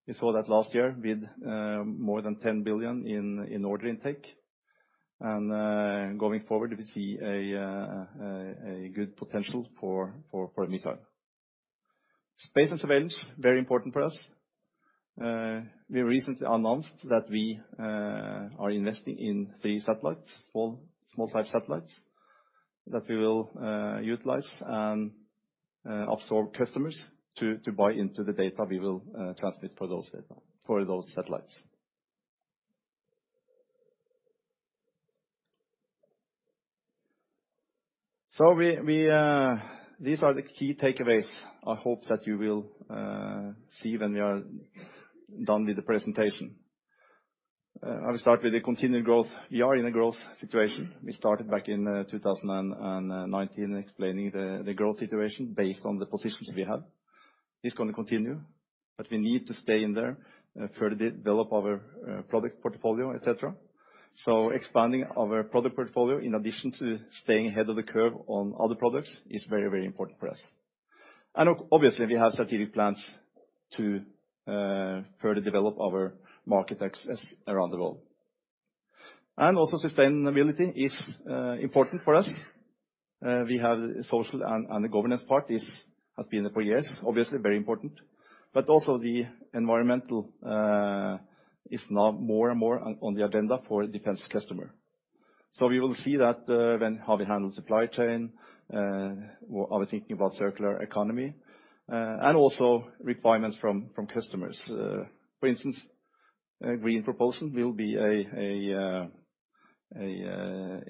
We saw that last year with more than 10 billion in order intake. Going forward, we see a good potential for missiles. Space and surveillance, very important for us. We recently announced that we are investing in three satellites for small-type satellites that we will utilize and absorb customers to buy into the data we will transmit for those satellites. We these are the key takeaways I hope that you will see when we are done with the presentation. I will start with the continued growth. We are in a growth situation. We started back in 2019 explaining the growth situation based on the positions we have. It's gonna continue, but we need to stay in there further develop our product portfolio, et cetera. Expanding our product portfolio in addition to staying ahead of the curve on other products is very, very important for us. Obviously, we have strategic plans to further develop our market access around the world. Sustainability is important for us. We have social and the governance part is has been for years, obviously very important. The environmental is now more and more on the agenda for defense customer. We will see that how we handle supply chain or are we thinking about circular economy and also requirements from customers. For instance, a green proposal will be a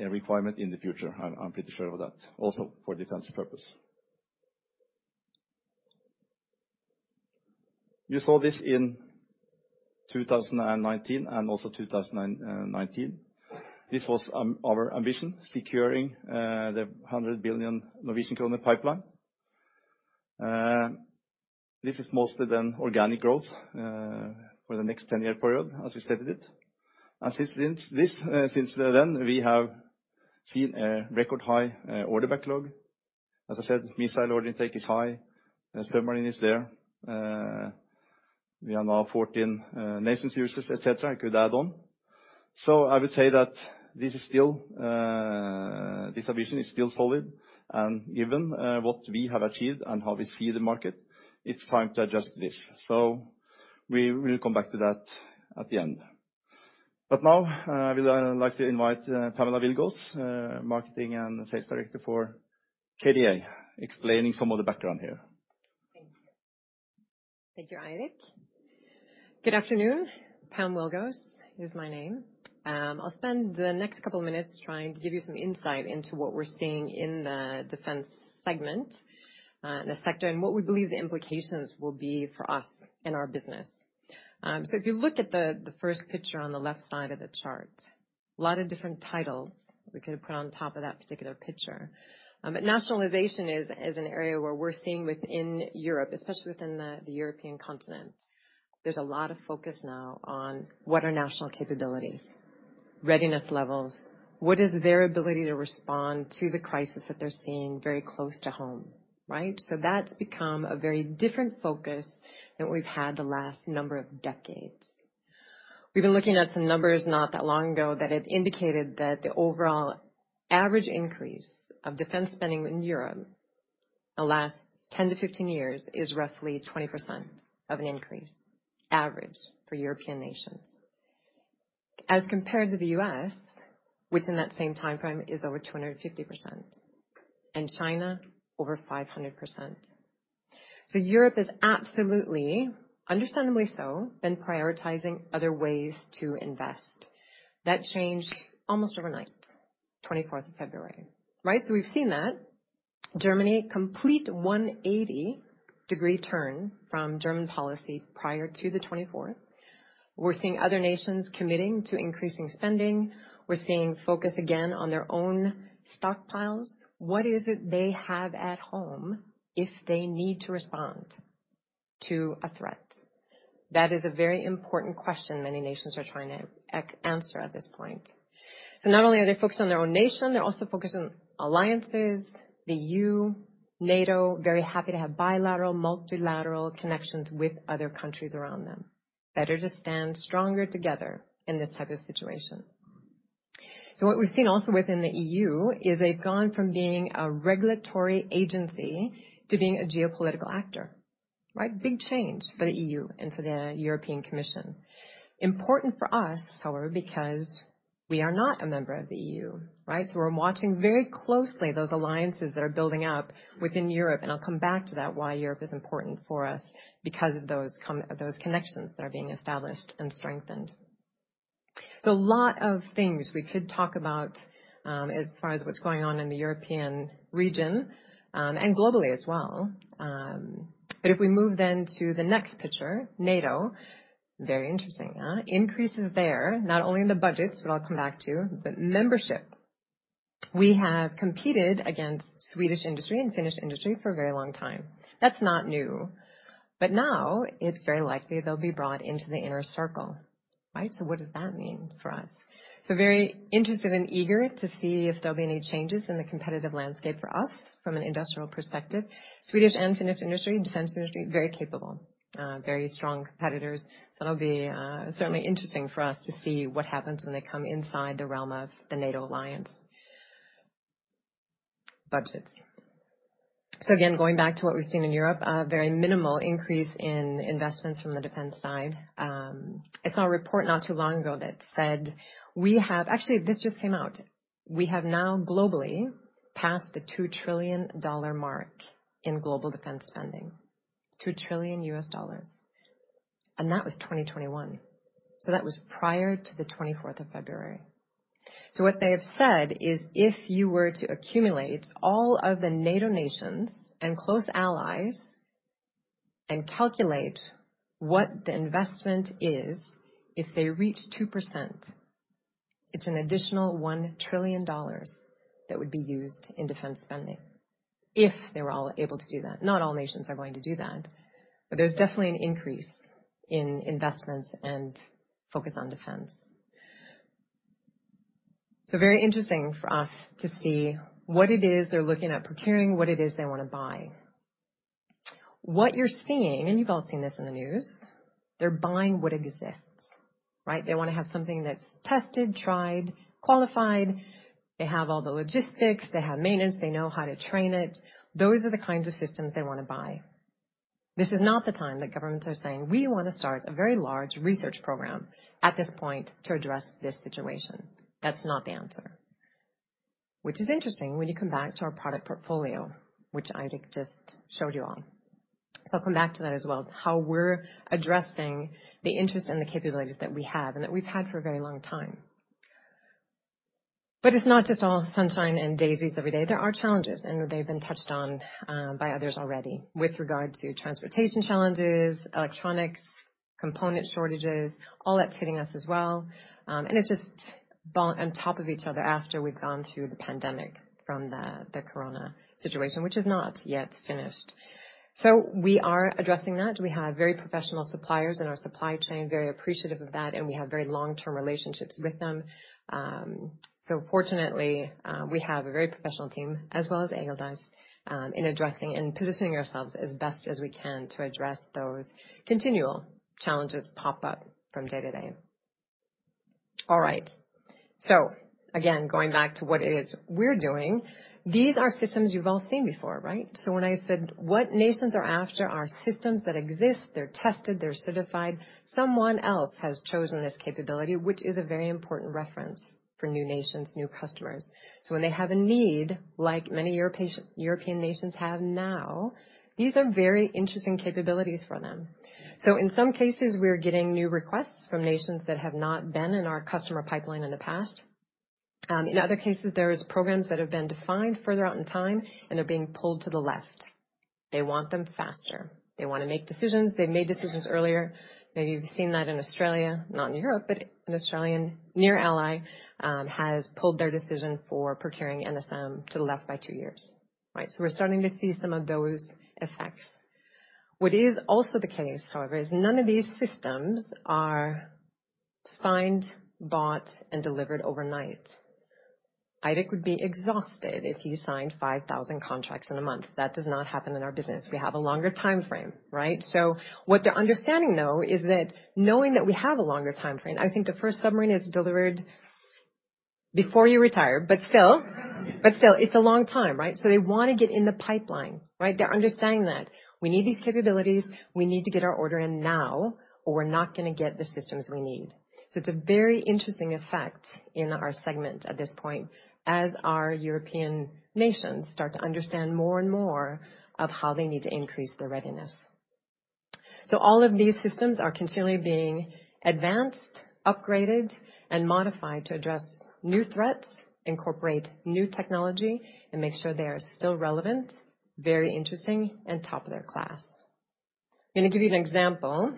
requirement in the future, I'm pretty sure of that, also for defense purpose. You saw this in 2019 and also 2019. This was our ambition, securing the 100 billion NOK pipeline. This is mostly then organic growth for the next 10-year period, as we stated it. As you've seen, this, since then, we have seen a record high order backlog. As I said, missile order intake is high, submarine is there. We are now 14 nations users, et cetera, I could add on. I would say that this is still, this vision is still solid. Given what we have achieved and how we see the market, it's time to adjust this. We will come back to that at the end. Now, I would like to invite Pamela Willgohs, Marketing and Sales Director for KDA, explaining some of the background here. Thank you. Thank you, Eirik. Good afternoon. Pam Willgohs is my name. I'll spend the next couple of minutes trying to give you some insight into what we're seeing in the defense segment, the sector, and what we believe the implications will be for us and our business. If you look at the first picture on the left side of the chart, a lot of different titles we could have put on top of that particular picture. Nationalization is an area where we're seeing within Europe, especially within the European continent, there's a lot of focus now on what are national capabilities, readiness levels. What is their ability to respond to the crisis that they're seeing very close to home? Right? That's become a very different focus than we've had the last number of decades. We've been looking at some numbers not that long ago that had indicated that the overall average increase of defense spending in Europe in the last 10-15 years is roughly 20% of an increase average for European nations. As compared to the U.S., which in that same time frame is over 250%, and China over 500%. Europe is absolutely, understandably so, been prioritizing other ways to invest. That changed almost overnight, 24th of February. Right. We've seen that Germany complete 180-degree turn from German policy prior to the 2024. We're seeing other nations committing to increasing spending. We're seeing focus again on their own stockpiles. What is it they have at home if they need to respond to a threat? That is a very important question many nations are trying to answer at this point. Not only are they focused on their own nation, they're also focused on alliances, the EU, NATO, very happy to have bilateral, multilateral connections with other countries around them. Better to stand stronger together in this type of situation. What we've seen also within the EU is they've gone from being a regulatory agency to being a geopolitical actor. Right. Big change for the EU and for the European Commission. Important for us, however, because we are not a member of the EU, right? We're watching very closely those alliances that are building up within Europe, and I'll come back to that, why Europe is important for us because of those connections that are being established and strengthened. A lot of things we could talk about, as far as what's going on in the European region, and globally as well. If we move then to the next picture, NATO, very interesting. Increases there, not only in the budgets, but membership. We have competed against Swedish industry and Finnish industry for a very long time. That's not new. Now it's very likely they'll be brought into the inner circle. Right? What does that mean for us? Very interested and eager to see if there'll be any changes in the competitive landscape for us from an industrial perspective. Swedish and Finnish industry, defense industry, very capable, very strong competitors. That'll be certainly interesting for us to see what happens when they come inside the realm of the NATO alliance. Budgets. Again, going back to what we've seen in Europe, a very minimal increase in investments from the defense side. I saw a report not too long ago that said, Actually, this just came out. We have now globally passed the $2 trillion mark in global defense spending. $2 trillion. That was 2021. That was prior to the 24th of February. What they have said is if you were to accumulate all of the NATO nations and close allies and calculate what the investment is if they reach 2%, it's an additional $1 trillion that would be used in defense spending, if they were all able to do that. Not all nations are going to do that, but there's definitely an increase in investments and focus on defense. Very interesting for us to see what it is they're looking at procuring, what it is they want to buy. What you're seeing, and you've all seen this in the news, they're buying what exists, right? They want to have something that's tested, tried, qualified. They have all the logistics. They have maintenance. They know how to train it. Those are the kinds of systems they want to buy. This is not the time that governments are saying, "We want to start a very large research program at this point to address this situation." That's not the answer. Which is interesting when you come back to our product portfolio, which Eirik just showed you all. I'll come back to that as well, how we're addressing the interest and the capabilities that we have and that we've had for a very long time. It's not just all sunshine and daisies every day. There are challenges, and they've been touched on by others already with regard to transportation challenges, electronics, component shortages, all that's hitting us as well. And it's just on top of each other after we've gone through the pandemic from the corona situation, which is not yet finished. We are addressing that. We have very professional suppliers in our supply chain, very appreciative of that, and we have very long-term relationships with them. Fortunately, we have a very professional team as well as Eirik Lie does, in addressing and positioning ourselves as best as we can to address those continual challenges pop up from day to day. All right. Again, going back to what it is we're doing, these are systems you've all seen before, right? When I said, what nations are after are systems that exist. They're tested, they're certified. Someone else has chosen this capability, which is a very important reference for new nations, new customers. When they have a need, like many European nations have now, these are very interesting capabilities for them. In some cases, we're getting new requests from nations that have not been in our customer pipeline in the past. In other cases, there is programs that have been defined further out in time and are being pulled to the left. They want them faster. They wanna make decisions. They've made decisions earlier. Maybe you've seen that in Australia, not in Europe, but an Australian near ally has pulled their decision for procuring NSM to the left by two years. Right? We're starting to see some of those effects. What is also the case, however, is none of these systems are signed, bought and delivered overnight. Eirik Lie would be exhausted if he signed 5,000 contracts in a month. That does not happen in our business. We have a longer timeframe, right? What they're understanding, though, is that knowing that we have a longer timeframe, I think the first submarine is delivered before you retire, but still, it's a long time, right? They wanna get in the pipeline, right? They're understanding that we need these capabilities. We need to get our order in now, or we're not gonna get the systems we need. It's a very interesting effect in our segment at this point, as our European nations start to understand more and more of how they need to increase their readiness. All of these systems are continually being advanced, upgraded, and modified to address new threats, incorporate new technology, and make sure they are still relevant, very interesting, and top of their class. I'm gonna give you an example.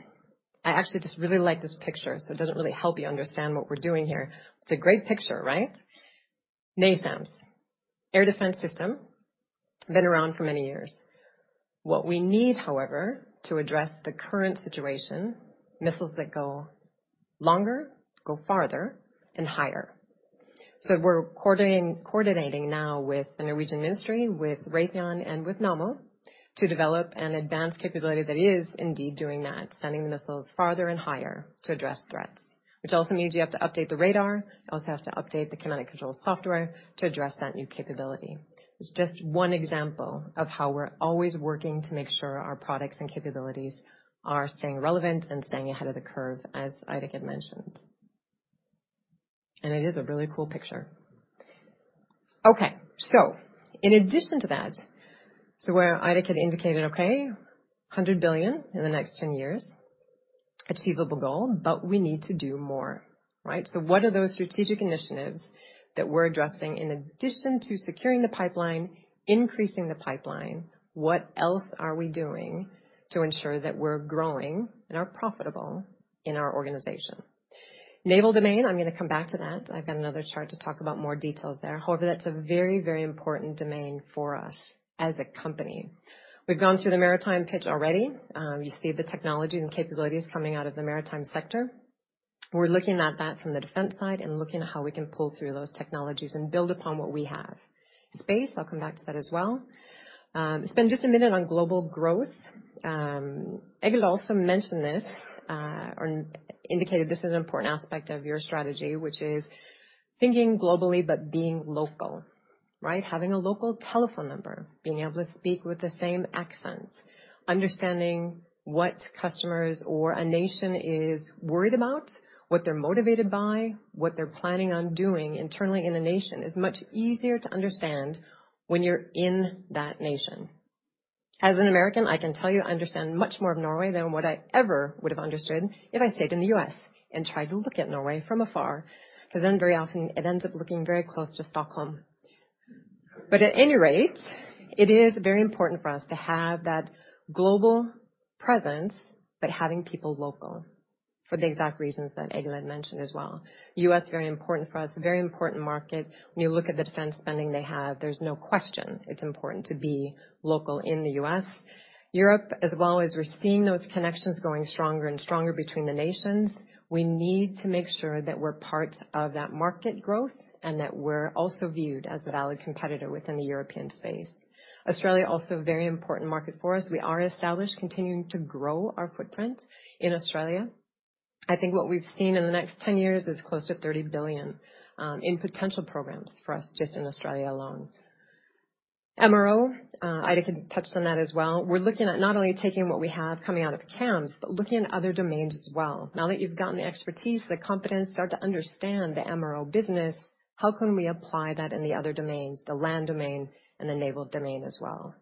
I actually just really like this picture, so it doesn't really help you understand what we're doing here. It's a great picture, right? NASAMS air defense system, been around for many years. What we need, however, to address the current situation, missiles that go longer, go farther and higher. We're coordinating now with the Norwegian Ministry, with Raytheon and with Nammo to develop an advanced capability that is indeed doing that, sending the missiles farther and higher to address threats, which also means you have to update the radar. You also have to update the command and control software to address that new capability. It's just one example of how we're always working to make sure our products and capabilities are staying relevant and staying ahead of the curve, as Eirik had mentioned. It is a really cool picture. Okay, in addition to that, where Eirik had indicated, okay, 100 billion in the next 10 years, achievable goal, but we need to do more, right? What are those strategic initiatives that we're addressing in addition to securing the pipeline, increasing the pipeline, what else are we doing to ensure that we're growing and are profitable in our organization? Naval domain, I'm gonna come back to that. I've got another chart to talk about more details there. However, that's a very, very important domain for us as a company. We've gone through the Maritime pitch already. You see the technologies and capabilities coming out of the Maritime sector. We're looking at that from the defense side and looking at how we can pull through those technologies and build upon what we have. Space, I'll come back to that as well. Spend just a minute on global growth. Egil also mentioned this, or indicated this is an important aspect of your strategy, which is thinking globally but being local, right? Having a local telephone number, being able to speak with the same accent, understanding what customers or a nation is worried about, what they're motivated by, what they're planning on doing internally in a nation is much easier to understand when you're in that nation. As an American, I can tell you, I understand much more of Norway than what I ever would have understood if I stayed in the U.S. and tried to look at Norway from afar, 'cause then very often it ends up looking very close to Stockholm. It is very important for us to have that global presence, but having people local for the exact reasons that Egil had mentioned as well. U.S., very important for us, very important market. When you look at the defense spending they have, there's no question it's important to be local in the U.S. Europe as well, as we're seeing those connections growing stronger and stronger between the nations. We need to make sure that we're part of that market growth and that we're also viewed as a valid competitor within the European space. Australia, also a very important market for us. We are established, continuing to grow our footprint in Australia. I think what we've seen in the next 10 years is close to 30 billion in potential programs for us just in Australia alone. MRO, Eirik had touched on that as well. We're looking at not only taking what we have coming out of KAMS, but looking at other domains as well. Now that you've gotten the expertise, the competence, start to understand the MRO business, how can we apply that in the other domains, the land domain and the naval domain as well?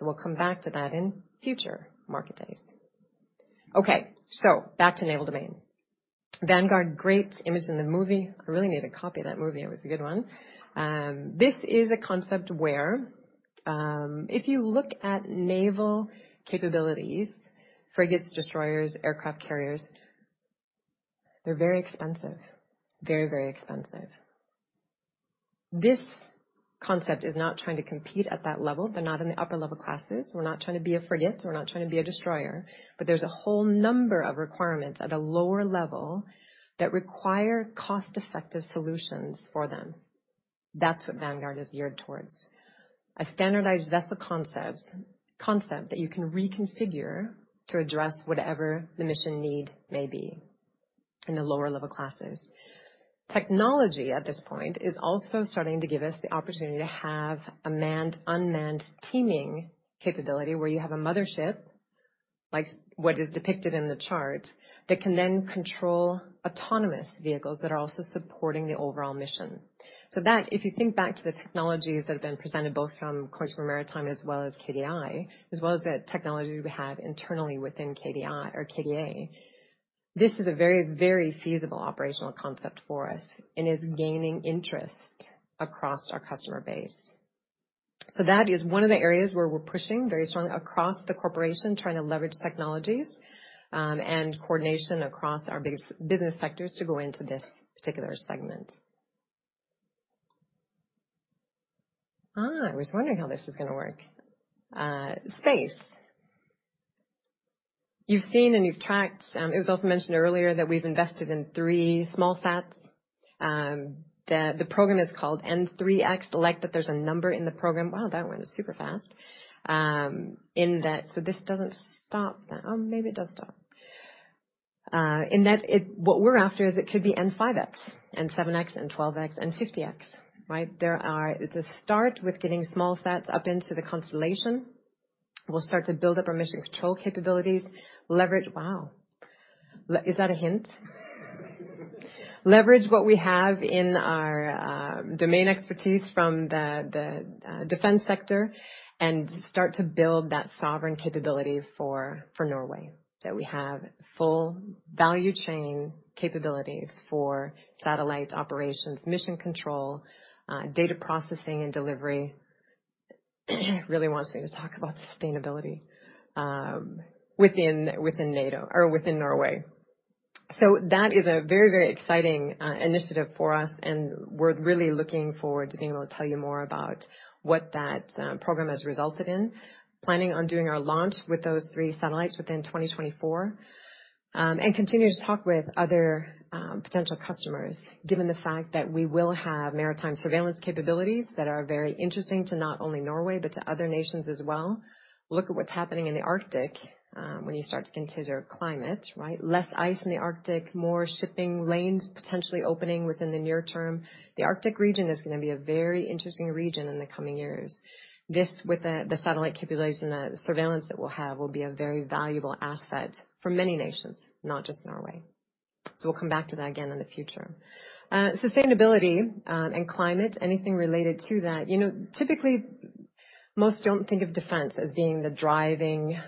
We'll come back to that in future Market Days. Okay, back to naval domain. Vanguard, great image in the movie. I really need a copy of that movie. It was a good one. This is a concept where, if you look at naval capabilities, frigates, destroyers, aircraft carriers, they're very expensive. Very, very expensive. This concept is not trying to compete at that level. They're not in the upper level classes. We're not trying to be a frigate. We're not trying to be a destroyer. But there's a whole number of requirements at a lower level that require cost-effective solutions for them. That's what Vanguard is geared towards, a standardized vessel concept that you can reconfigure to address whatever the mission need may be in the lower level classes. Technology at this point is also starting to give us the opportunity to have a manned-unmanned teaming capability where you have a mothership, like what is depicted in the chart, that can then control autonomous vehicles that are also supporting the overall mission. That if you think back to the technologies that have been presented both from Kongsberg Maritime as well as KDI, as well as the technology we have internally within KDI or KDA, this is a very, very feasible operational concept for us and is gaining interest across our customer base. That is one of the areas where we're pushing very strongly across the corporation, trying to leverage technologies and coordination across our business sectors to go into this particular segment. I was wondering how this was gonna work. Space. You've seen and you've tracked, it was also mentioned earlier that we've invested in three small sats. The program is called N3X. I like that there's a number in the program. Wow, that went super fast. In that this doesn't stop. Oh, maybe it does stop. What we're after is it could be N5X, N7X, N12X, N50X, right? There are. To start with getting small sats up into the constellation, we'll start to build up our mission control capabilities. Wow. Is that a hint? Leverage what we have in our domain expertise from the defense sector and start to build that sovereign capability for Norway. That we have full value chain capabilities for satellite operations, mission control, data processing and delivery. Really wants me to talk about sustainability within NATO or within Norway. That is a very, very exciting initiative for us, and we're really looking forward to being able to tell you more about what that program has resulted in. Planning on doing our launch with those three satellites within 2024, and continue to talk with other potential customers, given the fact that we will have Maritime surveillance capabilities that are very interesting to not only Norway, but to other nations as well. Look at what's happening in the Arctic, when you start to consider climate, right? Less ice in the Arctic, more shipping lanes potentially opening within the near term. The Arctic region is gonna be a very interesting region in the coming years. This, with the satellite capabilities and the surveillance that we'll have, will be a very valuable asset for many nations, not just Norway. We'll come back to that again in the future. Sustainability, and climate, anything related to that. You know, typically, most don't think of defense as being the driving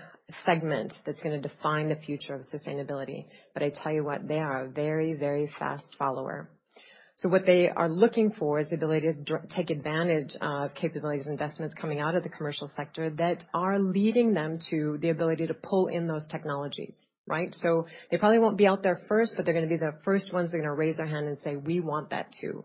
segment that's gonna define the future of sustainability. I tell you what, they are a very, very fast follower. What they are looking for is the ability to take advantage of capabilities and investments coming out of the commercial sector that are leading them to the ability to pull in those technologies, right? They probably won't be out there first, but they're gonna be the first ones that are gonna raise their hand and say, "We want that, too."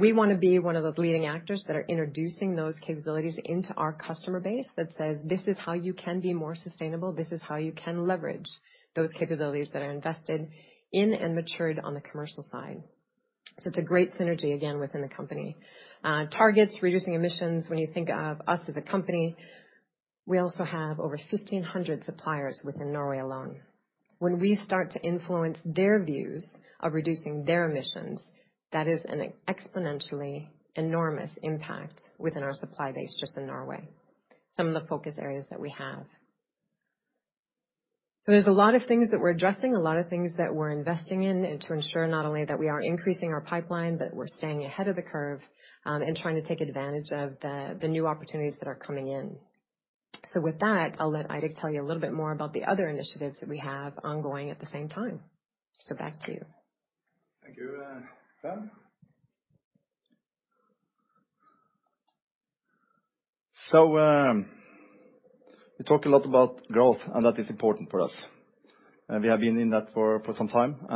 We wanna be one of those leading actors that are introducing those capabilities into our customer base that says, "This is how you can be more sustainable. This is how you can leverage those capabilities that are invested in and matured on the commercial side." It's a great synergy, again, within the company. Targets, reducing emissions, when you think of us as a company, we also have over 1,500 suppliers within Norway alone. When we start to influence their views of reducing their emissions, that is an exponentially enormous impact within our supply base just in Norway, some of the focus areas that we have. There's a lot of things that we're addressing, a lot of things that we're investing in to ensure not only that we are increasing our pipeline, but we're staying ahead of the curve, and trying to take advantage of the new opportunities that are coming in. With that, I'll let Eirik tell you a little bit more about the other initiatives that we have ongoing at the same time. Back to you. Thank you, Pam. We talk a lot about growth, and that is important for us. We have been in that for some time. We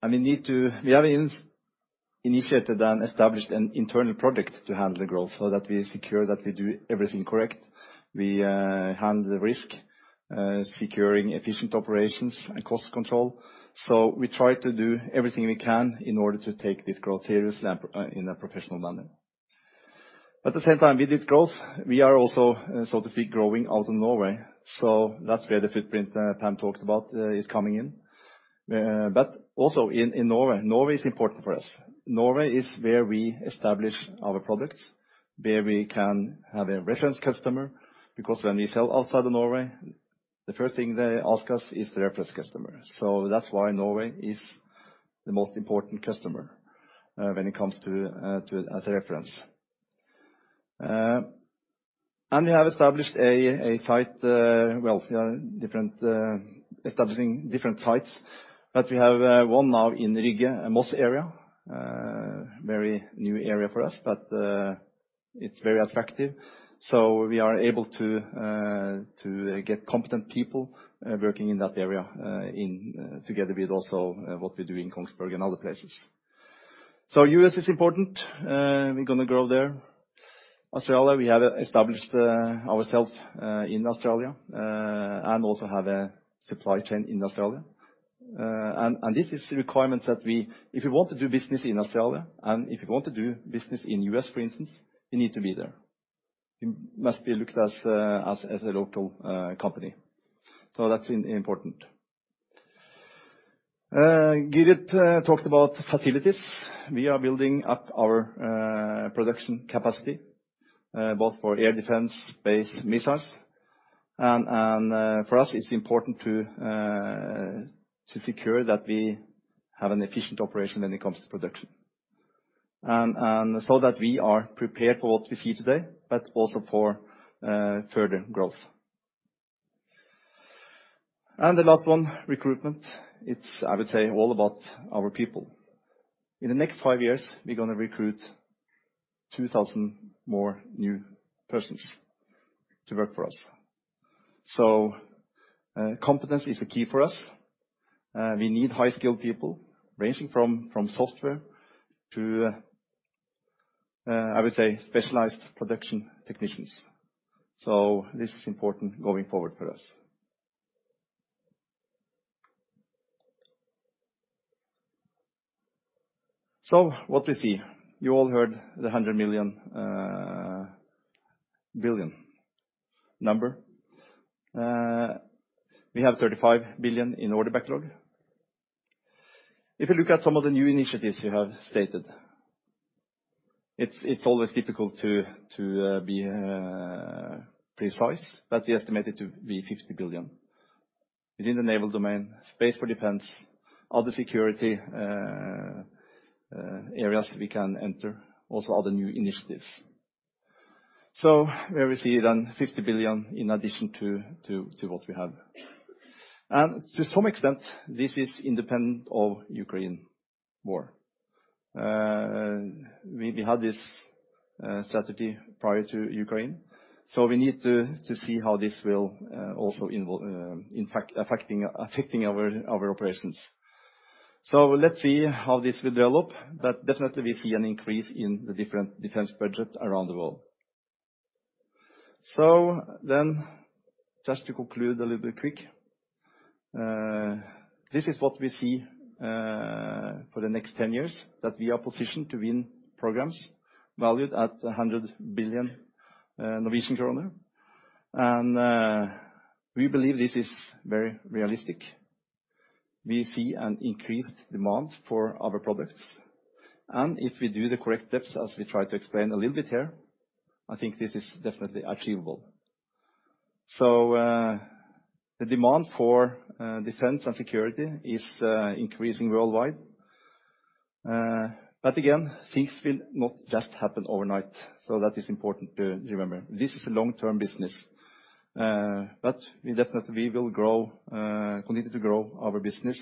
have initiated and established an internal project to handle the growth so that we secure that we do everything correct. We handle the risk, securing efficient operations and cost control. We try to do everything we can in order to take this growth seriously and in a professional manner. At the same time, with this growth, we are also, so to speak, growing out of Norway. That's where the footprint, Pam talked about, is coming in. Also in Norway is important for us. Norway is where we establish our products, where we can have a reference customer, because when we sell outside of Norway, the first thing they ask us is the reference customer. That's why Norway is the most important customer when it comes to as a reference. We have established a site establishing different sites, but we have one now in the Rygge and Moss area. Very new area for us, but it's very attractive, so we are able to get competent people working in that area in together with also what we do in Kongsberg and other places. U.S., is important. We're gonna grow there. Australia, we have established ourselves in Australia and also have a supply chain in Australia. This is the requirement that we. If you want to do business in Australia, and if you want to do business in U.S., for instance, you need to be there. You must be looked as a local company. That's important. Gyrid talked about facilities. We are building up our production capacity both for air defense-based missiles and for us, it's important to secure that we have an efficient operation when it comes to production and so that we are prepared for what we see today, but also for further growth. The last one, recruitment. It's, I would say, all about our people. In the next five years, we're gonna recruit 2,000 more new persons to work for us. Competence is a key for us. We need high-skilled people, ranging from software to, I would say, specialized production technicians. This is important going forward for us. What we see, you all heard the 100 billion number. We have 35 billion in order backlog. If you look at some of the new initiatives we have stated, it's always difficult to be precise, but we estimate it to be 50 billion within the naval domain, space for defense, other security areas we can enter, also other new initiatives. Where we see it on 50 billion in addition to what we have. To some extent, this is independent of Ukraine war. We had this strategy prior to Ukraine, we need to see how this will also impact affecting our operations. Let's see how this will develop, but definitely we see an increase in the different defense budget around the world. Just to conclude a little bit quick, this is what we see for the next 10 years, that we are positioned to win programs valued at 100 billion Norwegian kroner. We believe this is very realistic. We see an increased demand for our products, and if we do the correct steps, as we try to explain a little bit here, I think this is definitely achievable. The demand for defense and security is increasing worldwide. Again, things will not just happen overnight, so that is important to remember. This is a long-term business. We definitely will grow, continue to grow our business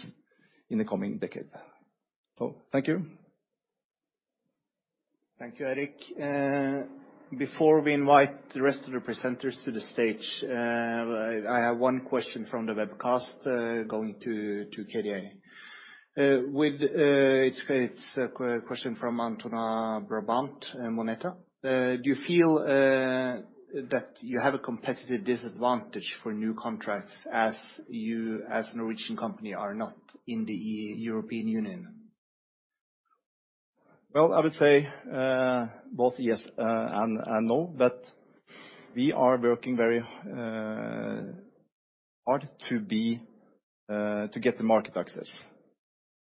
in the coming decade. Thank you. Thank you, Eirik. Before we invite the rest of the presenters to the stage, I have one question from the webcast, going to KDA. It's a question from Antoine Brabant, Moneta. Do you feel that you have a competitive disadvantage for new contracts as you as a Norwegian company are not in the European Union? Well, I would say both yes and no, but we are working very hard to get the market access.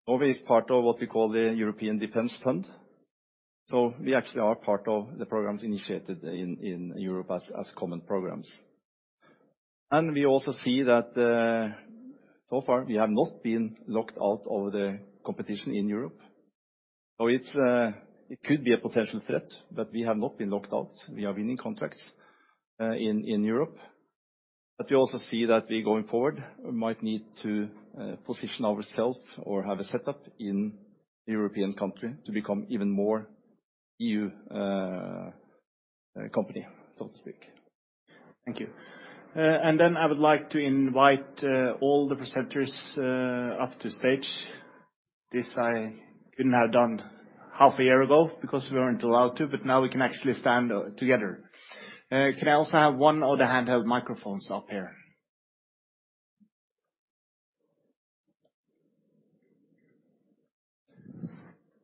Always part of what we call the European Defence Fund. We actually are part of the programs initiated in Europe as common programs. We also see that so far we have not been locked out of the competition in Europe. It could be a potential threat, but we have not been locked out. We are winning contracts in Europe. We also see that we, going forward, might need to position ourselves or have a setup in European country to become even more EU company, so to speak. Thank you. I would like to invite all the presenters up to stage. This I couldn't have done half a year ago because we weren't allowed to, but now we can actually stand together. Can I also have one of the handheld microphones up here?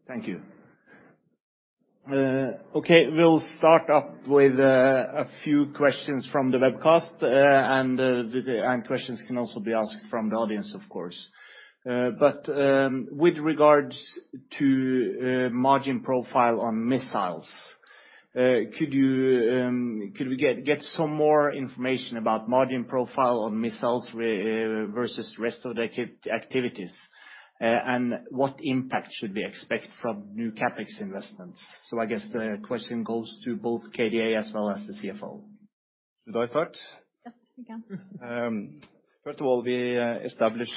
Thank you. Okay, we'll start up with a few questions from the webcast. Questions can also be asked from the audience, of course. With regards to margin profile on missiles, could we get some more information about margin profile on missiles versus rest of the activities? What impact should we expect from new CapEx investments? I guess the question goes to both KDA as well as the CFO. Should I start? Yes, you can. First of all, we established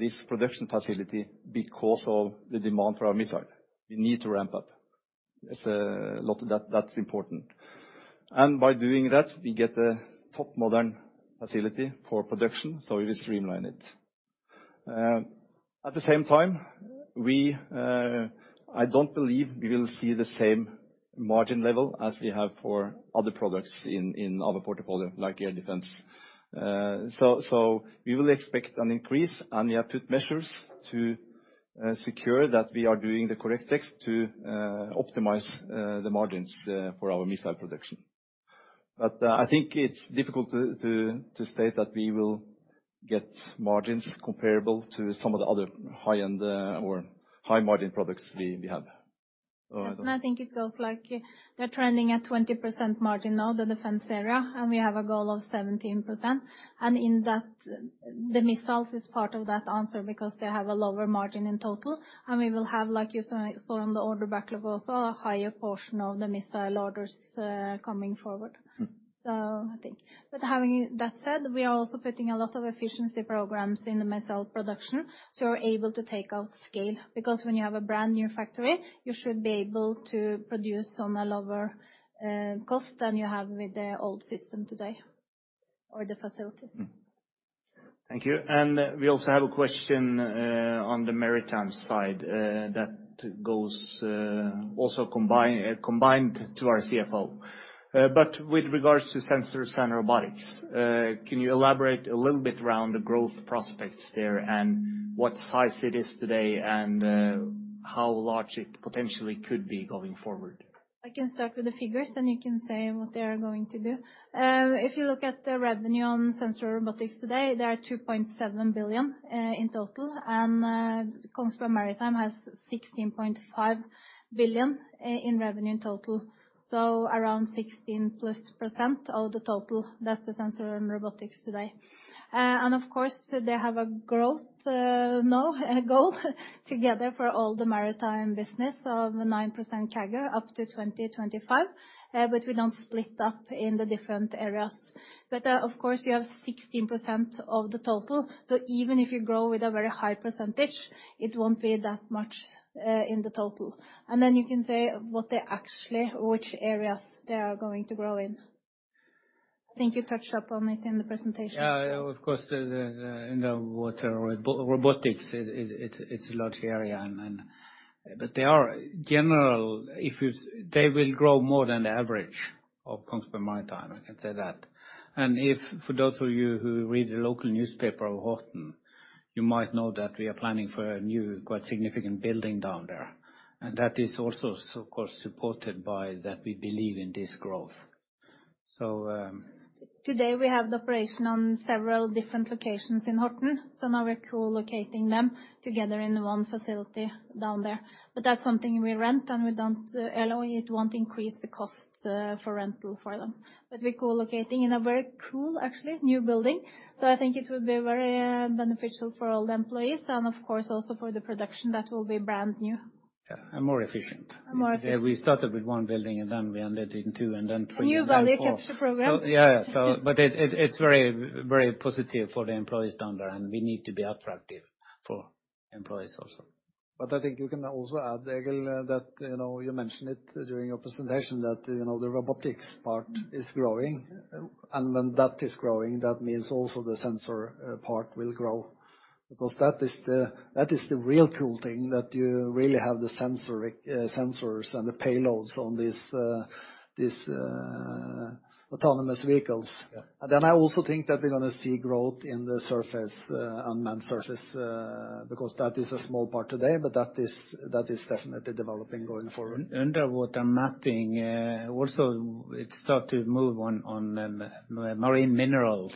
this production facility because of the demand for our missile. We need to ramp up. It's a lot of that's important. By doing that, we get a top modern facility for production, so we streamline it. At the same time, I don't believe we will see the same margin level as we have for other products in our portfolio, like air defense. We will expect an increase, and we have put measures to secure that we are doing the correct test to optimize the margins for our missile production. I think it's difficult to state that we will get margins comparable to some of the other high-end or high-margin products we have. I think it goes like they're trending at 20% margin now, the defense area, and we have a goal of 17%. In that, the missiles is part of that answer because they have a lower margin in total, and we will have, like you saw on the order backlog, also a higher portion of the missile orders coming forward. Mm. Having that said, we are also putting a lot of efficiency programs in the missile production, so we're able to take out scale. Because when you have a brand new factory, you should be able to produce on a lower cost than you have with the old system today or the facilities. Mm. Thank you. We also have a question on the Maritime side that goes also combined to our CFO. With regards to Sensors and Robotics, can you elaborate a little bit around the growth prospects there and what size it is today and how large it potentially could be going forward. I can start with the figures, then you can say what they are going to do. If you look at the revenue on Sensors and Robotics today, they are 2.7 billion in total. Kongsberg Maritime has 16.5 billion in revenue in total. So around 16%+ of the total. That's the Sensors and Robotics today. Of course, they have a growth goal together for all the Maritime business of 9% CAGR up to 2025. But we don't split up in the different areas. Of course you have 16% of the total. So even if you grow with a very high percentage, it won't be that much in the total. Then you can say what they actually, which areas they are going to grow in. I think you touched on it in the presentation. Yeah, of course, the underwater robotics, it's a large area and. But they are generally, they will grow more than the average of Kongsberg Maritime, I can say that. If, for those of you who read the local newspaper of Horten, you might know that we are planning for a new, quite significant building down there. That is also, of course, supported by that we believe in this growth. So, Today we have the operation on several different locations in Horten, so now we're co-locating them together in the one facility down there. That's something we rent and we don't own. It won't increase the costs for rental for them. We're co-locating in a very cool, actually, new building. I think it will be very beneficial for all the employees and of course also for the production that will be brand new. Yeah. More efficient. More efficient. We started with one building and then we ended in two and then three. New value capture program. Yeah. It's very, very positive for the employees down there, and we need to be attractive for employees also. I think you can also add, Egil, that, you know, you mentioned it during your presentation, that, you know, the robotics part is growing. When that is growing, that means also the sensor part will grow. Because that is the real cool thing, that you really have the sensors and the payloads on these autonomous vehicles. Yeah. I also think that we're gonna see growth in the surface unmanned surfaces because that is a small part today, but that is definitely developing going forward. Underwater mapping, also it start to move on marine minerals.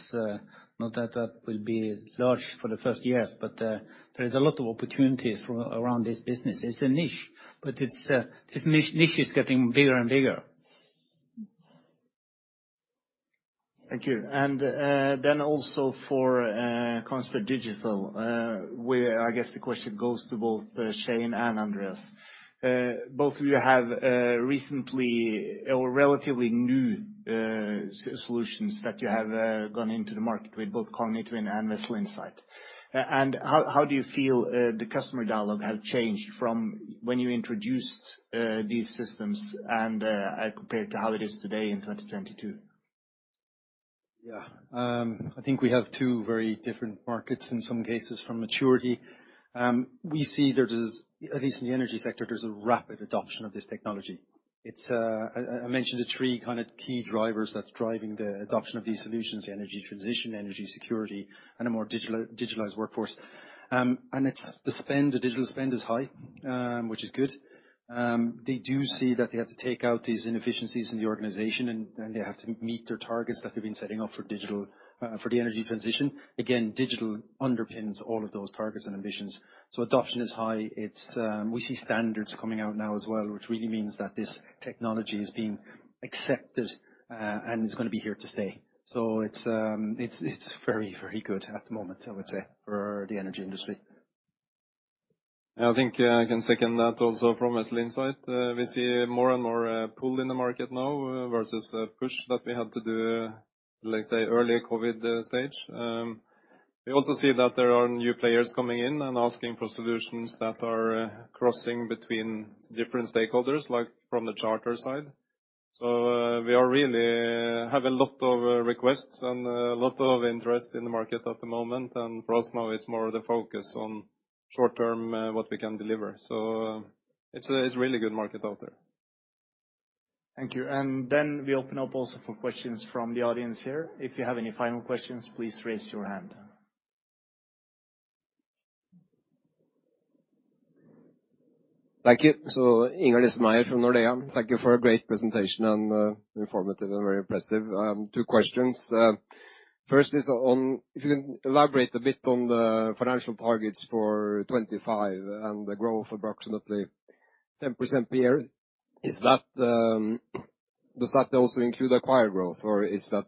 Not that will be large for the first years, but there is a lot of opportunities from around this business. It's a niche, but it's this niche is getting bigger and bigger. Thank you. Then also for Kongsberg Digital, where I guess the question goes to both Shane and Andreas. Both of you have recently or relatively new solutions that you have gone into the market with both Kognitwin and Vessel Insight. How do you feel the customer dialogue has changed from when you introduced these systems and compared to how it is today in 2022? Yeah. I think we have two very different markets in some cases from maturity. We see there's this, at least in the energy sector, there's a rapid adoption of this technology. It's, I mentioned the three kind of key drivers that's driving the adoption of these solutions, the energy transition, energy security, and a more digitalized workforce. And it's the spend, the digital spend is high, which is good. They do see that they have to take out these inefficiencies in the organization and they have to meet their targets that we've been setting up for digital, for the energy transition. Again, digital underpins all of those targets and ambitions. Adoption is high. It's, we see standards coming out now as well, which really means that this technology is being accepted, and is gonna be here to stay. It's very, very good at the moment, I would say, for the energy industry. Yeah. I think I can second that also from Vessel Insight. We see more and more pull in the market now versus push that we had to do, let's say, early COVID stage. We also see that there are new players coming in and asking for solutions that are crossing between different stakeholders, like from the charter side. We really have a lot of requests and a lot of interest in the market at the moment. For us now it's more the focus on short-term what we can deliver. It's really good market out there. Thank you. We open up also for questions from the audience here. If you have any final questions, please raise your hand. Thank you. Inger Lise Meyer from Nordea. Thank you for a great presentation and, informative and very impressive. Two questions. First is on, if you can elaborate a bit on the financial targets for 25 and the growth approximately 10% per year. Is that, does that also include acquired growth or is that,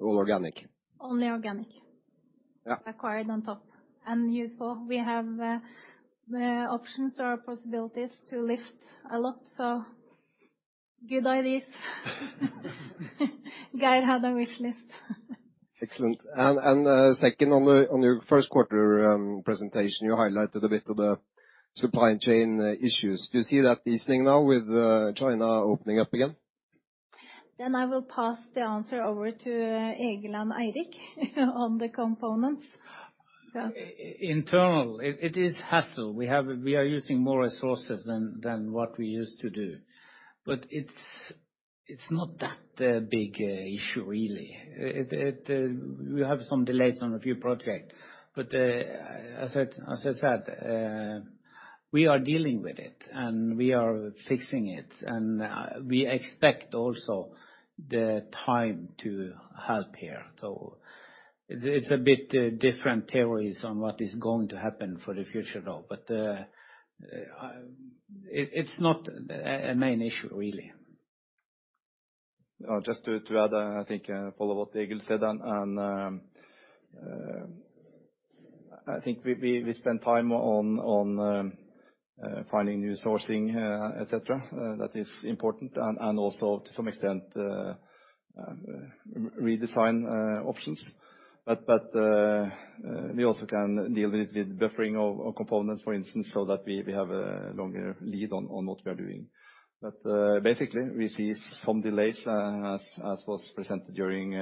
all organic? Only organic. Yeah. Acquired on top. You saw we have options or possibilities to lift a lot. Good ideas. Geir had a wish list. Excellent. Second on your first quarter presentation, you highlighted a bit of the supply chain issues. Do you see that easing now with China opening up again? I will pass the answer over to Egil and Eirik on the components. Yeah. Internally, it is a hassle. We are using more resources than what we used to do. It's not that big issue, really. We have some delays on a few projects, but as I said, we are dealing with it, and we are fixing it, and we expect also the time to help here. It's a bit different theories on what is going to happen for the future, though. It's not a main issue, really. Just to add, I think, follow what Egil said and I think we spend time on finding new sourcing, et cetera, that is important and also to some extent redesign options. We also can deal with the buffering of components, for instance, so that we have a longer lead on what we are doing. Basically, we see some delays as was presented during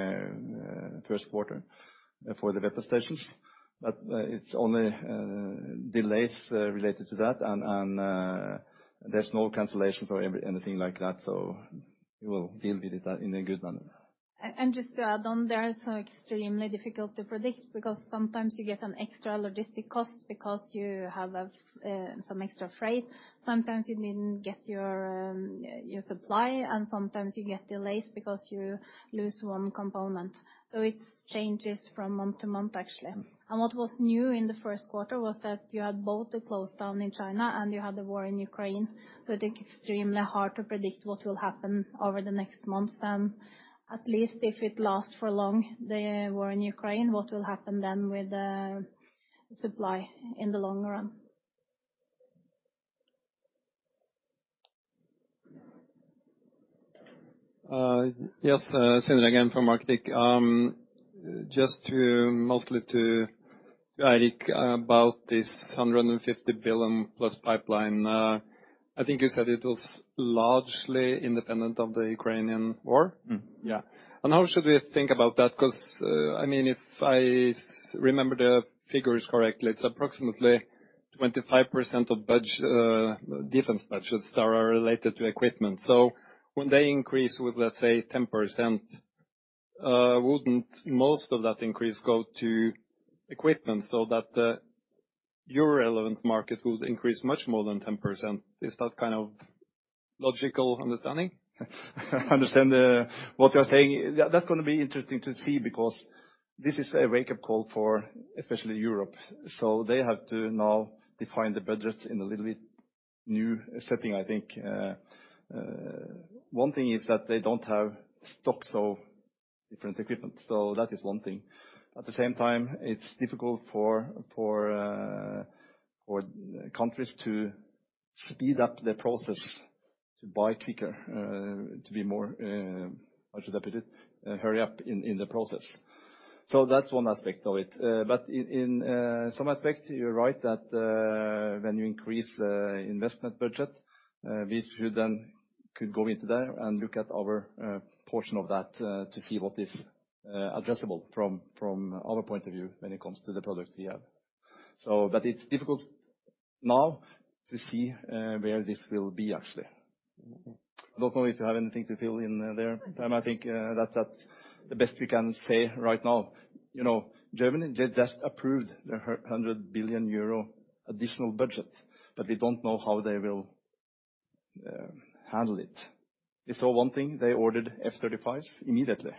first quarter for the weapon stations. It's only delays related to that, and there's no cancellations or anything like that. We will deal with it in a good manner. Just to add on, they are so extremely difficult to predict because sometimes you get an extra logistic cost because you have some extra freight. Sometimes you didn't get your supply, and sometimes you get delays because you lose one component. It changes from month to month, actually. What was new in the first quarter was that you had both the close down in China and you had the war in Ukraine. It's extremely hard to predict what will happen over the next months, and at least if it lasts for long, the war in Ukraine, what will happen then with the supply in the long run. Yes. Sindre again from Arctic. Mostly to Eirik about this 150 billion plus pipeline. I think you said it was largely independent of the Ukrainian war. Mm-hmm. Yeah. How should we think about that? 'Cause, I mean, if I remember the figures correctly, it's approximately 25% of defense budgets that are related to equipment. When they increase with, let's say, 10%, wouldn't most of that increase go to equipment so that, your relevant market would increase much more than 10%? Is that kind of logical understanding? Understand what you're saying. That's gonna be interesting to see because this is a wake-up call for especially Europe. They have to now define the budgets in a little bit new setting, I think. One thing is that they don't have stocks of different equipment. That is one thing. At the same time, it's difficult for countries to speed up the process to buy quicker, to be more, how should I put it? Hurry up in the process. That's one aspect of it. But in some aspect, you're right that, when you increase the investment budget, we should then could go into there and look at our portion of that, to see what is addressable from our point of view when it comes to the products we have. But it's difficult now to see where this will be actually. I don't know if you have anything to fill in there. I think that's the best we can say right now. You know, Germany just approved their 100 billion euro additional budget, but we don't know how they will handle it. They saw one thing, they ordered F-35s immediately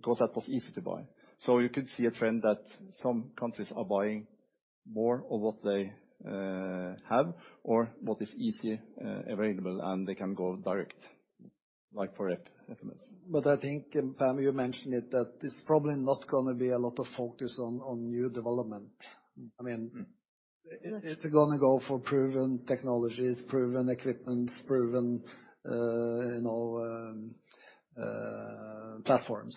because that was easy to buy. You could see a trend that some countries are buying more of what they have or what is easily available, and they can go direct, like for FMS. I think, Pam, you mentioned it, that it's probably not gonna be a lot of focus on new development. I mean Mm-hmm... it's gonna go for proven technologies, proven equipment, proven, you know, platforms.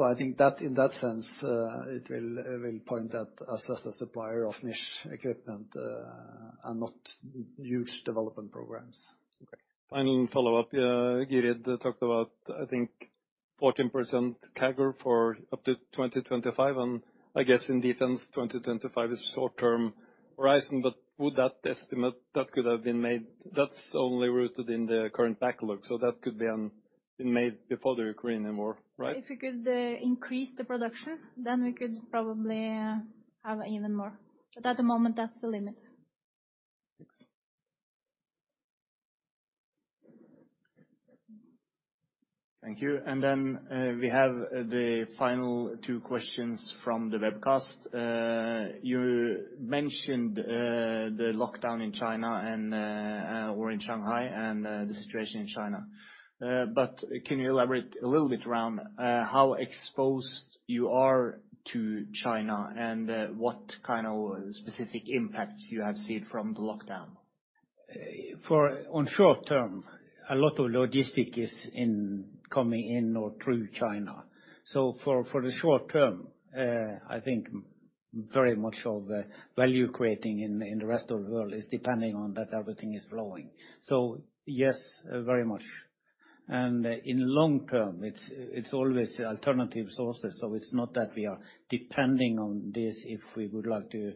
I think that in that sense, it will point at us as a supplier of niche equipment, and not huge development programs. Okay. Final follow-up. Gyrid talked about, I think, 14% CAGR for up to 2025, and I guess in defense, 2025 is short-term horizon. Would that estimate that could have been made? That's only rooted in the current backlog, so that could be made before the Ukrainian war, right? If we could increase the production, then we could probably have even more. At the moment, that's the limit. Thanks. Thank you. We have the final two questions from the webcast. You mentioned the lockdown in China and, or in Shanghai and the situation in China. But can you elaborate a little bit around how exposed you are to China and what kind of specific impacts you have seen from the lockdown? On short term, a lot of logistics is in, coming in or through China. For the short term, I think very much of value creating in the rest of the world is depending on that everything is flowing. Yes, very much. In long term, it's always alternative sources. It's not that we are depending on this if we would like to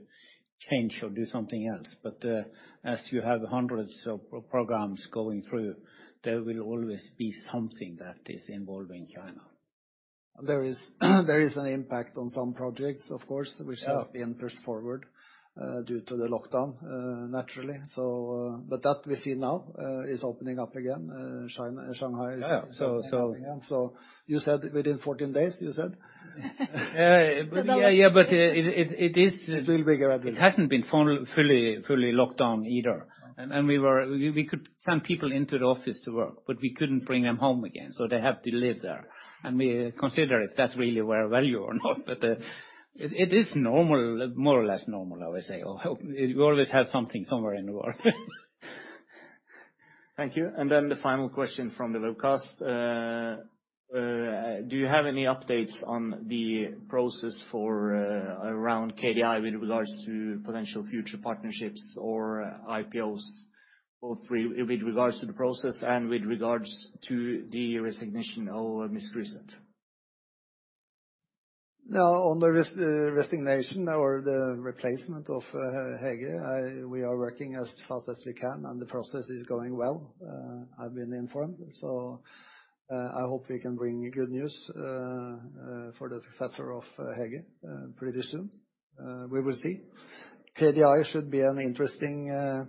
change or do something else. As you have hundreds of programs going through, there will always be something that is involving China. There is an impact on some projects, of course. Yes. which has been pushed forward, due to the lockdown, naturally. That we see now is opening up again, China, Shanghai. Yeah. You said within 14 days, you said? Yeah, but it is. It will be gradual. It hasn't been formal, fully locked down either. We could send people into the office to work, but we couldn't bring them home again, so they have to live there. We consider if that's really worth value or not. It is normal, more or less normal, I would say, or hope. You always have something somewhere in the world. Thank you. Then the final question from the webcast. Do you have any updates on the process for around KDI with regards to potential future partnerships or IPOs, both with regards to the process and with regards to the resignation of Hege Skryseth? Now, on the resignation or the replacement of Hege, we are working as fast as we can, and the process is going well. I've been informed. I hope we can bring good news for the successor of Hege pretty soon. We will see. KDI should be an interesting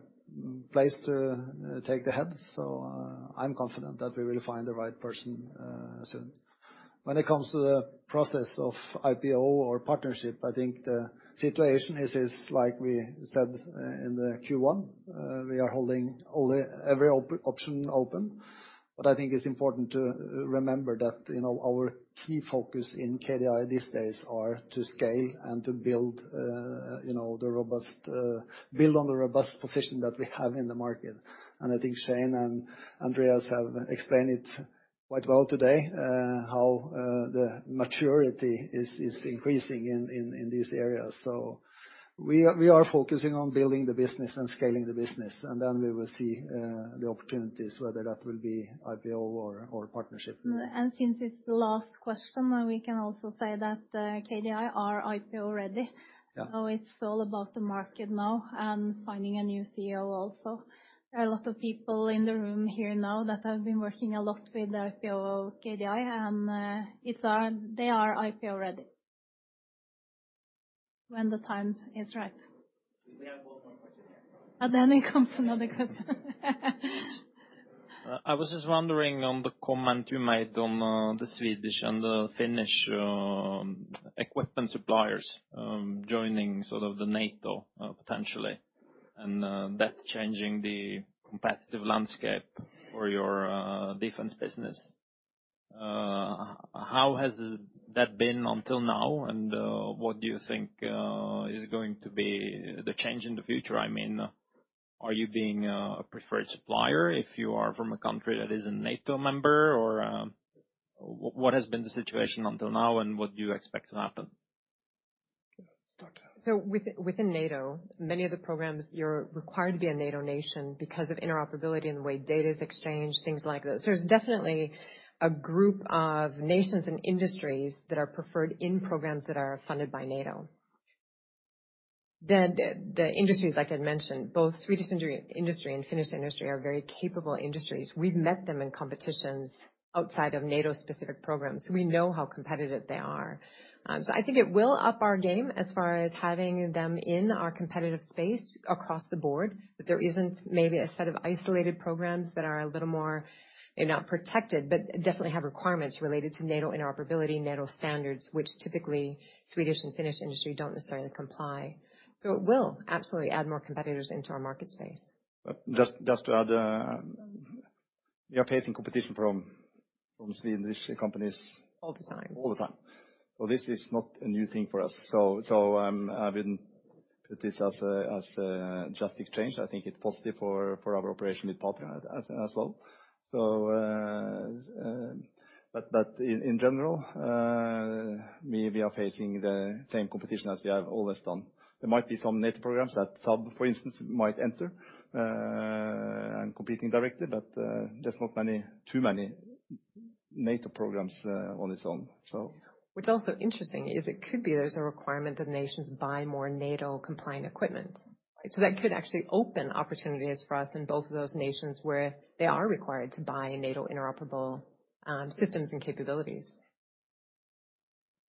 place to take the head, so I'm confident that we will find the right person soon. When it comes to the process of IPO or partnership, I think the situation is like we said in the Q1. We are holding every option open. I think it's important to remember that, you know, our key focus in KDI these days are to scale and to build, you know, on the robust position that we have in the market. I think Shane and Andreas have explained it quite well today, how the maturity is increasing in these areas. We are focusing on building the business and scaling the business, and then we will see the opportunities, whether that will be IPO or partnership. Since it's the last question, we can also say that, KDI are IPO ready. Yeah. It's all about the market now and finding a new CEO also. There are a lot of people in the room here now that have been working a lot with the IPO KDI, and they are IPO ready when the time is right. We have one more question here. It comes another question. I was just wondering on the comment you made on the Swedish and the Finnish equipment suppliers joining sort of the NATO potentially, and that's changing the competitive landscape for your defense business. How has that been until now? What do you think is going to be the change in the future? I mean, are you being a preferred supplier if you are from a country that is a NATO member? What has been the situation until now, and what do you expect to happen? Start. Within NATO, many of the programs you're required to be a NATO nation because of interoperability and the way data is exchanged, things like that. There's definitely a group of nations and industries that are preferred in programs that are funded by NATO. The industries, like I'd mentioned, both Swedish industry and Finnish industry are very capable industries. We've met them in competitions outside of NATO-specific programs. We know how competitive they are. I think it will up our game as far as having them in our competitive space across the board, but there isn't maybe a set of isolated programs that are a little more, maybe not protected, but definitely have requirements related to NATO interoperability, NATO standards, which typically Swedish and Finnish industry don't necessarily comply. It will absolutely add more competitors into our market space. Just to add, we are facing competition from Swedish companies. All the time. All the time. This is not a new thing for us. I wouldn't put this as a just exchange. I think it's positive for our operation with Patria as well. In general, we are facing the same competition as we have always done. There might be some NATO programs that some, for instance, might enter and competing directly, but there's not too many NATO programs on its own. What's also interesting is it could be there's a requirement that nations buy more NATO-compliant equipment. That could actually open opportunities for us in both of those nations where they are required to buy NATO interoperable systems and capabilities.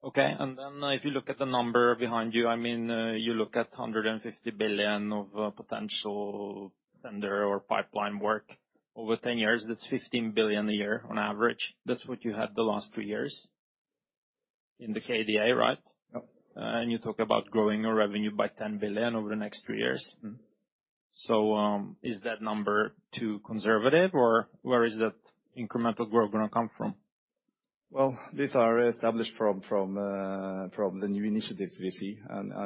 If you look at the number behind you, I mean, you look at 150 billion of potential tender or pipeline work over 10 years. That's 15 billion a year on average. That's what you had the last two years in the KDA, right? Yep. You talk about growing your revenue by 10 billion over the next 3 years. Mm-hmm. Is that number too conservative or where is that incremental growth gonna come from? Well, these are established from the new initiatives we see.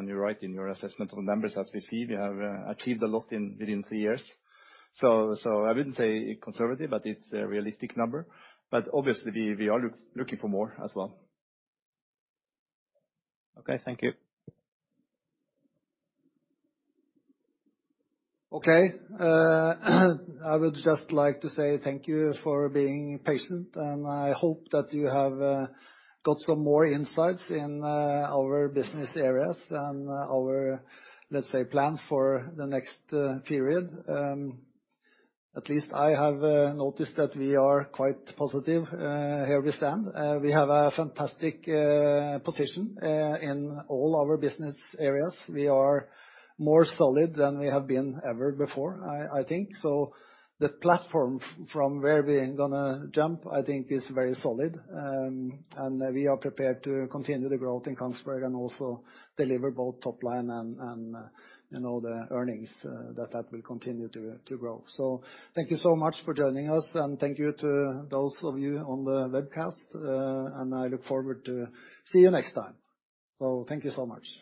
You're right in your assessment on numbers as we see. We have achieved a lot within three years. I wouldn't say conservative, but it's a realistic number. Obviously we are looking for more as well. Okay. Thank you. Okay. I would just like to say thank you for being patient, and I hope that you have got some more insights in our business areas and our, let's say, plans for the next period. At least I have noticed that we are quite positive, here we stand. We have a fantastic position in all our business areas. We are more solid than we have been ever before, I think. The platform from where we're gonna jump, I think is very solid. We are prepared to continue the growth in Kongsberg and also deliver both top line and, you know, the earnings that will continue to grow. Thank you so much for joining us, and thank you to those of you on the webcast. I look forward to see you next time. Thank you so much.